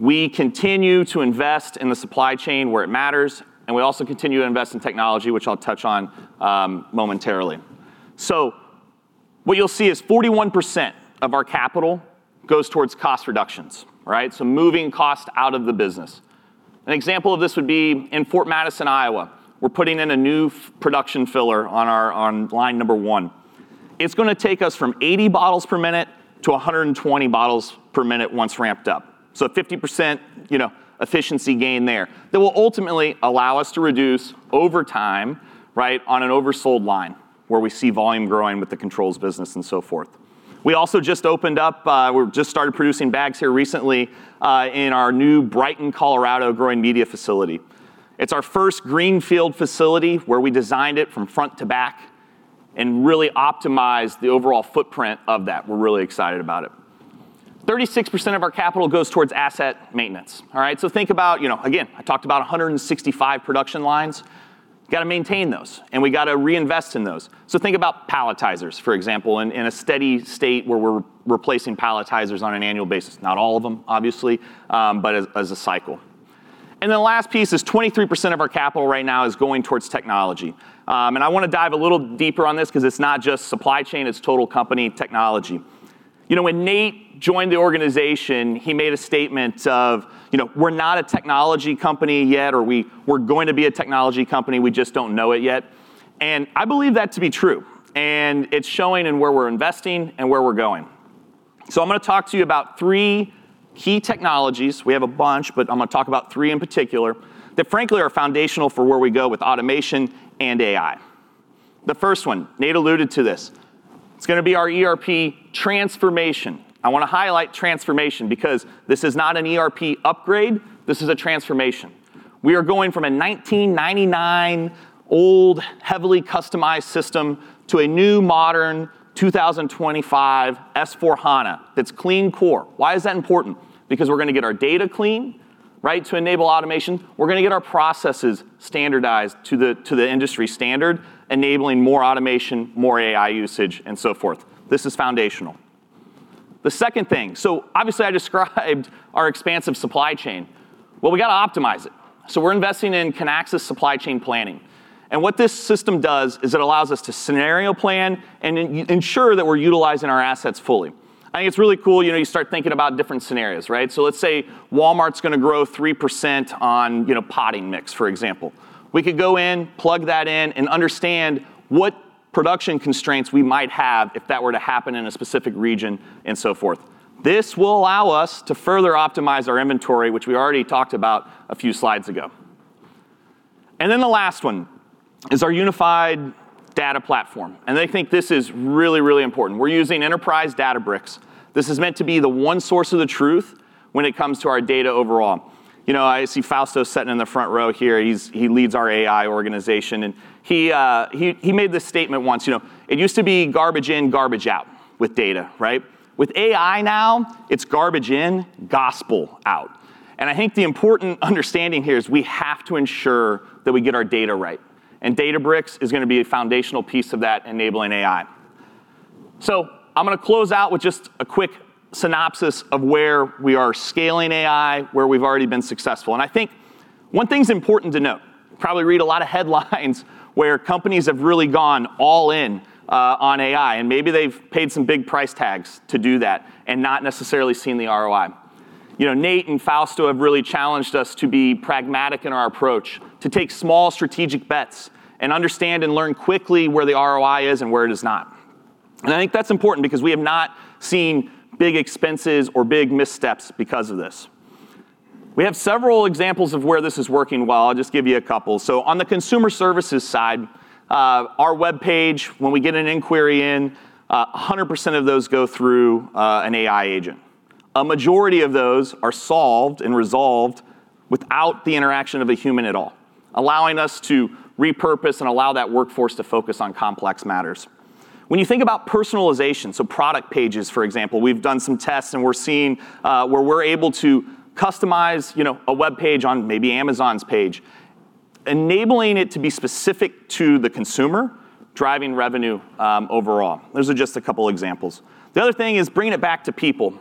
We continue to invest in the supply chain where it matters, and we also continue to invest in technology, which I'll touch on momentarily. What you'll see is 41% of our capital goes towards cost reductions. Moving cost out of the business. An example of this would be in Fort Madison, Iowa. We're putting in a new production filler on line number one. It's going to take us from 80 bottles per minute to 120 bottles per minute once ramped up. A 50% efficiency gain there that will ultimately allow us to reduce overtime on an oversold line where we see volume growing with the controls business and so forth. We've just started producing bags here recently, in our new Brighton, Colorado growing media facility. It's our first greenfield facility where we designed it from front to back and really optimized the overall footprint of that. We're really excited about it. 36% of our capital goes towards asset maintenance. All right? Think about, again, I talked about 165 production lines. Got to maintain those, and we got to reinvest in those. Think about palletizers, for example, in a steady state where we're replacing palletizers on an annual basis. Not all of them, obviously, but as a cycle. The last piece is 23% of our capital right now is going towards technology. I want to dive a little deeper on this because it's not just supply chain, it's total company technology. When Nate joined the organization, he made a statement of, "We're not a technology company yet." Or, "We're going to be a technology company, we just don't know it yet." I believe that to be true, and it's showing in where we're investing and where we're going. I'm going to talk to you about three key technologies. We have a bunch, but I'm going to talk about three in particular that frankly are foundational for where we go with automation and AI. The first one, Nate alluded to this. It's going to be our ERP transformation. I want to highlight transformation because this is not an ERP upgrade. This is a transformation. We are going from a 1999 old, heavily customized system to a new modern 2025 S/4HANA that's clean core. Why is that important? Because we're going to get our data clean to enable automation. We're going to get our processes standardized to the industry standard, enabling more automation, more AI usage, and so forth. This is foundational. The second thing, obviously I described our expansive supply chain. Well, we got to optimize it. We're investing in Kinaxis supply chain planning. What this system does is it allows us to scenario plan and ensure that we're utilizing our assets fully. I think it's really cool. You start thinking about different scenarios, right? Let's say Walmart's going to grow 3% on potting mix, for example. We could go in, plug that in and understand what production constraints we might have if that were to happen in a specific region and so forth. This will allow us to further optimize our inventory, which we already talked about a few slides ago. The last one is our unified data platform, and I think this is really, really important. We're using Enterprise Databricks. This is meant to be the one source of the truth when it comes to our data overall. I see Fausto sitting in the front row here. He leads our AI organization, and he made this statement once. It used to be garbage in, garbage out With data, right? With AI now, it's garbage in, gospel out. I think the important understanding here is we have to ensure that we get our data right, and Databricks is going to be a foundational piece of that enabling AI. I'm going to close out with just a quick synopsis of where we are scaling AI, where we've already been successful. I think one thing's important to note, probably read a lot of headlines where companies have really gone all in on AI, and maybe they've paid some big price tags to do that and not necessarily seen the ROI. Nate and Fausto have really challenged us to be pragmatic in our approach, to take small strategic bets, and understand and learn quickly where the ROI is and where it is not. I think that's important because we have not seen big expenses or big missteps because of this. We have several examples of where this is working well. I'll just give you a couple. On the consumer services side, our webpage, when we get an inquiry in, 100% of those go through an AI agent. A majority of those are solved and resolved without the interaction of a human at all, allowing us to repurpose and allow that workforce to focus on complex matters. When you think about personalization, product pages, for example, we've done some tests and we're seeing where we're able to customize a webpage on maybe Amazon's page, enabling it to be specific to the consumer, driving revenue overall. Those are just a couple examples. The other thing is bringing it back to people.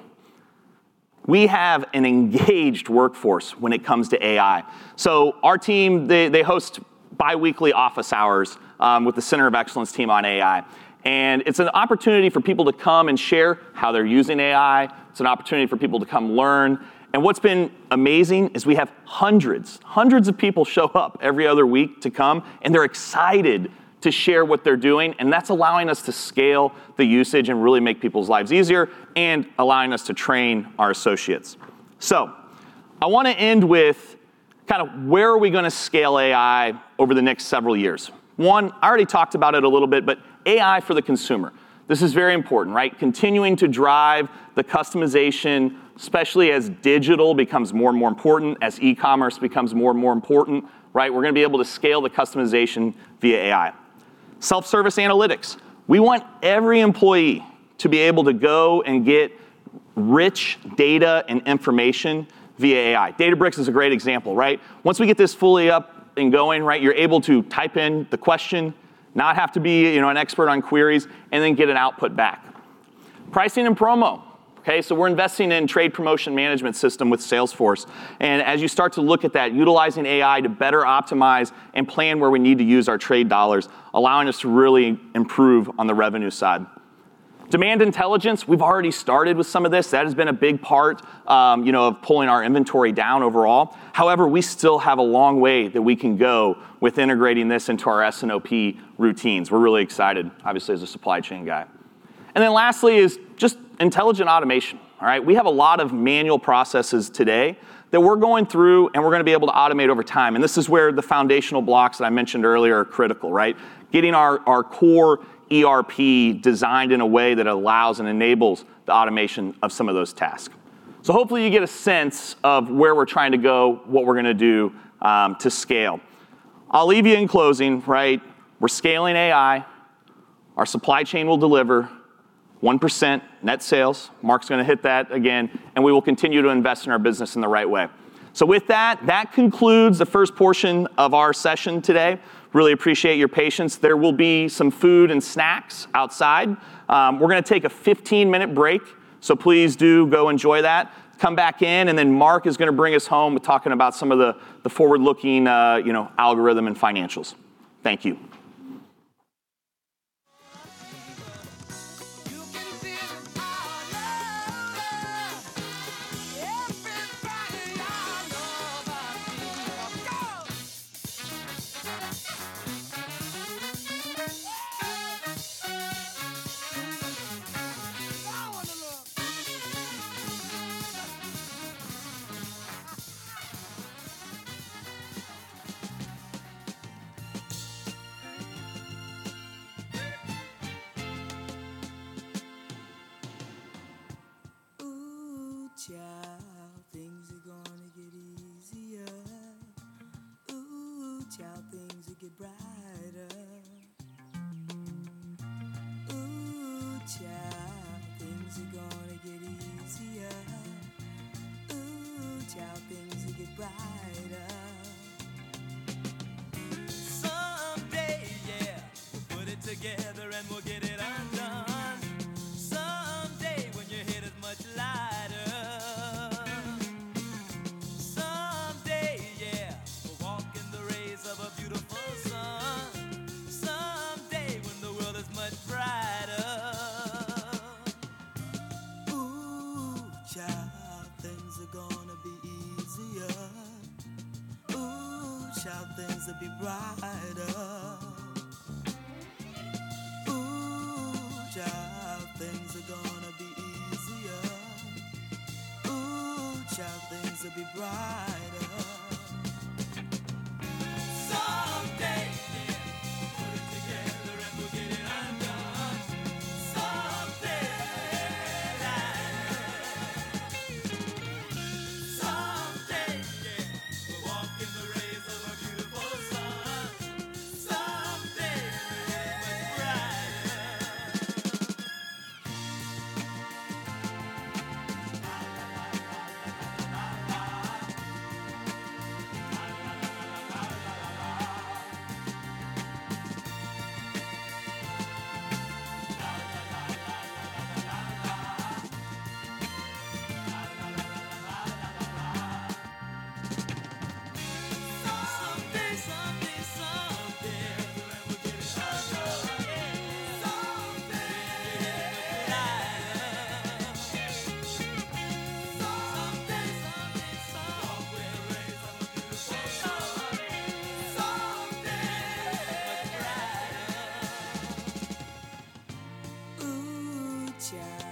We have an engaged workforce when it comes to AI. Our team, they host biweekly office hours with the Center of Excellence team on AI, and it's an opportunity for people to come and share how they're using AI. It's an opportunity for people to come learn. What's been amazing is we have hundreds of people show up every other week to come, and they're excited to share what they're doing, and that's allowing us to scale the usage and really make people's lives easier and allowing us to train our associates. I want to end with kind of where are we going to scale AI over the next several years. One, I already talked about it a little bit, but AI for the consumer. This is very important, right? Continuing to drive the customization, especially as digital becomes more and more important, as e-commerce becomes more and more important, we're going to be able to scale the customization via AI. Self-service analytics. We want every employee to be able to go and get rich data and information via AI. Databricks is a great example. Once we get this fully up and going, you're able to type in the question, not have to be an expert on queries, and then get an output back. Pricing and promo. We're investing in trade promotion management system with Salesforce, and as you start to look at that, utilizing AI to better optimize and plan where we need to use our trade dollars, allowing us to really improve on the revenue side. Demand intelligence. We've already started with some of this. That has been a big part of pulling our inventory down overall. However, we still have a long way that we can go with integrating this into our S&OP routines. We're really excited, obviously, as a supply chain guy. Then lastly is just intelligent automation. We have a lot of manual processes today that we're going through, and we're going to be able to automate over time. This is where the foundational blocks that I mentioned earlier are critical. Getting our core ERP designed in a way that allows and enables the automation of some of those tasks. Hopefully you get a sense of where we're trying to go, what we're going to do to scale. I'll leave you in closing. We're scaling AI. Our supply chain will deliver 1% net sales. Mark's going to hit that again, and we will continue to invest in our business in the right way. With that concludes the first portion of our session today. Really appreciate your patience. There will be some food and snacks outside. We're going to take a 15-minute break, so please do go enjoy that. Come back in, Mark is going to bring us home with talking about some of the forward-looking algorithm and financials. Thank you. Just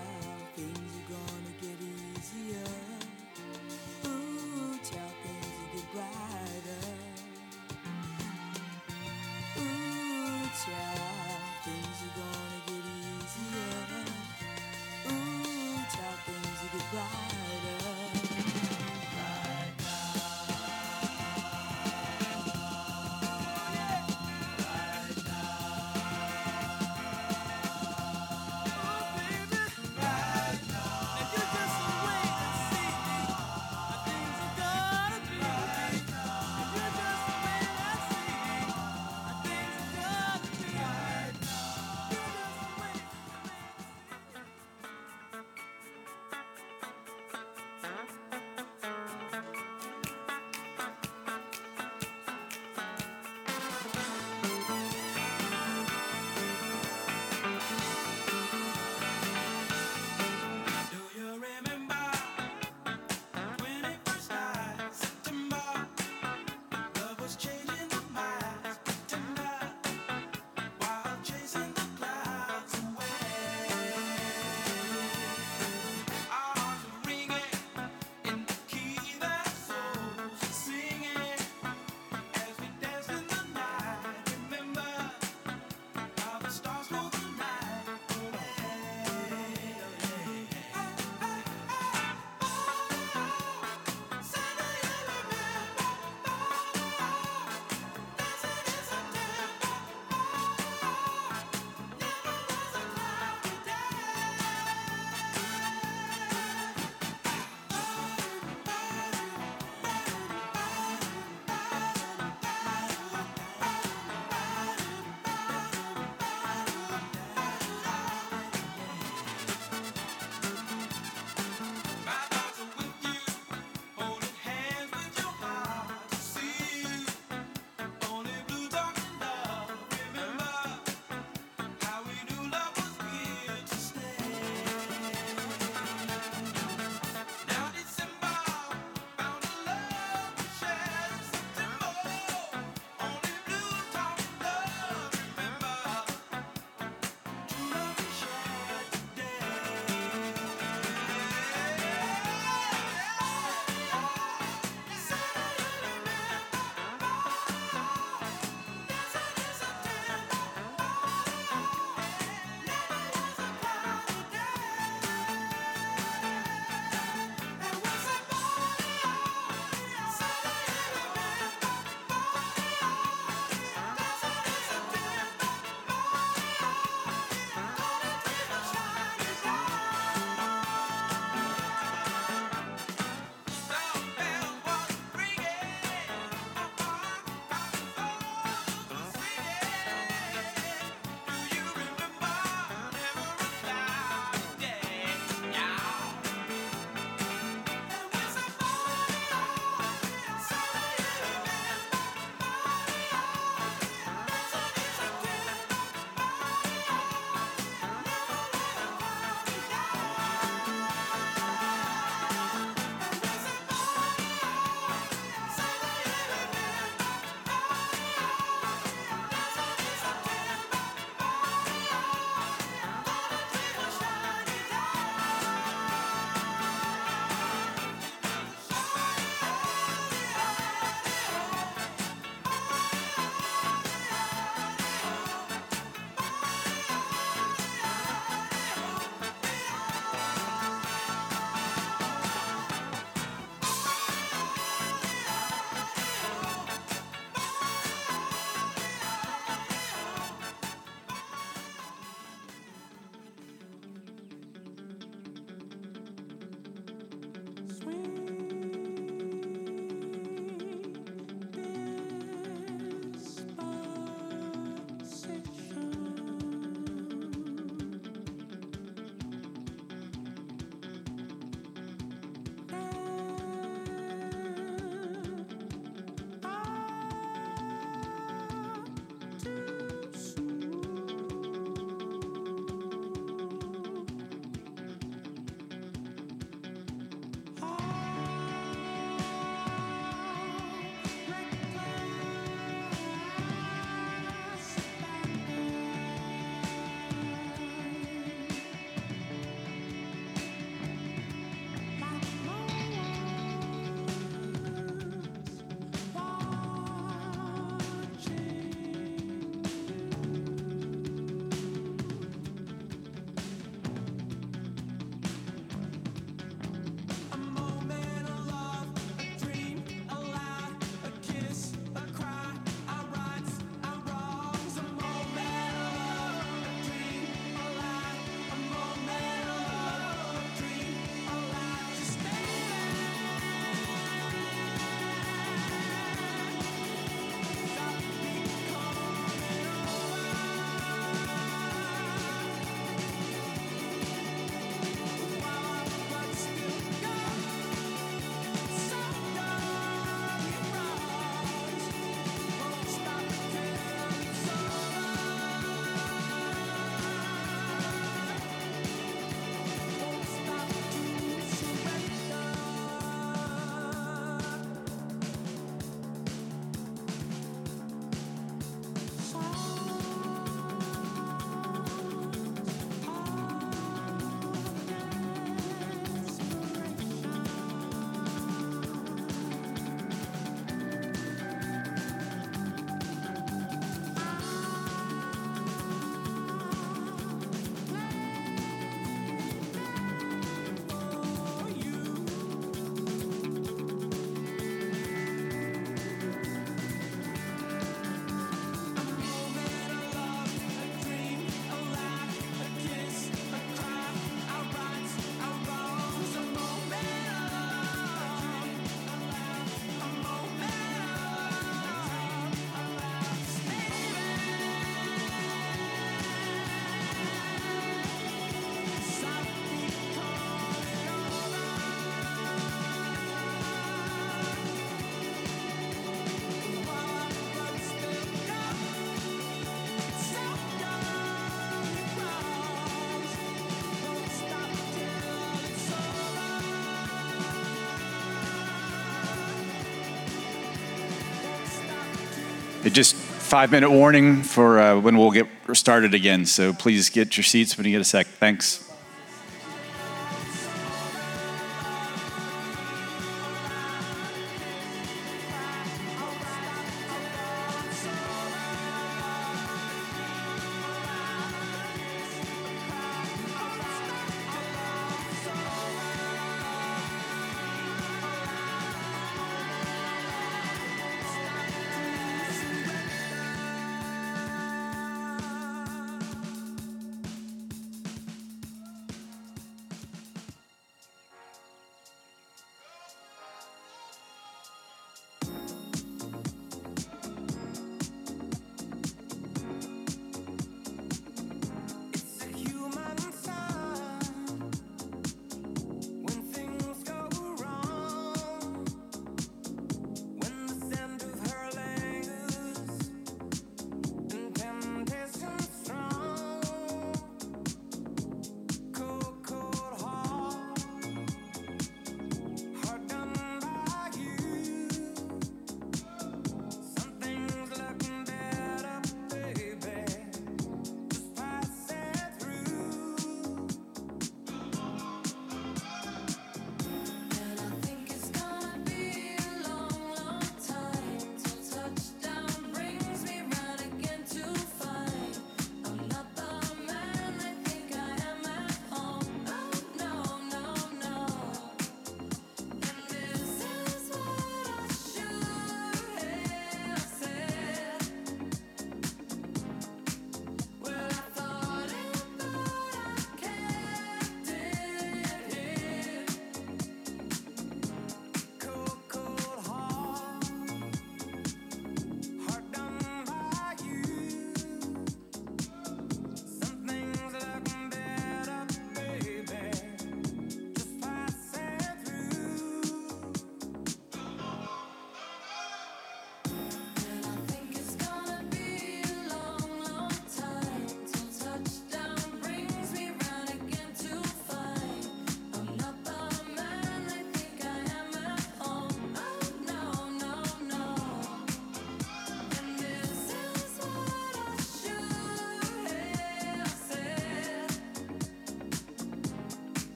five-minute warning for when we'll get started again. Please get to your seats when you get a sec. Thanks.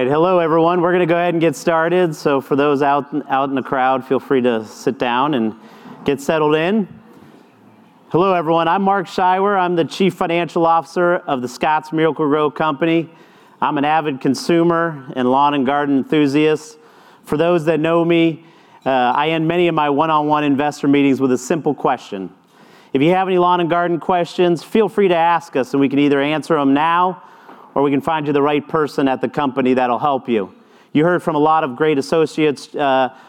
All right. Hello, everyone. We're going to go ahead and get started. For those out in the crowd, feel free to sit down and get settled in. Hello, everyone. I'm Mark Scheiwer. I'm the Chief Financial Officer of The Scotts Miracle-Gro Company. I'm an avid consumer and lawn and garden enthusiast. For those that know me, I end many of my one-on-one investor meetings with a simple question. If you have any lawn and garden questions, feel free to ask us, and we can either answer them now, or we can find you the right person at the company that'll help you. You heard from a lot of great associates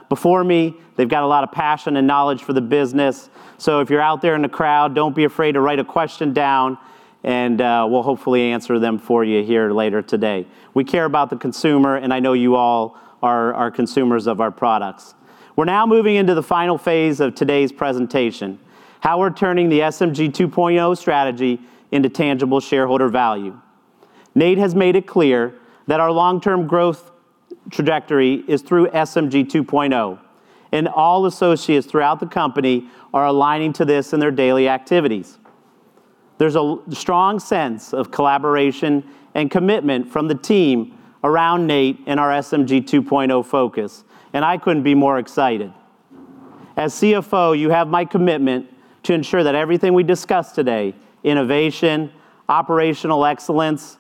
before me. They've got a lot of passion and knowledge for the business. If you're out there in the crowd, don't be afraid to write a question down and we'll hopefully answer them for you here later today. We care about the consumer, and I know you all are our consumers of our products. We're now moving into the final phase of today's presentation, how we're turning the SMG 2.0 strategy into tangible shareholder value. Nate has made it clear that our long-term growth trajectory is through SMG 2.0, and all associates throughout the company are aligning to this in their daily activities. There's a strong sense of collaboration and commitment from the team around Nate and our SMG 2.0 focus, and I couldn't be more excited. As CFO, you have my commitment to ensure that everything we discuss today, innovation, operational excellence,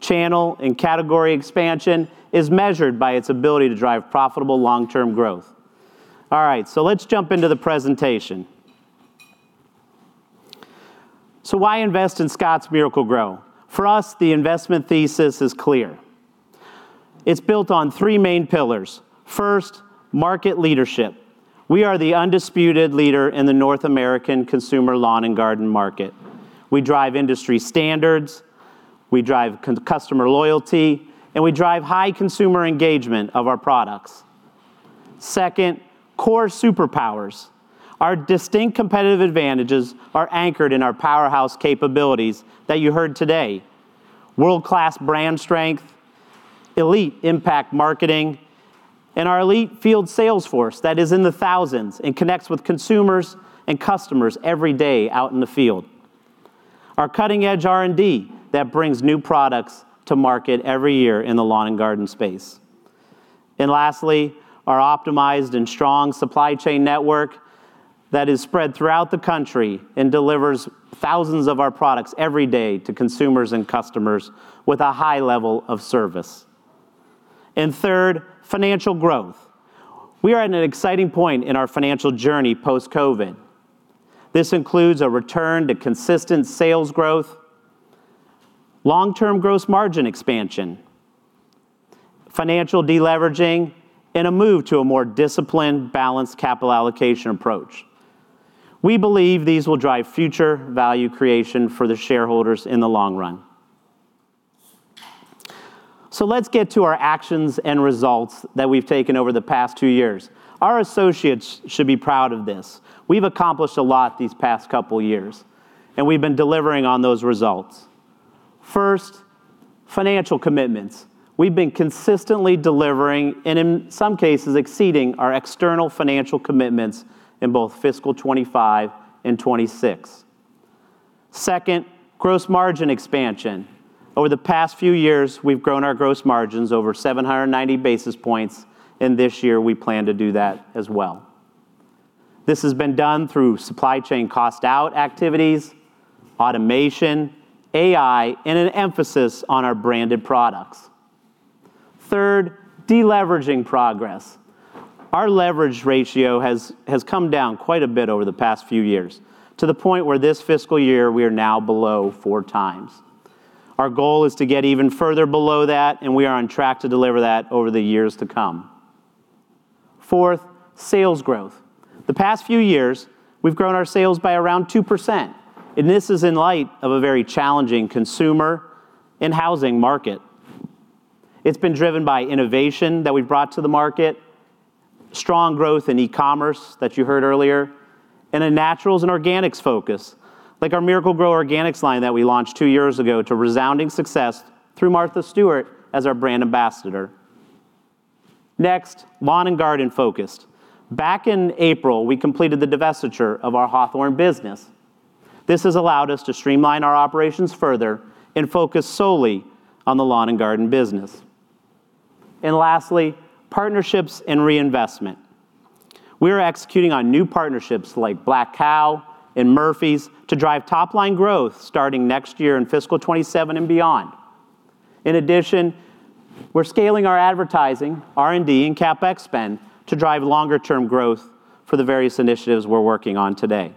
channel, and category expansion, is measured by its ability to drive profitable long-term growth. Let's jump into the presentation. Why invest in The Scotts Miracle-Gro Company? For us, the investment thesis is clear. It's built on three main pillars. First, market leadership. We are the undisputed leader in the North American consumer lawn and garden market. We drive industry standards, we drive customer loyalty, and we drive high consumer engagement of our products. Second, core superpowers. Our distinct competitive advantages are anchored in our powerhouse capabilities that you heard today: world-class brand strength, elite impact marketing, and our elite field sales force that is in the thousands and connects with consumers and customers every day out in the field. Our cutting-edge R&D that brings new products to market every year in the lawn and garden space. Lastly, our optimized and strong supply chain network that is spread throughout the country and delivers thousands of our products every day to consumers and customers with a high level of service. Third, financial growth. We are at an exciting point in our financial journey post-COVID. This includes a return to consistent sales growth, long-term gross margin expansion, financial deleveraging, and a move to a more disciplined, balanced capital allocation approach. We believe these will drive future value creation for the shareholders in the long run. Let's get to our actions and results that we've taken over the past two years. Our associates should be proud of this. We've accomplished a lot these past couple of years, and we've been delivering on those results. First, financial commitments. We've been consistently delivering and in some cases, exceeding our external financial commitments in both fiscal 2025 and 2026. Second, gross margin expansion. Over the past few years, we've grown our gross margins over 790 basis points, and this year we plan to do that as well. This has been done through supply chain cost out activities, automation, AI, and an emphasis on our branded products. Third, deleveraging progress. Our leverage ratio has come down quite a bit over the past few years, to the point where this fiscal year we are now below 4x. Our goal is to get even further below that, and we are on track to deliver that over the years to come. Fourth, sales growth. The past few years, we've grown our sales by around 2%, and this is in light of a very challenging consumer and housing market. It's been driven by innovation that we've brought to the market, strong growth in e-commerce that you heard earlier, and a naturals and organics focus, like our Miracle-Gro Organics line that we launched two years ago to resounding success through Martha Stewart as our brand ambassador. Next, lawn and garden focused. Back in April, we completed the divestiture of our Hawthorne business. This has allowed us to stream line our operations further and focus solely on the lawn and garden business. Lastly, partnerships and reinvestment. We are executing on new partnerships like Black Kow and Murphy's to drive top-line growth starting next year in fiscal 2027 and beyond. In addition, we are scaling our advertising, R&D, and CapEx spend to drive longer-term growth for the various initiatives we are working on today.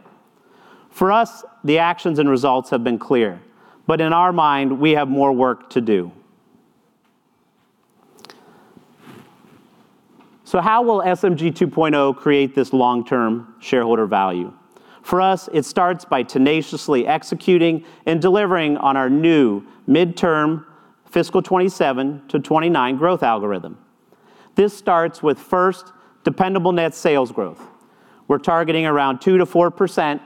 For us, the actions and results have been clear, but in our mind, we have more work to do. How will SMG 2.0 create this long-term shareholder value? For us, it starts by tenaciously executing and delivering on our new midterm fiscal 2027-2029 growth algorithm. This starts with first, dependable net sales growth. We are targeting around 2%-4%.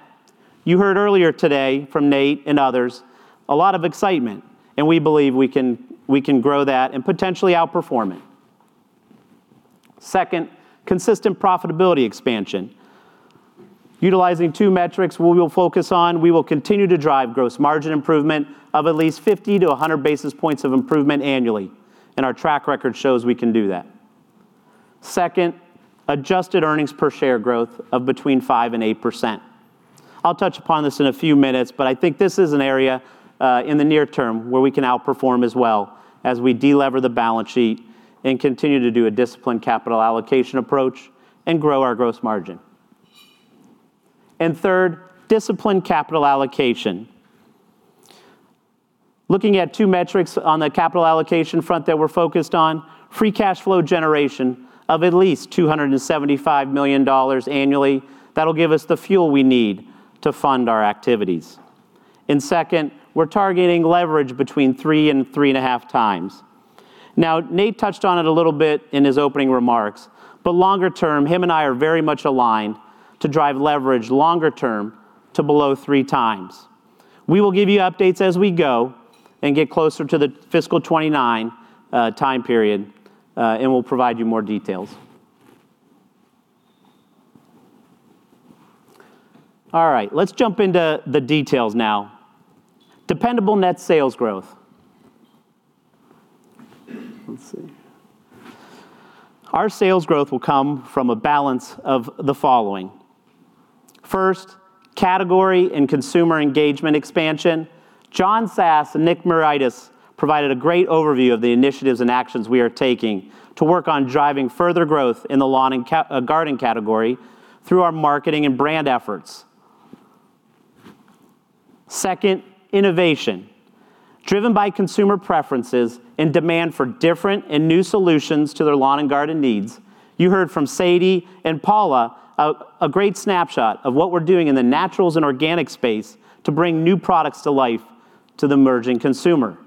You heard earlier today from Nate and others, a lot of excitement, and we believe we can grow that and potentially outperform it. Second, consistent profitability expansion. Utilizing two metrics we will focus on, we will continue to drive gross margin improvement of at least 50-100 basis points of improvement annually, and our track record shows we can do that. Second, adjusted earnings per share growth of between 5% and 8%. I will touch upon this in a few minutes, but I think this is an area in the near term where we can outperform as well as we de-lever the balance sheet and continue to do a disciplined capital allocation approach and grow our gross margin. Third, disciplined capital allocation. Looking at two metrics on the capital allocation front that we are focused on, free cash flow generation of at least $275 million annually. That will give us the fuel we need to fund our activities. Second, we are targeting leverage between 3 and 3.5x. Nate touched on it a little bit in his opening remarks, but longer term, him and I are very much aligned to drive leverage longer term to below 3x. We will give you updates as we go and get closer to the fiscal 2029 time period, and we will provide you more details. All right. Let's jump into the details now. Dependable net sales growth. Let's see. Our sales growth will come from a balance of the following. First, category and consumer engagement expansion. John Sass and Nick Miaritis provided a great overview of the initiatives and actions we are taking to work on driving further growth in the lawn and garden category through our marketing and brand efforts. Second, innovation. Driven by consumer preferences and demand for different and new solutions to their lawn and garden needs, you heard from Sadie and Paula a great snapshot of what we are doing in the naturals and organic space to bring new products to life to the emerging consumer.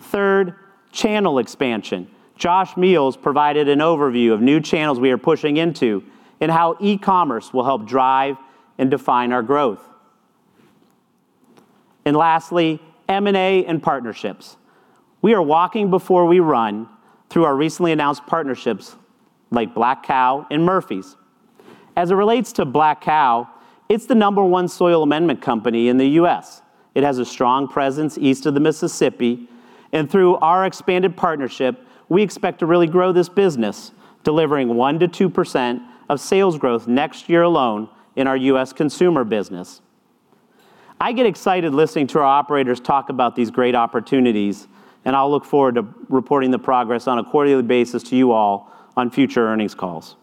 Third, channel expansion. Josh Meihls provided an overview of new channels we are pushing into and how e-commerce will help drive and define our growth. Lastly, M&A and partnerships. We are walking before we run through our recently announced partnerships like Black Kow and Murphy's. As it relates to Black Kow, it is the number 1 soil amendment company in the U.S. It has a strong presence east of the Mississippi, and through our expanded partnership, we expect to really grow this business, delivering 1%-2% of sales growth next year alone in our U.S. consumer business. I get excited listening to our operator's talk about this great opportunities. I'll look forward to reporting the progress on a quarterly basis to you all on future earnings calls.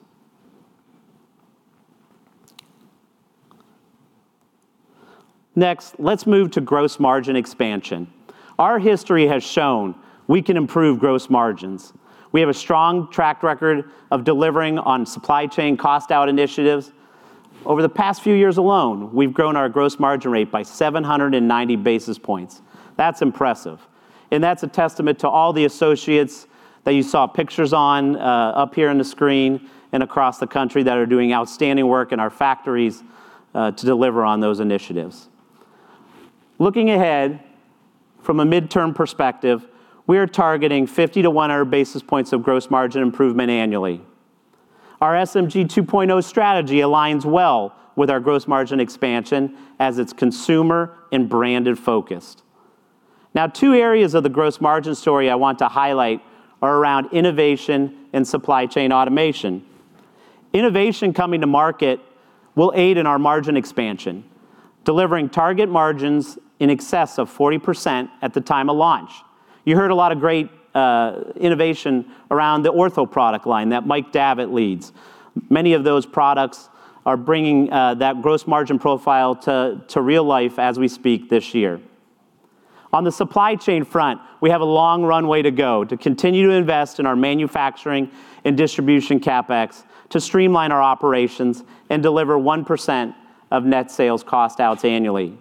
Next, let's move to gross margin expansion. Our history has shown we can improve gross margins. We have a strong track record of delivering on supply chain cost-out initiatives. Over the past few years alone, we've grown our gross margin rate by 790 basis points. That's impressive, and that's a testament to all the associates that you saw pictures on up here on the screen and across the country that are doing outstanding work in our factories to deliver on those initiatives. Looking ahead from a midterm perspective, we are targeting 50-100 basis points of gross margin improvement annually. Our SMG 2.0 strategy aligns well with our gross margin expansion as it's consumer and branded focused. Now, two areas of the gross margin story I want to highlight are around innovation and supply chain automation. Innovation coming to market will aid in our margin expansion, delivering target margins in excess of 40% at the time of launch. You heard a lot of great innovation around the Ortho product line that Mike Davitt leads. Many of those products are bringing that gross margin profile to real life as we speak this year. On the supply chain front, we have a long runway to go to continue to invest in our manufacturing and distribution CapEx to streamline our operations and deliver 1% of net sales cost outs annually.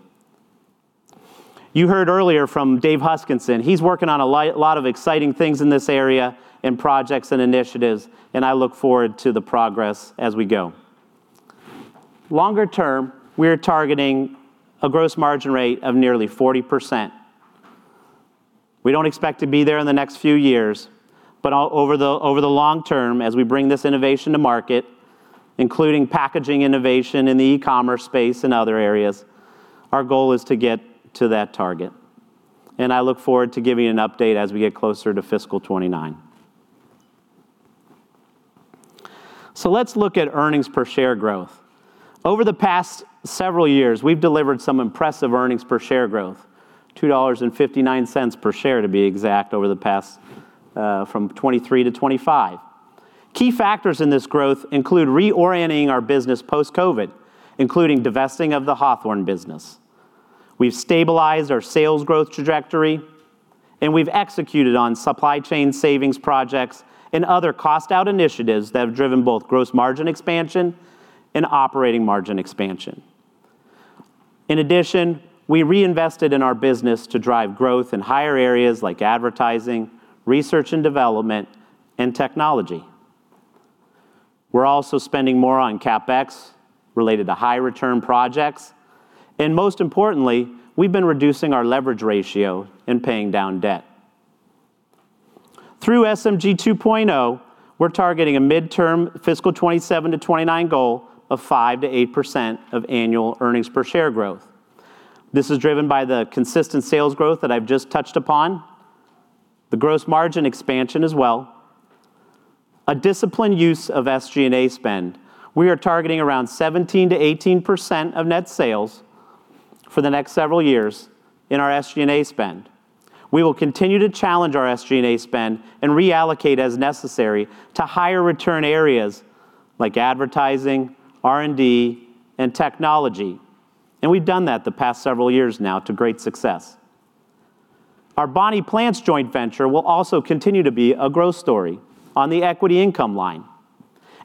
You heard earlier from Dave Huskisson, he's working on a lot of exciting things in this area and projects and initiatives. I look forward to the progress as we go. Longer term, we are targeting a gross margin rate of nearly 40%. We don't expect to be there in the next few years, but over the long term, as we bring this innovation to market, including packaging innovation in the e-commerce space and other areas, our goal is to get to that target. I look forward to giving you an update as we get closer to fiscal 2029. Let's look at earnings per share growth. Over the past several years, we've delivered some impressive earnings per share growth. $2.59 per share, to be exact, over the past from 2023 to 2025. Key factors in this growth include reorienting our business post-COVID, including divesting of the Hawthorne business. We've stabilized our sales growth trajectory. We've executed on supply chain savings projects and other cost-out initiatives that have driven both gross margin expansion and operating margin expansion. In addition, we reinvested in our business to drive growth in higher areas like advertising, research and development, and technology. We're also spending more on CapEx related to high-return projects. Most importantly, we've been reducing our leverage ratio and paying down debt. Through SMG 2.0, we're targeting a midterm fiscal 2027 to 2029 goal of 5%-8% of annual earnings per share growth. This is driven by the consistent sales growth that I've just touched upon, the gross margin expansion as well, a disciplined use of SG&A spend. We are targeting around 17%-18% of net sales for the next several years in our SG&A spend. We will continue to challenge our SG&A spend and reallocate as necessary to higher return areas like advertising, R&D, and technology. We've done that the past several years now to great success. Our Bonnie Plants joint venture will also continue to be a growth story on the equity income line.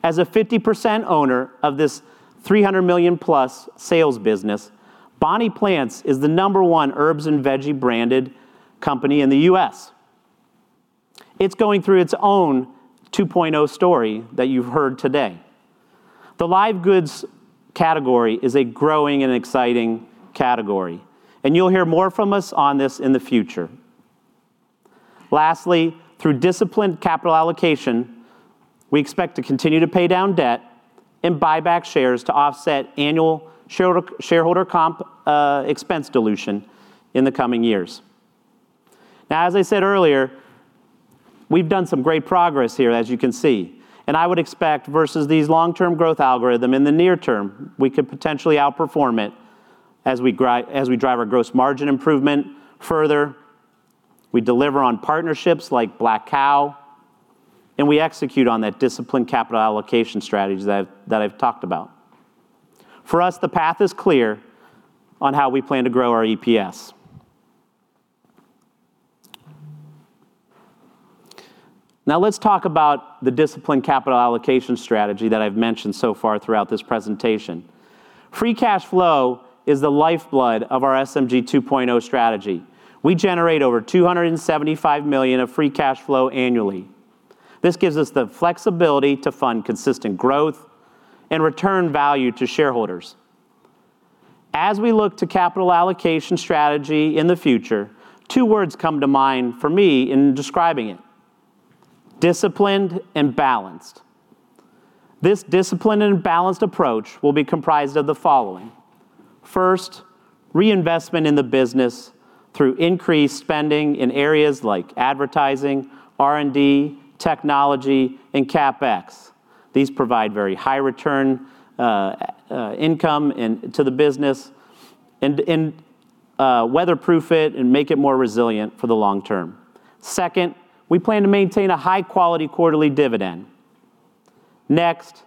As a 50% owner of this 300 million-plus sales business, Bonnie Plants is the number one herbs and veggie branded company in the U.S. It's going through its own 2.0 story that you've heard today. The live goods category is a growing and exciting category, and you'll hear more from us on this in the future. Through disciplined capital allocation, we expect to continue to pay down debt and buy back shares to offset annual shareholder comp expense dilution in the coming years. As I said earlier, we've done some great progress here, as you can see, and I would expect versus these long-term growth algorithm in the near term, we could potentially outperform it as we drive our gross margin improvement further, we deliver on partnerships like Black Kow, and we execute on that disciplined capital allocation strategy that I've talked about. For us, the path is clear on how we plan to grow our EPS. Let's talk about the disciplined capital allocation strategy that I've mentioned so far throughout this presentation. Free cash flow is the lifeblood of our SMG 2.0 strategy. We generate over $275 million of free cash flow annually. This gives us the flexibility to fund consistent growth and return value to shareholders. As we look to capital allocation strategy in the future, two words come to mind for me in describing it, disciplined and balanced. This disciplined and balanced approach will be comprised of the following. First, reinvestment in the business through increased spending in areas like advertising, R&D, technology, and CapEx. These provide very high return income to the business and weatherproof it and make it more resilient for the long term. Second, we plan to maintain a high-quality quarterly dividend. Next,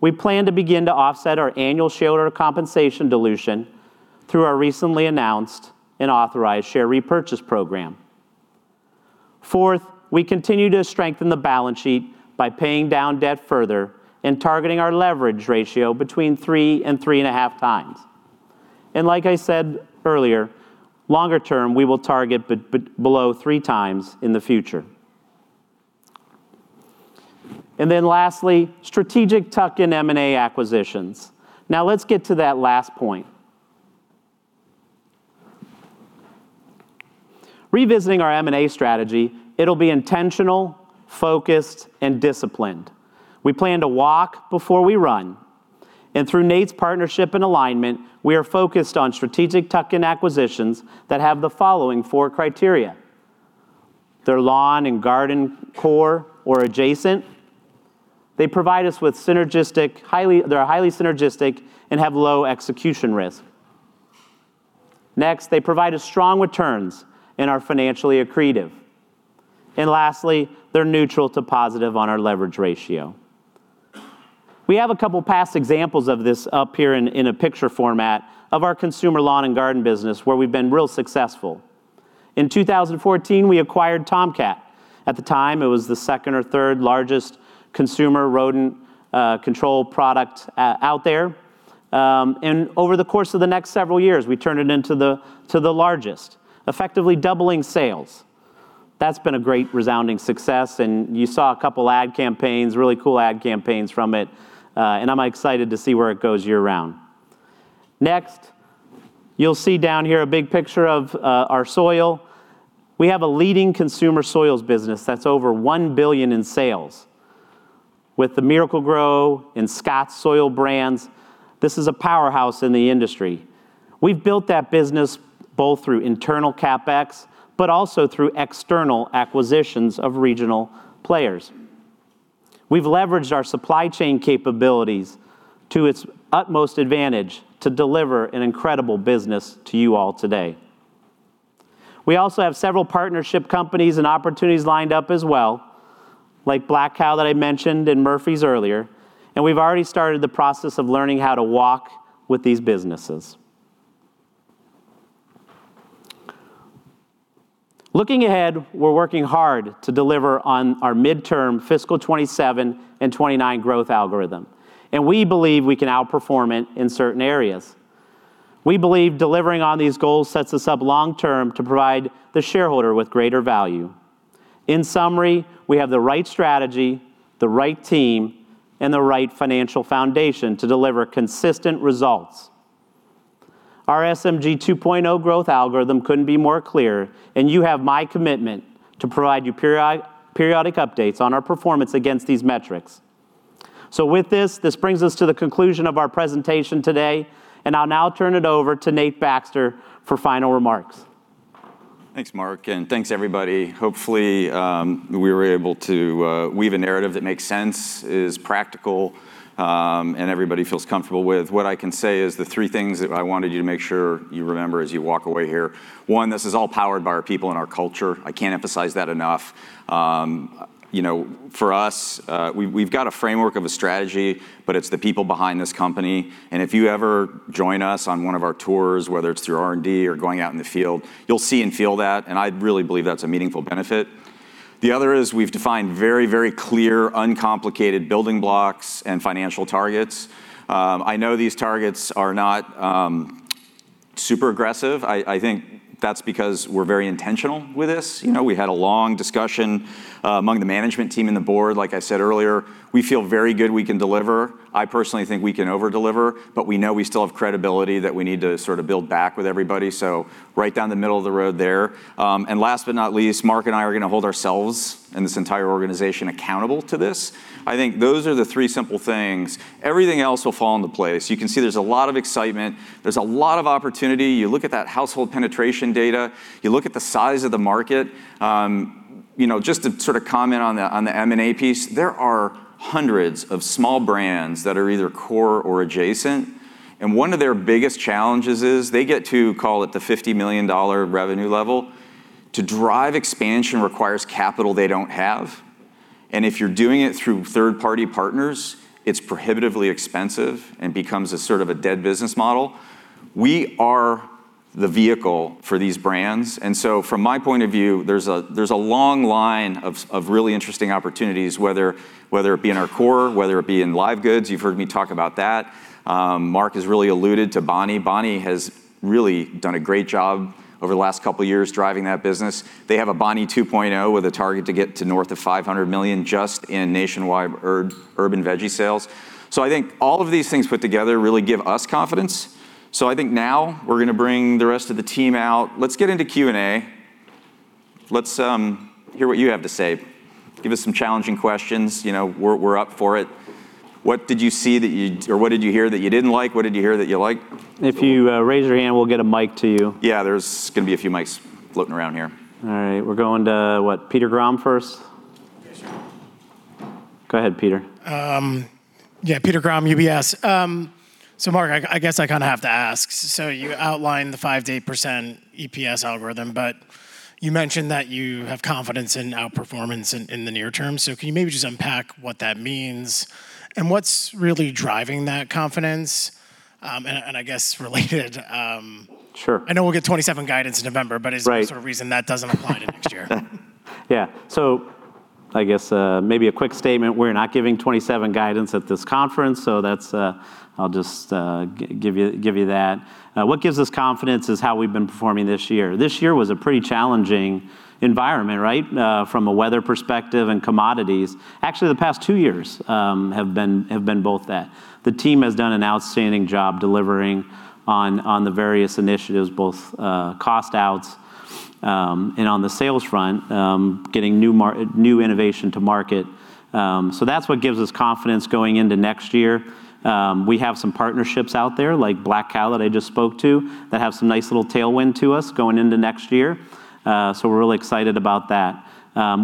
we plan to begin to offset our annual shareholder compensation dilution through our recently announced and authorized share repurchase program. Fourth, we continue to strengthen the balance sheet by paying down debt further and targeting our leverage ratio between three and three and a half times. Like I said earlier, longer term, we will target below three times in the future. Lastly, strategic tuck-in M&A acquisitions. Let's get to that last point. Revisiting our M&A strategy, it'll be intentional, focused, and disciplined. We plan to walk before we run, through Nate's partnership and alignment, we are focused on strategic tuck-in acquisitions that have the following four criteria. They're lawn and garden core or adjacent. They provide us with highly synergistic and have low execution risk. Next, they provide us strong returns and are financially accretive. Lastly, they're neutral to positive on our leverage ratio. We have a couple past examples of this up here in a picture format of our consumer lawn and garden business where we've been real successful. In 2014, we acquired Tomcat. At the time, it was the second or third largest consumer rodent control product out there. Over the course of the next several years, we turned it into the largest, effectively doubling sales. That's been a great resounding success, and you saw a couple ad campaigns, really cool ad campaigns from it. I'm excited to see where it goes year-round. Next, you'll see down here a big picture of our soil. We have a leading consumer soils business that's over $1 billion in sales. With the Miracle-Gro and Scotts soil brands, this is a powerhouse in the industry. We've built that business both through internal CapEx, but also through external acquisitions of regional players. We've leveraged our supply chain capabilities to its utmost advantage to deliver an incredible business to you all today. We also have several partnership companies and opportunities lined up as well, like Black Kow that I mentioned, and Murphy's earlier, and we've already started the process of learning how to walk with these businesses. Looking ahead, we're working hard to deliver on our midterm FY 2027 and FY 2029 growth algorithm, and we believe we can outperform it in certain areas. We believe delivering on these goals sets us up long term to provide the shareholder with greater value. In summary, we have the right strategy, the right team, and the right financial foundation to deliver consistent results. Our SMG 2.0 growth algorithm couldn't be more clear, and you have my commitment to provide you periodic updates on our performance against these metrics. With this brings us to the conclusion of our presentation today, and I'll now turn it over to Nate Baxter for final remarks. Thanks, Mark, and thanks everybody. Hopefully, we were able to weave a narrative that makes sense, is practical, and everybody feels comfortable with. What I can say is the three things that I wanted you to make sure you remember as you walk away here. One, this is all powered by our people and our culture. I can't emphasize that enough. For us, we've got a framework of a strategy, but it's the people behind this company, and if you ever join us on one of our tours, whether it's through R&D or going out in the field, you'll see and feel that, and I really believe that's a meaningful benefit. The other is we've defined very clear, uncomplicated building blocks and financial targets. I know these targets are not super aggressive. I think that's because we're very intentional with this. We had a long discussion among the management team and the board, like I said earlier. We feel very good we can deliver. I personally think we can over-deliver, but we know we still have credibility that we need to sort of build back with everybody. Right down the middle of the road there. Last but not least, Mark and I are going to hold ourselves and this entire organization accountable to this. I think those are the three simple things. Everything else will fall into place. You can see there's a lot of excitement. There's a lot of opportunity. You look at that household penetration data, you look at the size of the market. Just to sort of comment on the M&A piece, there are hundreds of small brands that are either core or adjacent, and one of their biggest challenges is they get to, call it, the $50 million revenue level. To drive expansion requires capital they don't have. If you're doing it through third-party partners, it's prohibitively expensive and becomes a sort of a dead business model. We are the vehicle for these brands. From my point of view, there's a long line of really interesting opportunities, whether it be in our core, whether it be in live goods. You've heard me talk about that. Mark has really alluded to Bonnie. Bonnie has really done a great job over the last couple of years driving that business. They have a Bonnie 2.0 with a target to get to north of $500 million just in nationwide herb and veggie sales. I think all of these things put together really give us confidence. I think now we're going to bring the rest of the team out. Let's get into Q&A. Let's hear what you have to say. Give us some challenging questions. We're up for it. What did you see or what did you hear that you didn't like? What did you hear that you liked? If you raise your hand, we'll get a mic to you. Yeah, there's going to be a few mics floating around here. All right. We're going to what? Peter Grom first. Yeah, sure. Go ahead, Peter. Yeah. Peter Grom, UBS. Mark, I guess I kind of have to ask. You outlined the 5%-8% EPS algorithm, but you mentioned that you have confidence in outperformance in the near term. Can you maybe just unpack what that means, and what's really driving that confidence? I guess related. Sure. I know we'll get 2027 guidance in November, is there- Right. -some reason that doesn't apply to next year? Yeah. I guess, maybe a quick statement, we're not giving 2027 guidance at this conference, I'll just give you that. What gives us confidence is how we've been performing this year. This year was a pretty challenging environment, right? From a weather perspective and commodities. Actually, the past two years have been both that. The team has done an outstanding job delivering on the various initiatives, both cost outs, and on the sales front, getting new innovation to market. That's what gives us confidence going into next year. We have some partnerships out there, like Black Kow that I just spoke to, that have some nice little tailwind to us going into next year. We're really excited about that.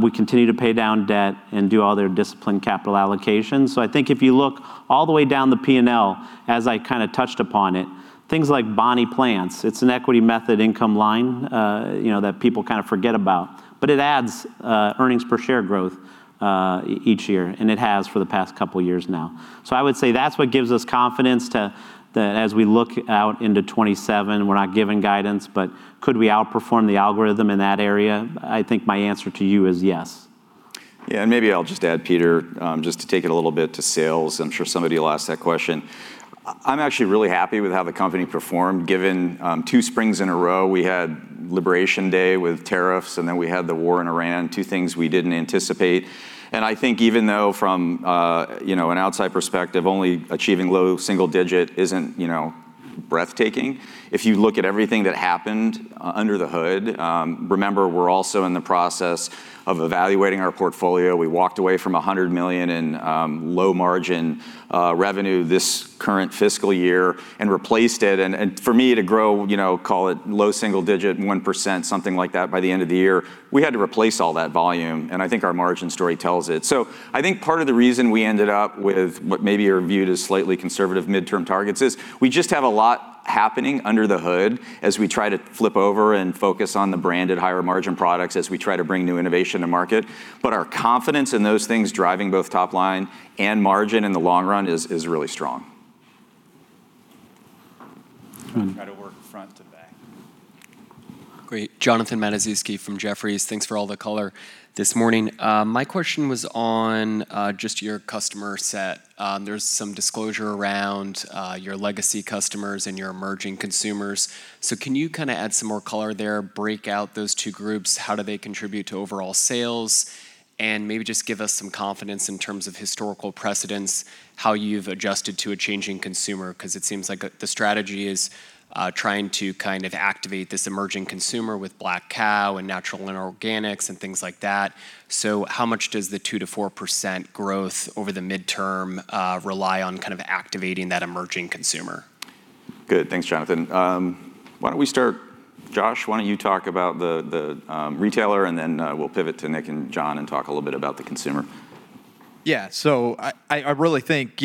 We continue to pay down debt and do all their disciplined capital allocations. I think if you look all the way down the P&L, as I kind of touched upon it, things like Bonnie Plants, it's an equity method income line that people kind of forget about, but it adds earnings per share growth each year, and it has for the past couple of years now. I would say that's what gives us confidence, as we look out into 2027, we're not giving guidance, but could we outperform the algorithm in that area? I think my answer to you is yes. Yeah, maybe I'll just add, Peter, just to take it a little bit to sales, I'm sure somebody will ask that question. I'm actually really happy with how the company performed given two springs in a row. We had Liberation Day with tariffs, and then we had the war in Iran. Two things we didn't anticipate. I think even though from an outside perspective, only achieving low single digit isn't breathtaking. If you look at everything that happened under the hood, remember we're also in the process of evaluating our portfolio. We walked away from $100 million in low margin revenue this current fiscal year and replaced it. For me to grow, call it low single digit, 1%, something like that by the end of the year, we had to replace all that volume, and I think our margin story tells it. I think part of the reason we ended up with what maybe are viewed as slightly conservative midterm targets is we just have a lot happening under the hood as we try to flip over and focus on the branded higher margin products as we try to bring new innovation to market. Our confidence in those things driving both top line and margin in the long run is really strong. Try to work front to back. Great. Jonathan Matuszewski from Jefferies. Thanks for all the color this morning. My question was on just your customer set. There's some disclosure around your legacy customers and your emerging consumers. Can you add some more color there, break out those two groups? How do they contribute to overall sales? Maybe just give us some confidence in terms of historical precedents, how you've adjusted to a changing consumer, because it seems like the strategy is trying to activate this emerging consumer with Black Kow and natural and organics and things like that. How much does the 2%-4% growth over the midterm rely on activating that emerging consumer? Good. Thanks, Jonathan. Why don't we start, Josh, why don't you talk about the retailer and then we'll pivot to Nick and John and talk a little bit about the consumer. Yeah. I really think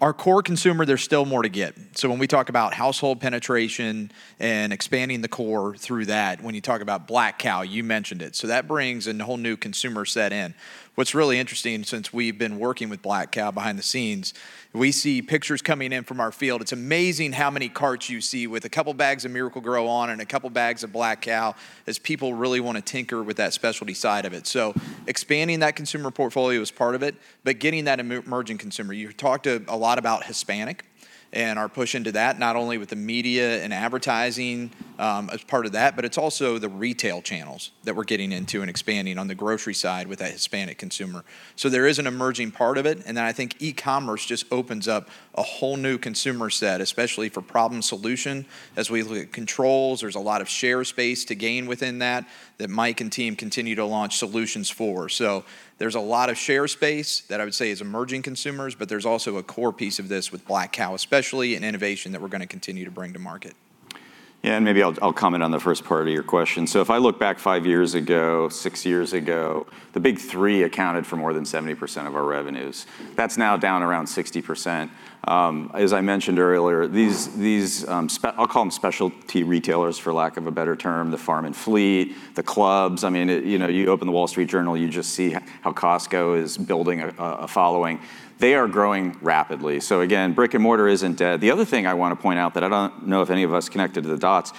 our core consumer, there's still more to get. When we talk about household penetration and expanding the core through that, when you talk about Black Kow, you mentioned it. That brings a whole new consumer set in. What's really interesting, since we've been working with Black Kow behind the scenes, we see pictures coming in from our field. It's amazing how many carts you see with a couple bags of Miracle-Gro on and a couple bags of Black Kow as people really want to tinker with that specialty side of it. Expanding that consumer portfolio is part of it, but getting that emerging consumer. You talked a lot about Hispanic and our push into that, not only with the media and advertising as part of that, but it's also the retail channels that we're getting into and expanding on the grocery side with that Hispanic consumer. There is an emerging part of it, and then I think e-commerce just opens up a whole new consumer set, especially for problem solution. As we look at controls, there's a lot of share space to gain within that Mike and team continue to launch solutions for. There's a lot of share space that I would say is emerging consumers, but there's also a core piece of this with Black Kow especially, and innovation that we're going to continue to bring to market. Yeah, maybe I'll comment on the first part of your question. If I look back five years ago, six years ago, the big three accounted for more than 70% of our revenues. That's now down around 60%. As I mentioned earlier, these, I'll call them specialty retailers for lack of a better term, the farm and fleet, the clubs, you open the Wall Street Journal, you just see how Costco is building a following. They are growing rapidly. Again, brick and mortar isn't dead. The other thing I want to point out that I don't know if any of us connected the dots,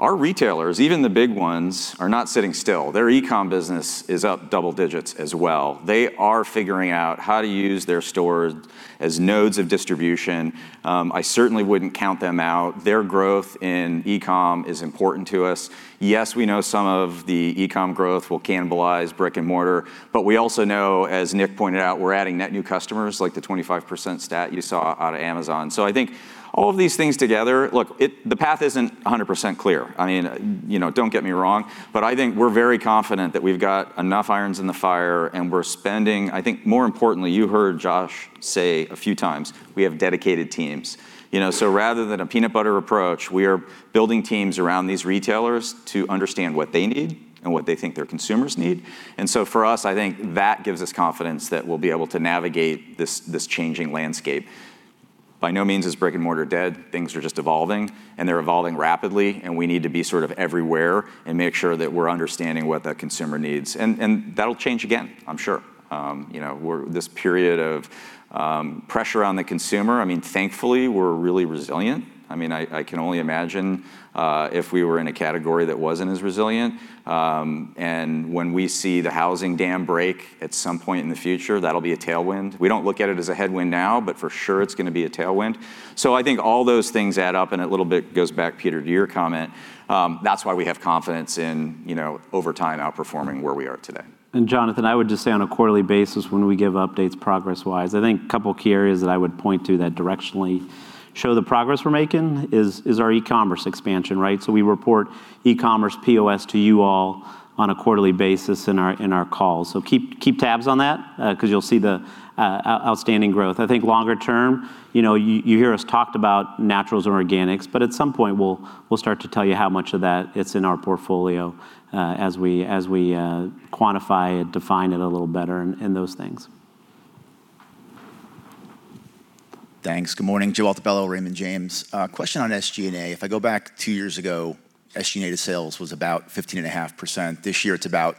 our retailers, even the big ones, are not sitting still. Their e-com business is up double digits as well. They are figuring out how to use their stores as nodes of distribution. I certainly wouldn't count them out. Their growth in e-com is important to us. Yes, we know some of the e-com growth will cannibalize brick and mortar, but we also know, as Nick pointed out, we're adding net new customers, like the 25% stat you saw out of Amazon. I think all of these things together, look, the path isn't 100% clear. Don't get me wrong, but I think we're very confident that we've got enough irons in the fire and we're spending, I think more importantly, you heard Josh say a few times, we have dedicated teams. Rather than a peanut butter approach, we are building teams around these retailers to understand what they need and what they think their consumers need. For us, I think that gives us confidence that we'll be able to navigate this changing landscape. By no means is brick and mortar dead. Things are just evolving and they're evolving rapidly, and we need to be sort of everywhere and make sure that we're understanding what that consumer needs. That'll change again, I'm sure. This period of pressure on the consumer, thankfully we're really resilient. I can only imagine if we were in a category that wasn't as resilient. When we see the housing dam break at some point in the future, that'll be a tailwind. We don't look at it as a headwind now, but for sure it's going to be a tailwind. I think all those things add up and a little bit goes back, Peter, to your comment. That's why we have confidence in over time outperforming where we are today. Jonathan, I would just say on a quarterly basis when we give updates progress-wise, I think a couple of key areas that I would point to that directionally show the progress we're making is our e-commerce expansion, right? We report e-commerce POS to you all on a quarterly basis in our calls. Keep tabs on that because you'll see the outstanding growth. I think longer term, you hear us talked about naturals and organics, but at some point we'll start to tell you how much of that is in our portfolio as we quantify it, define it a little better and those things. Thanks. Good morning. Joseph Altobello, Raymond James. Question on SG&A. If I go back two years ago, SG&A to sales was about 15.5%. This year it's about,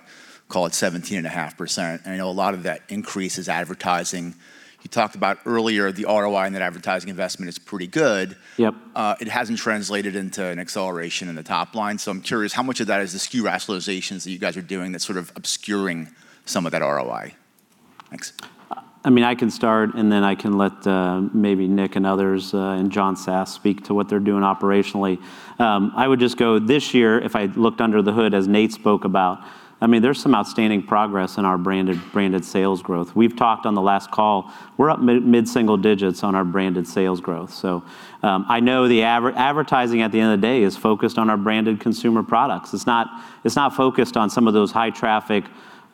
call it 17.5%. I know a lot of that increase is advertising. You talked about earlier the ROI on that advertising investment is pretty good. Yep. It hasn't translated into an acceleration in the top line. I'm curious, how much of that is the SKU rationalizations that you guys are doing that's sort of obscuring some of that ROI? Thanks. I can start, then I can let maybe Nick and others, and John Sass speak to what they're doing operationally. I would just go, this year, if I looked under the hood, as Nate spoke about, there's some outstanding progress in our branded sales growth. We've talked on the last call, we're up mid-single digits on our branded sales growth. I know the advertising at the end of the day is focused on our branded consumer products. It's not focused on some of those high-traffic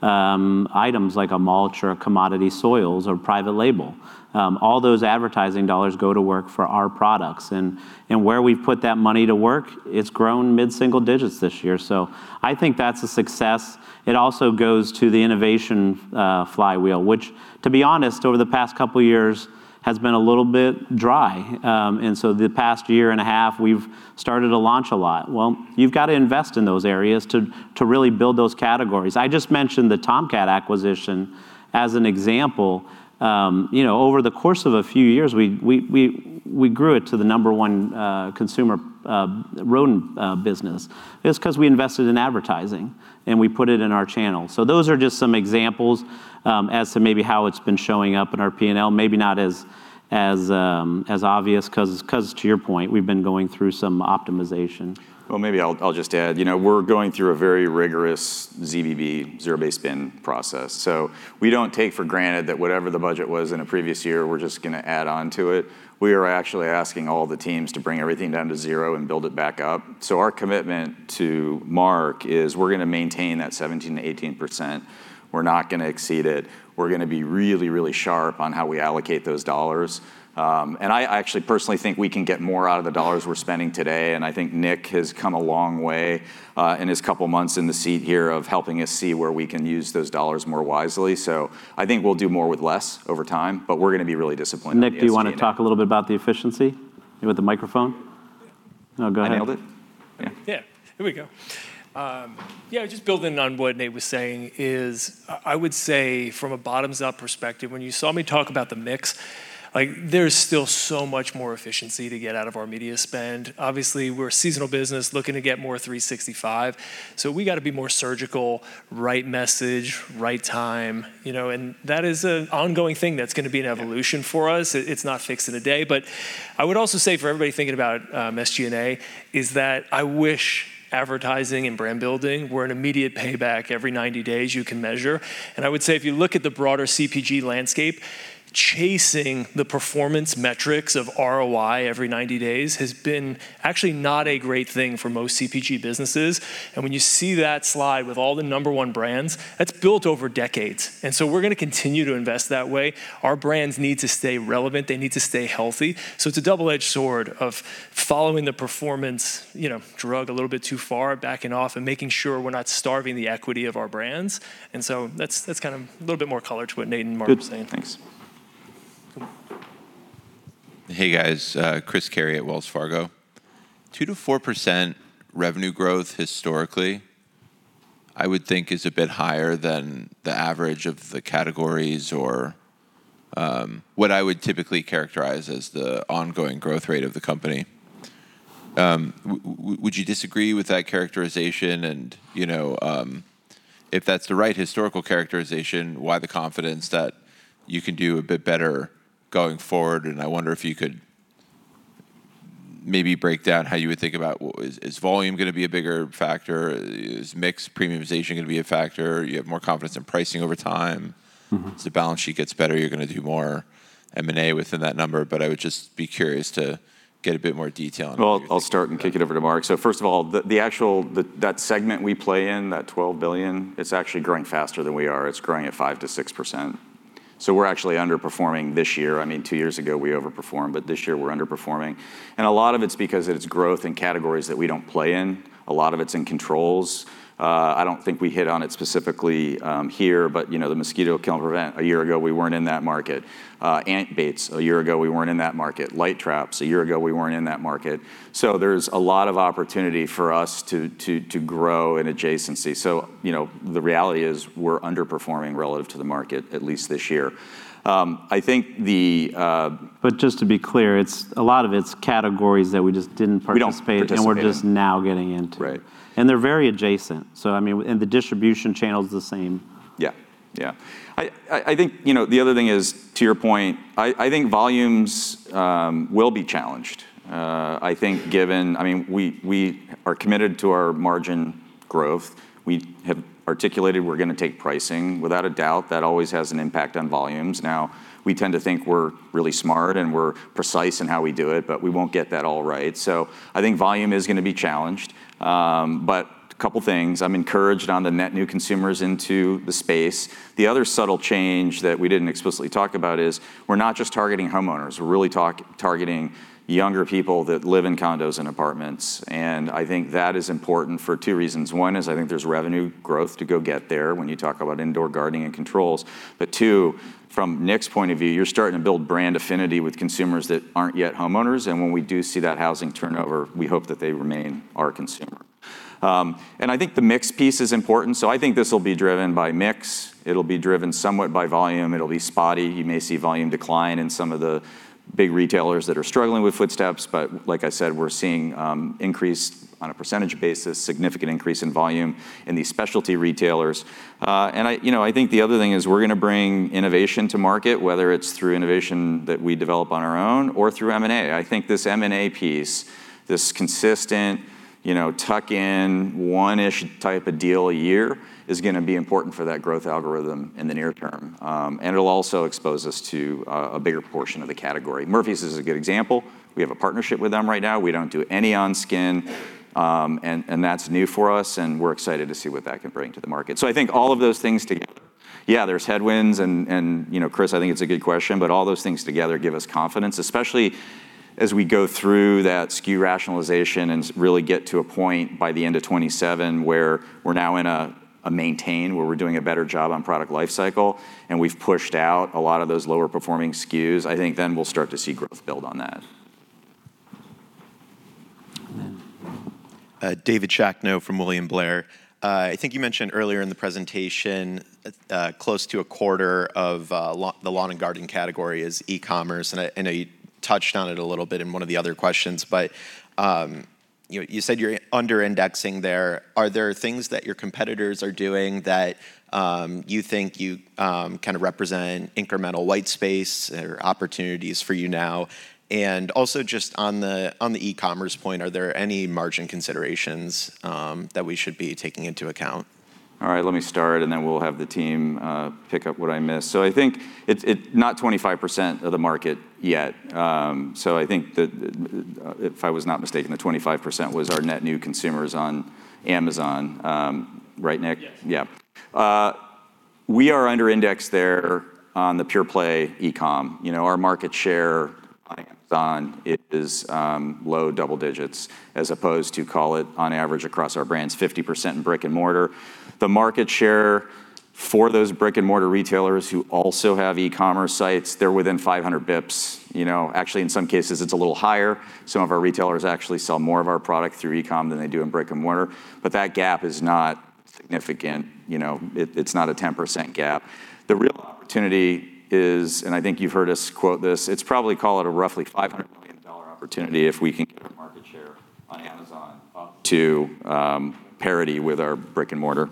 items like a mulch or a commodity soils or private label. All those advertising dollars go to work for our products. Where we've put that money to work, it's grown mid-single digits this year. I think that's a success. It also goes to the innovation flywheel, which to be honest, over the past couple of years has been a little bit dry. The past year and a half, we've started to launch a lot. Well, you've got to invest in those areas to really build those categories. I just mentioned the Tomcat acquisition as an example. Over the course of a few years, we grew it to the number one consumer rodent business. It's because we invested in advertising, and we put it in our channel. Those are just some examples as to maybe how it's been showing up in our P&L. Maybe not as obvious because to your point, we've been going through some optimization. Well, maybe I'll just add. We're going through a very rigorous ZBB, zero-based budgeting process. We don't take for granted that whatever the budget was in a previous year, we're just going to add on to it. We are actually asking all the teams to bring everything down to zero and build it back up. Our commitment to Mark is we're going to maintain that 17%-18%. We're not going to exceed it. We're going to be really, really sharp on how we allocate those dollars. I actually personally think we can get more out of the dollars we're spending today, and I think Nick has come a long way, in his couple of months in the seat here, of helping us see where we can use those dollars more wisely. I think we'll do more with less over time, but we're going to be really disciplined in the SG&A. Nick, do you want to talk a little bit about the efficiency? You with the microphone? No, go ahead. I nailed it? Yeah. Just building on what Nate was saying is, I would say from a bottoms-up perspective, when you saw me talk about the mix, there's still so much more efficiency to get out of our media spend. Obviously, we're a seasonal business looking to get more 365. We got to be more surgical, right message, right time, and that is an ongoing thing that's going to be an evolution for us. It's not fixed in a day. I would also say for everybody thinking about SG&A is that I wish advertising and brand building were an immediate payback every 90 days you can measure. I would say if you look at the broader CPG landscape, chasing the performance metrics of ROI every 90 days has been actually not a great thing for most CPG businesses. When you see that slide with all the number one brands, that's built over decades. We're going to continue to invest that way. Our brands need to stay relevant. They need to stay healthy. It's a double-edged sword of following the performance drug a little bit too far, backing off, and making sure we're not starving the equity of our brands. That's kind of a little bit more color to what Nate and Mark were saying. Good. Thanks. Hey, guys. Chris Carey at Wells Fargo. 2%-4% revenue growth historically, I would think is a bit higher than the average of the categories or what I would typically characterize as the ongoing growth rate of the company. Would you disagree with that characterization and, if that's the right historical characterization, why the confidence that you can do a bit better going forward? I wonder if you could maybe break down how you would think about is volume going to be a bigger factor? Is mix premiumization going to be a factor? You have more confidence in pricing over time? As the balance sheet gets better, you're going to do more M&A within that number. I would just be curious to get a bit more detail on how you're thinking about that. Well, I'll start and kick it over to Mark. First of all, that segment we play in, that $12 billion, it's actually growing faster than we are. It's growing at 5%-6%. We're actually underperforming this year. Two years ago we overperformed, but this year we're underperforming. A lot of it's because it's growth in categories that we don't play in. A lot of it's in controls. I don't think we hit on it specifically here, but the Mosquito Kill and Prevent, a year ago, we weren't in that market. Ant Baits, a year ago, we weren't in that market. Light traps, a year ago, we weren't in that market. There's a lot of opportunity for us to grow in adjacency. The reality is we're underperforming relative to the market, at least this year. Just to be clear, a lot of it's categories that we just didn't participate. We don't participate. We're just now getting into. Right. They're very adjacent, the distribution channel's the same. Yeah. I think the other thing is, to your point, I think volumes will be challenged. We are committed to our margin growth. We have articulated we're going to take pricing without a doubt, that always has an impact on volumes. Now, we tend to think we're really smart, and we're precise in how we do it, but we won't get that all right. I think volume is going to be challenged. A couple things, I'm encouraged on the net new consumers into the space. The other subtle change that we didn't explicitly talk about is we're not just targeting homeowners. We're really targeting younger people that live in condos and apartments. I think that is important for two reasons. One is I think there's revenue growth to go get there when you talk about indoor gardening and controls. Two, from Nick's point of view, you're starting to build brand affinity with consumers that aren't yet homeowners, and when we do see that housing turnover, we hope that they remain our consumer. I think the mix piece is important. I think this will be driven by mix. It'll be driven somewhat by volume. It'll be spotty. You may see volume decline in some of the big retailers that are struggling with footsteps. Like I said, we're seeing increase on a percentage basis, significant increase in volume in these specialty retailers. I think the other thing is we're going to bring innovation to market, whether it's through innovation that we develop on our own or through M&A. I think this M&A piece, this consistent tuck in one-ish type of deal a year is going to be important for that growth algorithm in the near term. It'll also expose us to a bigger portion of the category. Murphy's is a good example. We have a partnership with them right now. We don't do any on skin, and that's new for us, and we're excited to see what that can bring to the market. I think all of those things together. Yeah, there's headwinds and Chris, I think it's a good question, all those things together give us confidence, especially as we go through that SKU rationalization and really get to a point by the end of 2027 where we're now in a maintain, where we're doing a better job on product life cycle, and we've pushed out a lot of those lower performing SKUs. I think then we'll start to see growth build on that. Next. David Shakno from William Blair. I think you mentioned earlier in the presentation, close to a quarter of the lawn and garden category is e-commerce, and I know you touched on it a little bit in one of the other questions, but you said you're under-indexing there. Are there things that your competitors are doing that you think you represent incremental white space or opportunities for you now? Also just on the e-commerce point, are there any margin considerations that we should be taking into account? All right. Let me start, then we'll have the team pick up what I missed. I think it's not 25% of the market yet. I think that if I was not mistaken, the 25% was our net new consumers on Amazon. Right, Nick? Yes. Yeah. We are under index there on the pure play e-com. Our market share on Amazon is low double digits as opposed to call it on average across our brands, 50% in brick and mortar. The market share for those brick and mortar retailers who also have e-commerce sites, they're within 500 basis points. Actually, in some cases, it's a little higher. Some of our retailers actually sell more of our product through e-com than they do in brick and mortar, but that gap is not significant. It's not a 10% gap. The real opportunity is, I think you've heard us quote this, it's probably call it a roughly $500 million opportunity if we can get our market share on Amazon up to parity with our brick and mortar.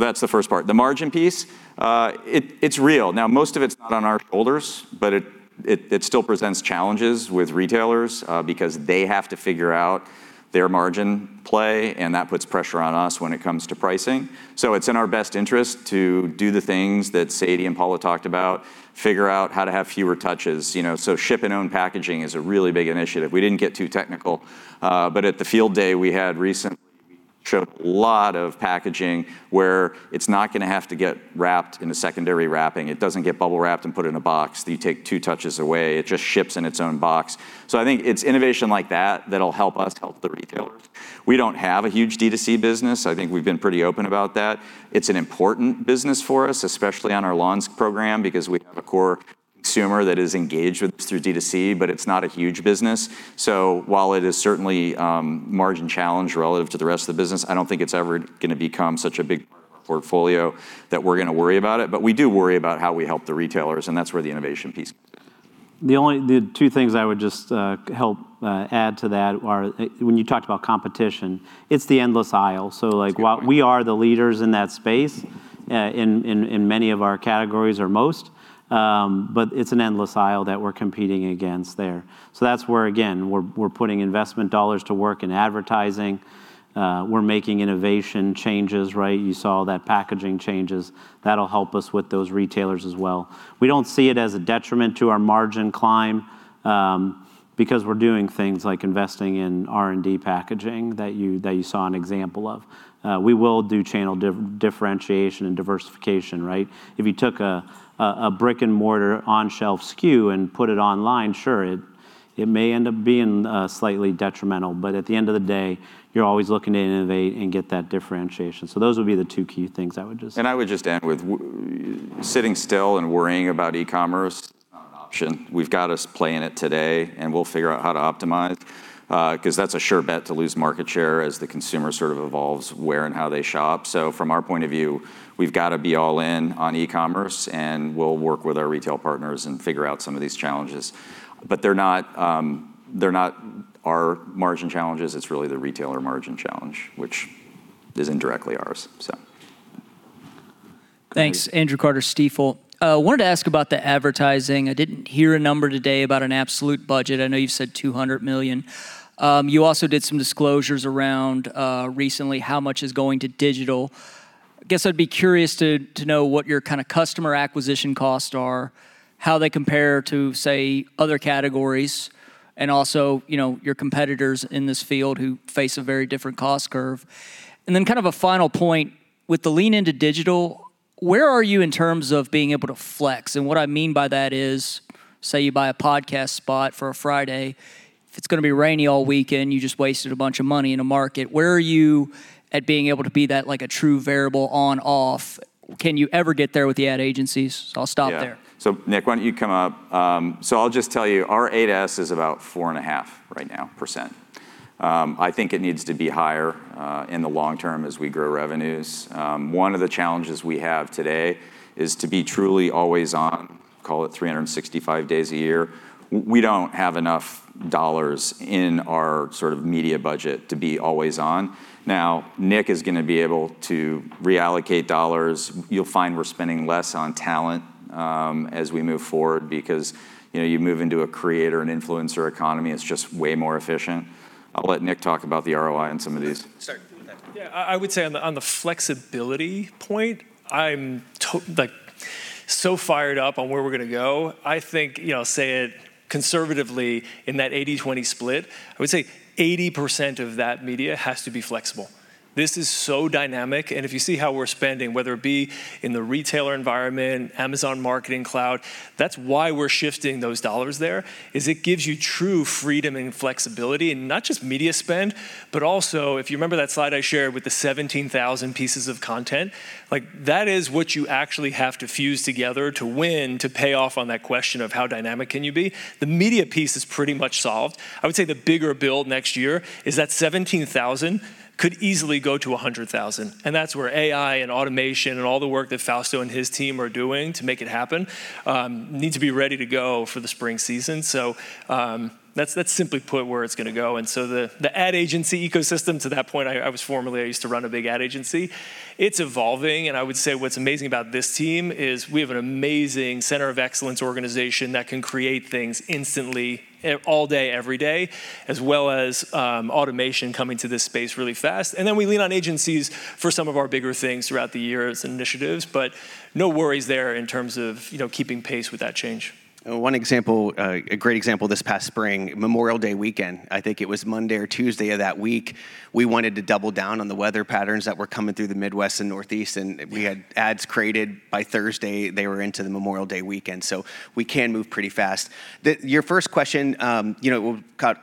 That's the first part. The margin piece, it's real. Most of it's not on our shoulders, it still presents challenges with retailers because they have to figure out their margin play, and that puts pressure on us when it comes to pricing. It's in our best interest to do the things that Sadie and Paula talked about, figure out how to have fewer touches. Ship and own packaging is a really big initiative. We didn't get too technical, but at the field day we had recently, we showed a lot of packaging where it's not going to have to get wrapped in a secondary wrapping. It doesn't get bubble wrapped and put in a box that you take two touches away. It just ships in its own box. I think it's innovation like that that'll help us help the retailers. We don't have a huge D2C business. I think we've been pretty open about that. It's an important business for us, especially on our lawns program, because we have a core consumer that is engaged with us through D2C, but it's not a huge business. While it is certainly margin challenged relative to the rest of the business, I don't think it's ever going to become such a big part of our portfolio that we're going to worry about it. We do worry about how we help the retailers, and that's where the innovation piece comes in. The two things I would just help add to that are when you talked about competition, it's the endless aisle. That's right. We are the leaders in that space, in many of our categories or most, but it's an endless aisle that we're competing against there. That's where, again, we're putting investment dollars to work in advertising. We're making innovation changes, right? You saw that packaging changes. That'll help us with those retailers as well. We don't see it as a detriment to our margin climb, because we're doing things like investing in R&D packaging that you saw an example of. We will do channel differentiation and diversification, right? If you took a brick-and-mortar on-shelf SKU and put it online, sure, it may end up being slightly detrimental, but at the end of the day, you're always looking to innovate and get that differentiation. Those would be the two key things. I would just end with sitting still and worrying about e-commerce is not an option. We've got to play in it today, and we'll figure out how to optimize, because that's a sure bet to lose market share as the consumer sort of evolves where and how they shop. From our point of view, we've got to be all in on e-commerce, and we'll work with our retail partners and figure out some of these challenges. They're not our margin challenges. It's really the retailer margin challenge, which is indirectly ours. Thanks. Andrew Carter, Stifel. I wanted to ask about the advertising. I didn't hear a number today about an absolute budget. I know you've said $200 million. You also did some disclosures around recently how much is going to digital. I guess I'd be curious to know what your kind of customer acquisition costs are, how they compare to, say, other categories, and also your competitors in this field who face a very different cost curve. Then kind of a final point, with the lean into digital, where are you in terms of being able to flex? And what I mean by that is, say you buy a podcast spot for a Friday. If it's going to be rainy all weekend, you just wasted a bunch of money in a market. Where are you at being able to be that, like a true variable on/off Can you ever get there with the ad agencies? I'll stop there. Yeah. Nick, why don't you come up? I'll just tell you, our A&S is about 4.5% right now. I think it needs to be higher in the long term as we grow revenues. One of the challenges we have today is to be truly always on, call it 365 days a year. We don't have enough dollars in our media budget to be always on. Nick is going to be able to reallocate dollars. You'll find we're spending less on talent as we move forward because you move into a creator and influencer economy, it's just way more efficient. I'll let Nick talk about the ROI on some of these. Sorry. I would say on the flexibility point, I'm so fired up on where we're going to go. I think, say it conservatively in that 80/20 split, I would say 80% of that media has to be flexible. This is so dynamic. If you see how we're spending, whether it be in the retailer environment, Amazon Marketing Cloud, that's why we're shifting those dollars there, is it gives you true freedom and flexibility, and not just media spend, but also, if you remember that slide I shared with the 17,000 pieces of content, that is what you actually have to fuse together to win to pay off on that question of how dynamic can you be. The media piece is pretty much solved. I would say the bigger build next year is that 17,000 could easily go to 100,000, that's where AI and automation and all the work that Fausto and his team are doing to make it happen need to be ready to go for the spring season. That's simply put where it's going to go. The ad agency ecosystem to that point, I used to run a big ad agency. It's evolving. I would say what's amazing about this team is we have an amazing center of excellence organization that can create things instantly all day, every day, as well as automation coming to this space really fast. We lean on agencies for some of our bigger things throughout the years and initiatives. No worries there in terms of keeping pace with that change. One example, a great example this past spring, Memorial Day weekend. I think it was Monday or Tuesday of that week, we wanted to double down on the weather patterns that were coming through the Midwest and Northeast. We had ads created by Thursday. They were into the Memorial Day weekend. We can move pretty fast. Your first question,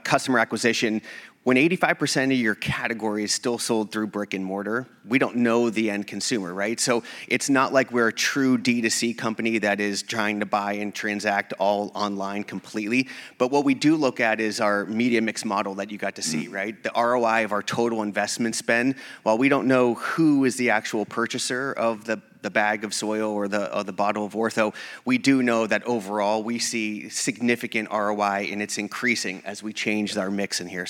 customer acquisition. When 85% of your category is still sold through brick and mortar, we don't know the end consumer. It's not like we're a true D2C company that is trying to buy and transact all online completely. What we do look at is our media mix model that you got to see. The ROI of our total investment spend. While we don't know who is the actual purchaser of the bag of soil or the bottle of Ortho, we do know that overall, we see significant ROI, and it's increasing as we change our mix in here.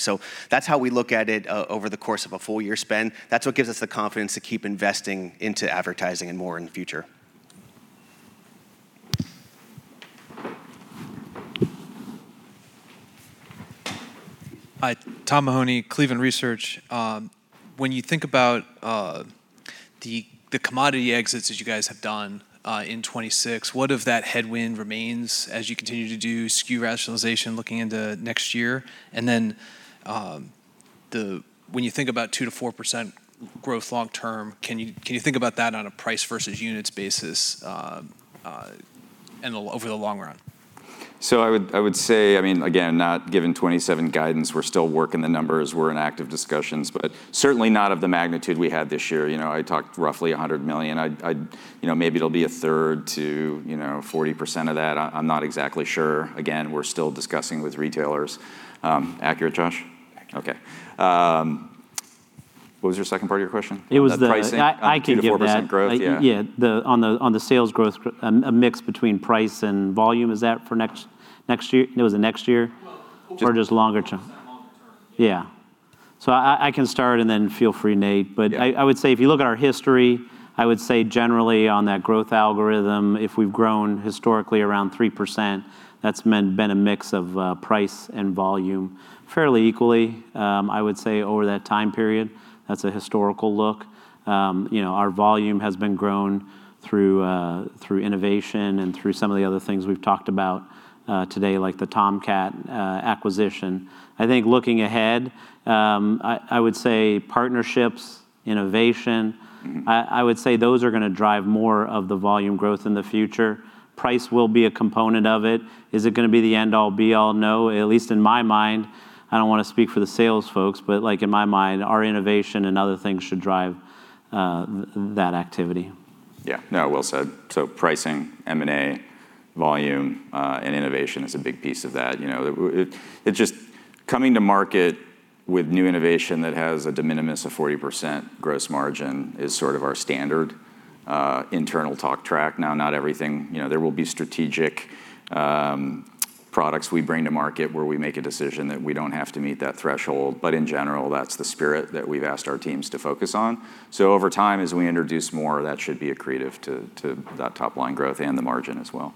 That's how we look at it over the course of a full year spend. That's what gives us the confidence to keep investing into advertising and more in the future. Hi, Tom Mahoney, Cleveland Research. When you think about the commodity exits that you guys have done in 2026, what of that headwind remains as you continue to do SKU rationalization looking into next year? When you think about 2%-4% growth long term, can you think about that on a price versus units basis over the long run? I would say, again, not given 2027 guidance, we're still working the numbers. We're in active discussions, but certainly not of the magnitude we had this year. I talked roughly $100 million. Maybe it'll be a third to 40% of that. I'm not exactly sure. Again, we're still discussing with retailers. Accurate, Josh? Accurate. Okay. What was your second part of your question? It was- The- I can give that. -2%-4% growth. Yeah. Yeah. On the sales growth, a mix between price and volume. Is that for next year? It was the next year? Well- Just longer term? Longer term. Yeah. I can start and then feel free, Nate. Yeah. I would say if you look at our history, I would say generally on that growth algorithm, if we've grown historically around 3%, that's been a mix of price and volume fairly equally, I would say over that time period. That's a historical look. Our volume has been grown through innovation and through some of the other things we've talked about today, like the Tomcat acquisition. I think looking ahead, I would say partnerships, innovation, I would say those are going to drive more of the volume growth in the future. Price will be a component of it. Is it going to be the end-all be-all? No. At least in my mind, I don't want to speak for the sales folks, but in my mind, our innovation and other things should drive that activity. Yeah. No, well said. Pricing, M&A, volume, and innovation is a big piece of that. Coming to market with new innovation that has a de minimis of 40% gross margin is sort of our standard internal talk track. Now, not everything, there will be strategic products we bring to market where we make a decision that we don't have to meet that threshold. In general, that's the spirit that we've asked our teams to focus on. Over time, as we introduce more, that should be accretive to that top line growth and the margin as well.